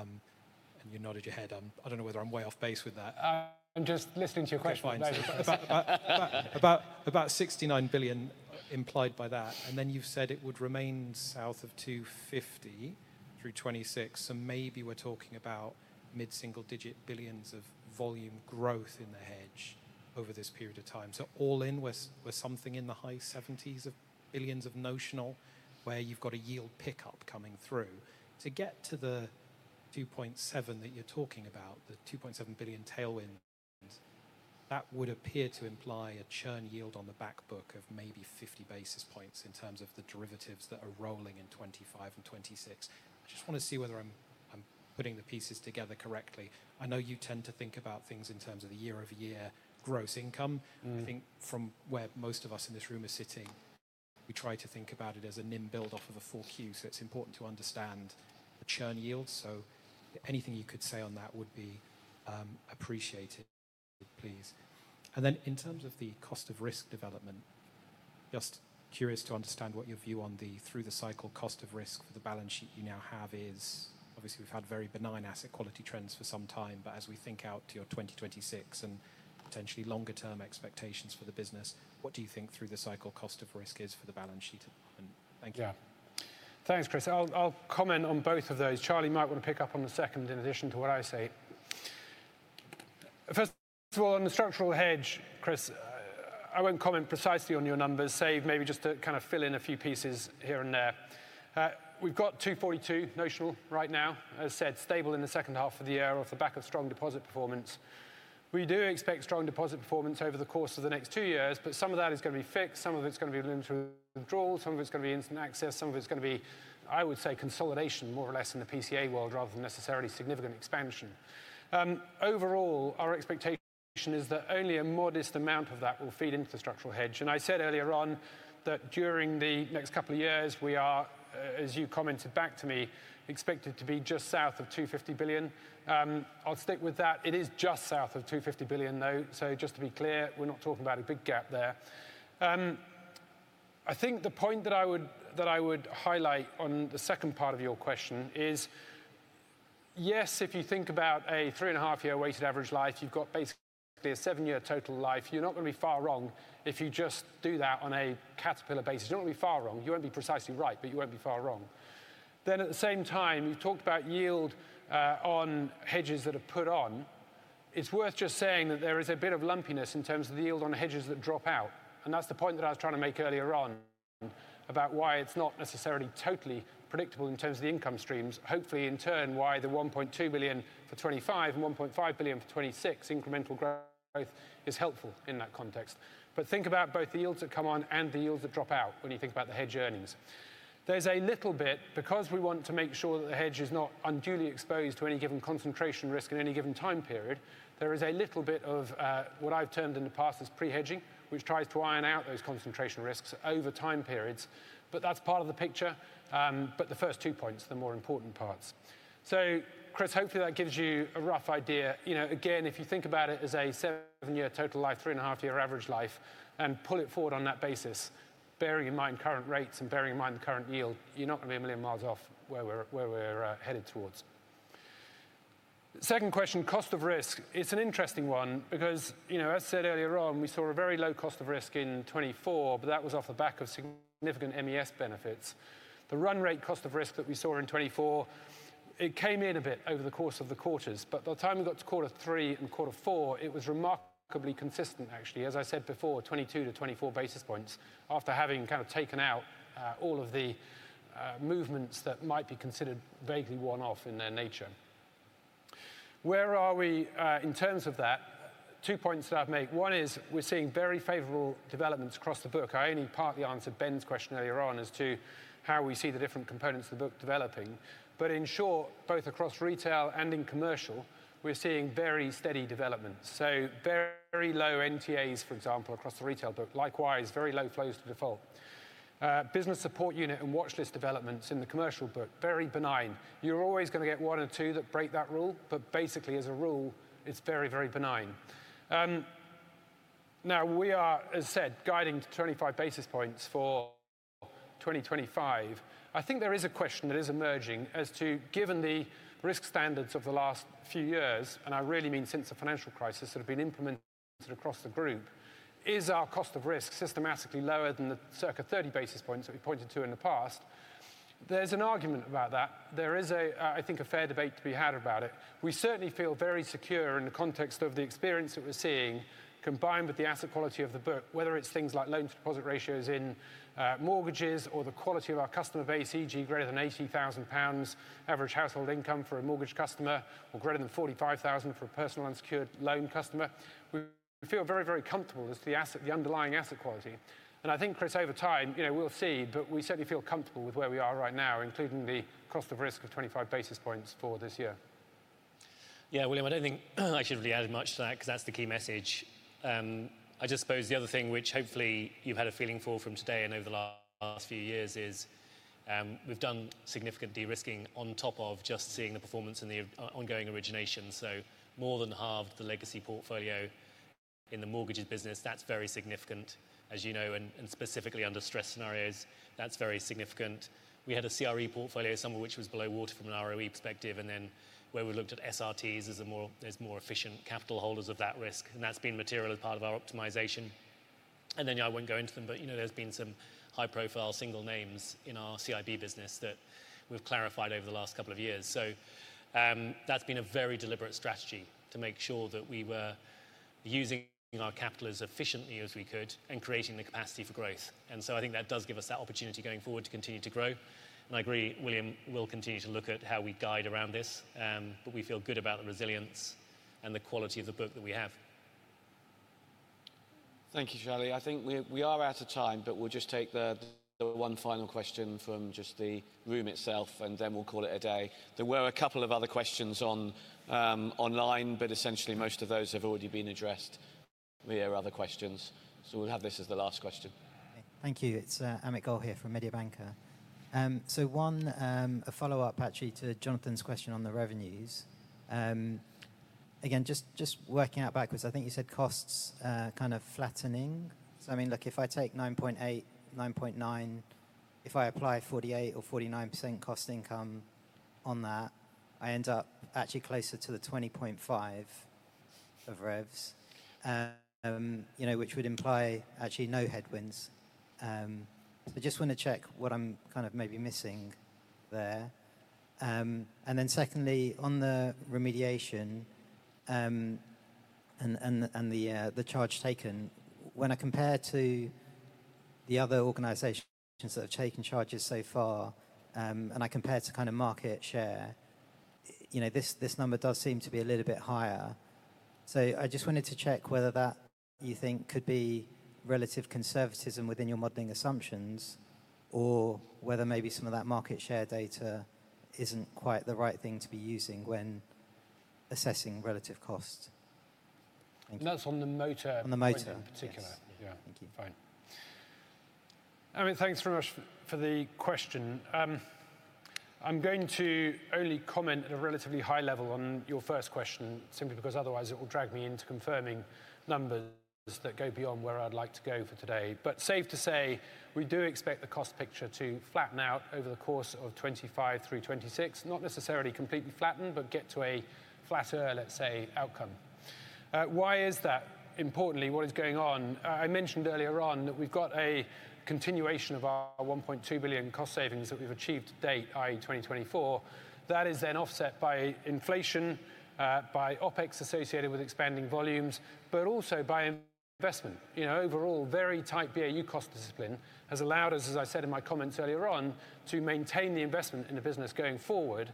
Speaker 8: And you nodded your head. I don't know whether I'm way off base with that. I'm just listening to your question. About 69 billion implied by that. And then you've said it would remain south of 250 billion through 2026. So, maybe we're talking about mid-single digit billions of volume growth in the hedge over this period of time. So, all in, we're something in the high 70s of billions of notional where you've got a yield pickup coming through. To get to the 2.7 billion that you're talking about, the 2.7 billion tailwinds, that would appear to imply a churn yield on the back book of maybe 50 basis points in terms of the derivatives that are rolling in 2025 and 2026. I just want to see whether I'm putting the pieces together correctly. I know you tend to think about things in terms of the year-over-year gross income. I think from where most of us in this room are sitting, we try to think about it as a NIM build-off of a 4Q. So, it's important to understand the churn yield. So, anything you could say on that would be appreciated, please. And then in terms of the cost of risk development, just curious to understand what your view on the through-the-cycle cost of risk for the balance sheet you now have is. Obviously, we've had very benign asset quality trends for some time, but as we think out to your 2026 and potentially longer-term expectations for the business, what do you think through-the-cycle cost of risk is for the balance sheet at the moment? Thank you.
Speaker 2: Yeah. Thanks, Chris. I'll comment on both of those. Charlie might want to pick up on the second in addition to what I say. First of all, on the structural hedge, Chris, I won't comment precisely on your numbers, save maybe just to kind of fill in a few pieces here and there. We've got 242 notional right now, as said, stable in the second half of the year off the back of strong deposit performance. We do expect strong deposit performance over the course of the next two years, but some of that is going to be fixed. Some of it's going to be loom through withdrawals. Some of it's going to be instant access. Some of it's going to be, I would say, consolidation, more or less, in the PCA world rather than necessarily significant expansion. Overall, our expectation is that only a modest amount of that will feed into the structural hedge. And I said earlier on that during the next couple of years, we are, as you commented back to me, expected to be just south of 250 billion. I'll stick with that. It is just south of 250 billion, though. So, just to be clear, we're not talking about a big gap there. I think the point that I would highlight on the second part of your question is, yes, if you think about a three and a half year weighted average life, you've got basically a seven-year total life. You're not going to be far wrong if you just do that on a straight-line basis. You're not going to be far wrong. You won't be precisely right, but you won't be far wrong. Then, at the same time, you've talked about yield on hedges that are put on. It's worth just saying that there is a bit of lumpiness in terms of the yield on hedges that drop out. And that's the point that I was trying to make earlier on about why it's not necessarily totally predictable in terms of the income streams. Hopefully, in turn, why the 1.2 billion for 2025 and 1.5 billion for 2026 incremental growth is helpful in that context. But think about both the yields that come on and the yields that drop out when you think about the hedge earnings. There's a little bit, because we want to make sure that the hedge is not unduly exposed to any given concentration risk in any given time period. There is a little bit of what I've termed in the past as pre-hedging, which tries to iron out those concentration risks over time periods. But that's part of the picture. But the first two points, the more important parts. So, Chris, hopefully that gives you a rough idea. Again, if you think about it as a seven-year total life, three and a half year average life, and pull it forward on that basis, bearing in mind current rates and bearing in mind the current yield, you're not going to be a million miles off where we're headed towards. Second question, cost of risk. It's an interesting one because, as said earlier on, we saw a very low cost of risk in 2024, but that was off the back of significant MES benefits. The run rate cost of risk that we saw in 2024, it came in a bit over the course of the quarters. But by the time we got to quarter three and quarter four, it was remarkably consistent, actually, as I said before, 22 to 24 basis points after having kind of taken out all of the movements that might be considered vaguely one-off in their nature. Where are we in terms of that? Two points that I've made. One is we're seeing very favorable developments across the book. I only partly answered Ben's question earlier on as to how we see the different components of the book developing. But in short, both across Retail and in Commercial, we're seeing very steady developments. So, very low NTAs, for example, across the Retail book. Likewise, very low flows to default. Business Support Unit and watchlist developments in the commercial book, very benign. You're always going to get one or two that break that rule, but basically, as a rule, it's very, very benign. Now, we are, as said, guiding to 25 basis points for 2025. I think there is a question that is emerging as to, given the risk standards of the last few years, and I really mean since the financial crisis that have been implemented across the group, is our cost of risk systematically lower than the circa 30 basis points that we pointed to in the past? There's an argument about that. There is, I think, a fair debate to be had about it. We certainly feel very secure in the context of the experience that we're seeing, combined with the asset quality of the book, whether it's things like loan-to-deposit ratios in mortgages or the quality of our customer base, e.g., greater than 80,000 pounds average household income for a mortgage customer or greater than 45,000 for a personal unsecured loan customer. We feel very, very comfortable as to the underlying asset quality. I think, Chris, over time, we'll see, but we certainly feel comfortable with where we are right now, including the cost of risk of 25 basis points for this year.
Speaker 1: Yeah, William, I don't think I should really add much to that because that's the key message. I just suppose the other thing, which hopefully you've had a feeling for from today and over the last few years, is we've done significant de-risking on top of just seeing the performance and the ongoing origination. So, more than halved the legacy portfolio in the mortgages business. That's very significant, as you know, and specifically under stress scenarios, that's very significant. We had a CRE portfolio somewhere which was below water from an ROE perspective, and then where we looked at SRTs as more efficient capital holders of that risk. And that's been material as part of our optimization. And then I won't go into them, but there's been some high-profile single names in our CIB business that we've clarified over the last couple of years. So, that's been a very deliberate strategy to make sure that we were using our capital as efficiently as we could and creating the capacity for growth. And so, I think that does give us that opportunity going forward to continue to grow. And I agree, William, we'll continue to look at how we guide around this, but we feel good about the resilience and the quality of the book that we have.
Speaker 3: Thank you, Charlie. I think we are out of time, but we'll just take the one final question from just the room itself, and then we'll call it a day. There were a couple of other questions online, but essentially most of those have already been addressed. There are other questions. So, we'll have this as the last question.
Speaker 9: Thank you. It's Amit Goel here from Mediobanca. So, one follow-up, actually, to Jonathan's question on the revenues. Again, just working out backwards, I think you said costs kind of flattening. So, I mean, look, if I take 9.8, 9.9, if I apply 48% or 49% cost income on that, I end up actually closer to the 20.5 of revs, which would imply actually no headwinds. So, just want to check what I'm kind of maybe missing there. And then secondly, on the remediation and the charge taken, when I compare to the other organizations that have taken charges so far, and I compare to kind of market share, this number does seem to be a little bit higher. So, I just wanted to check whether that, you think, could be relative conservatism within your modeling assumptions or whether maybe some of that market share data isn't quite the right thing to be using when assessing relative cost.
Speaker 2: That's on the motor?
Speaker 9: On the motor, in particular. Yeah.
Speaker 2: Thank you. Fine. Amit, thanks very much for the question. I'm going to only comment at a relatively high level on your first question, simply because otherwise it will drag me into confirming numbers that go beyond where I'd like to go for today. But safe to say, we do expect the cost picture to flatten out over the course of 2025 through 2026, not necessarily completely flattened, but get to a flatter, let's say, outcome. Why is that? Importantly, what is going on? I mentioned earlier on that we've got a continuation of our 1.2 billion cost savings that we've achieved to date, i.e., 2024. That is then offset by inflation, by OpEx associated with expanding volumes, but also by investment. Overall, very tight BAU cost discipline has allowed us, as I said in my comments earlier on, to maintain the investment in the business going forward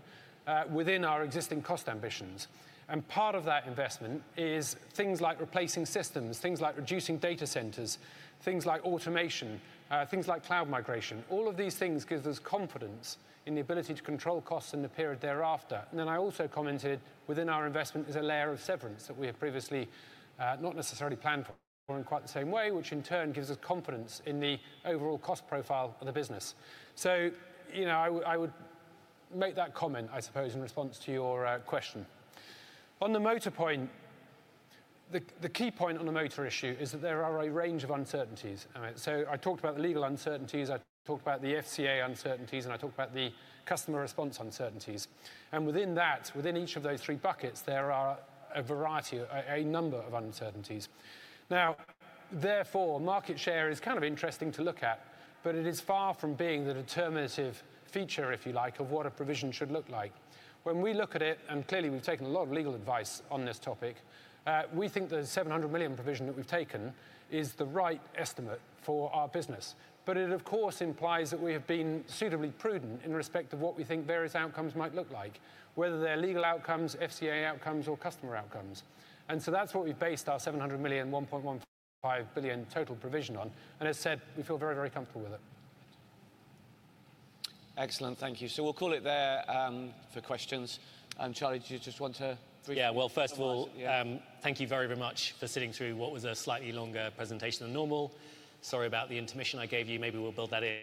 Speaker 2: within our existing cost ambitions. And part of that investment is things like replacing systems, things like reducing data centers, things like automation, things like cloud migration. All of these things give us confidence in the ability to control costs in the period thereafter. And then I also commented within our investment is a layer of severance that we have previously not necessarily planned for in quite the same way, which in turn gives us confidence in the overall cost profile of the business. So, I would make that comment, I suppose, in response to your question. On the motor point, the key point on the motor issue is that there are a range of uncertainties. So, I talked about the legal uncertainties, I talked about the FCA uncertainties, and I talked about the customer response uncertainties. And within that, within each of those three buckets, there are a variety, a number of uncertainties. Now, therefore, market share is kind of interesting to look at, but it is far from being the determinative feature, if you like, of what a provision should look like. When we look at it, and clearly we've taken a lot of legal advice on this topic, we think the 700 million provision that we've taken is the right estimate for our business. But it, of course, implies that we have been suitably prudent in respect of what we think various outcomes might look like, whether they're legal outcomes, FCA outcomes, or customer outcomes. And so, that's what we've based our 700 million, 1.15 billion total provision on. And as said, we feel very, very comfortable with it.
Speaker 3: Excellent. Thank you. So, we'll call it there for questions. Charlie, do you just want to briefly?
Speaker 1: Yeah. Well, first of all, thank you very, very much for sitting through what was a slightly longer presentation than normal. Sorry about the intermission I gave you. Maybe we'll build that in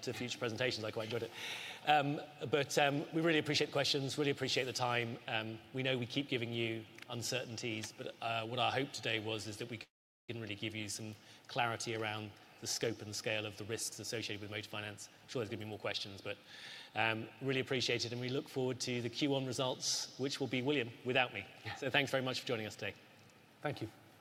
Speaker 1: to future presentations. I'm quite good at it. But we really appreciate the questions, really appreciate the time. We know we keep giving you uncertainties, but what I hoped today was that we can really give you some clarity around the scope and scale of the risks associated with motor finance. I'm sure there's going to be more questions but really appreciate it. And we look forward to the Q1 results, which will be William without me. So, thanks very much for joining us today.
Speaker 3: Thank you.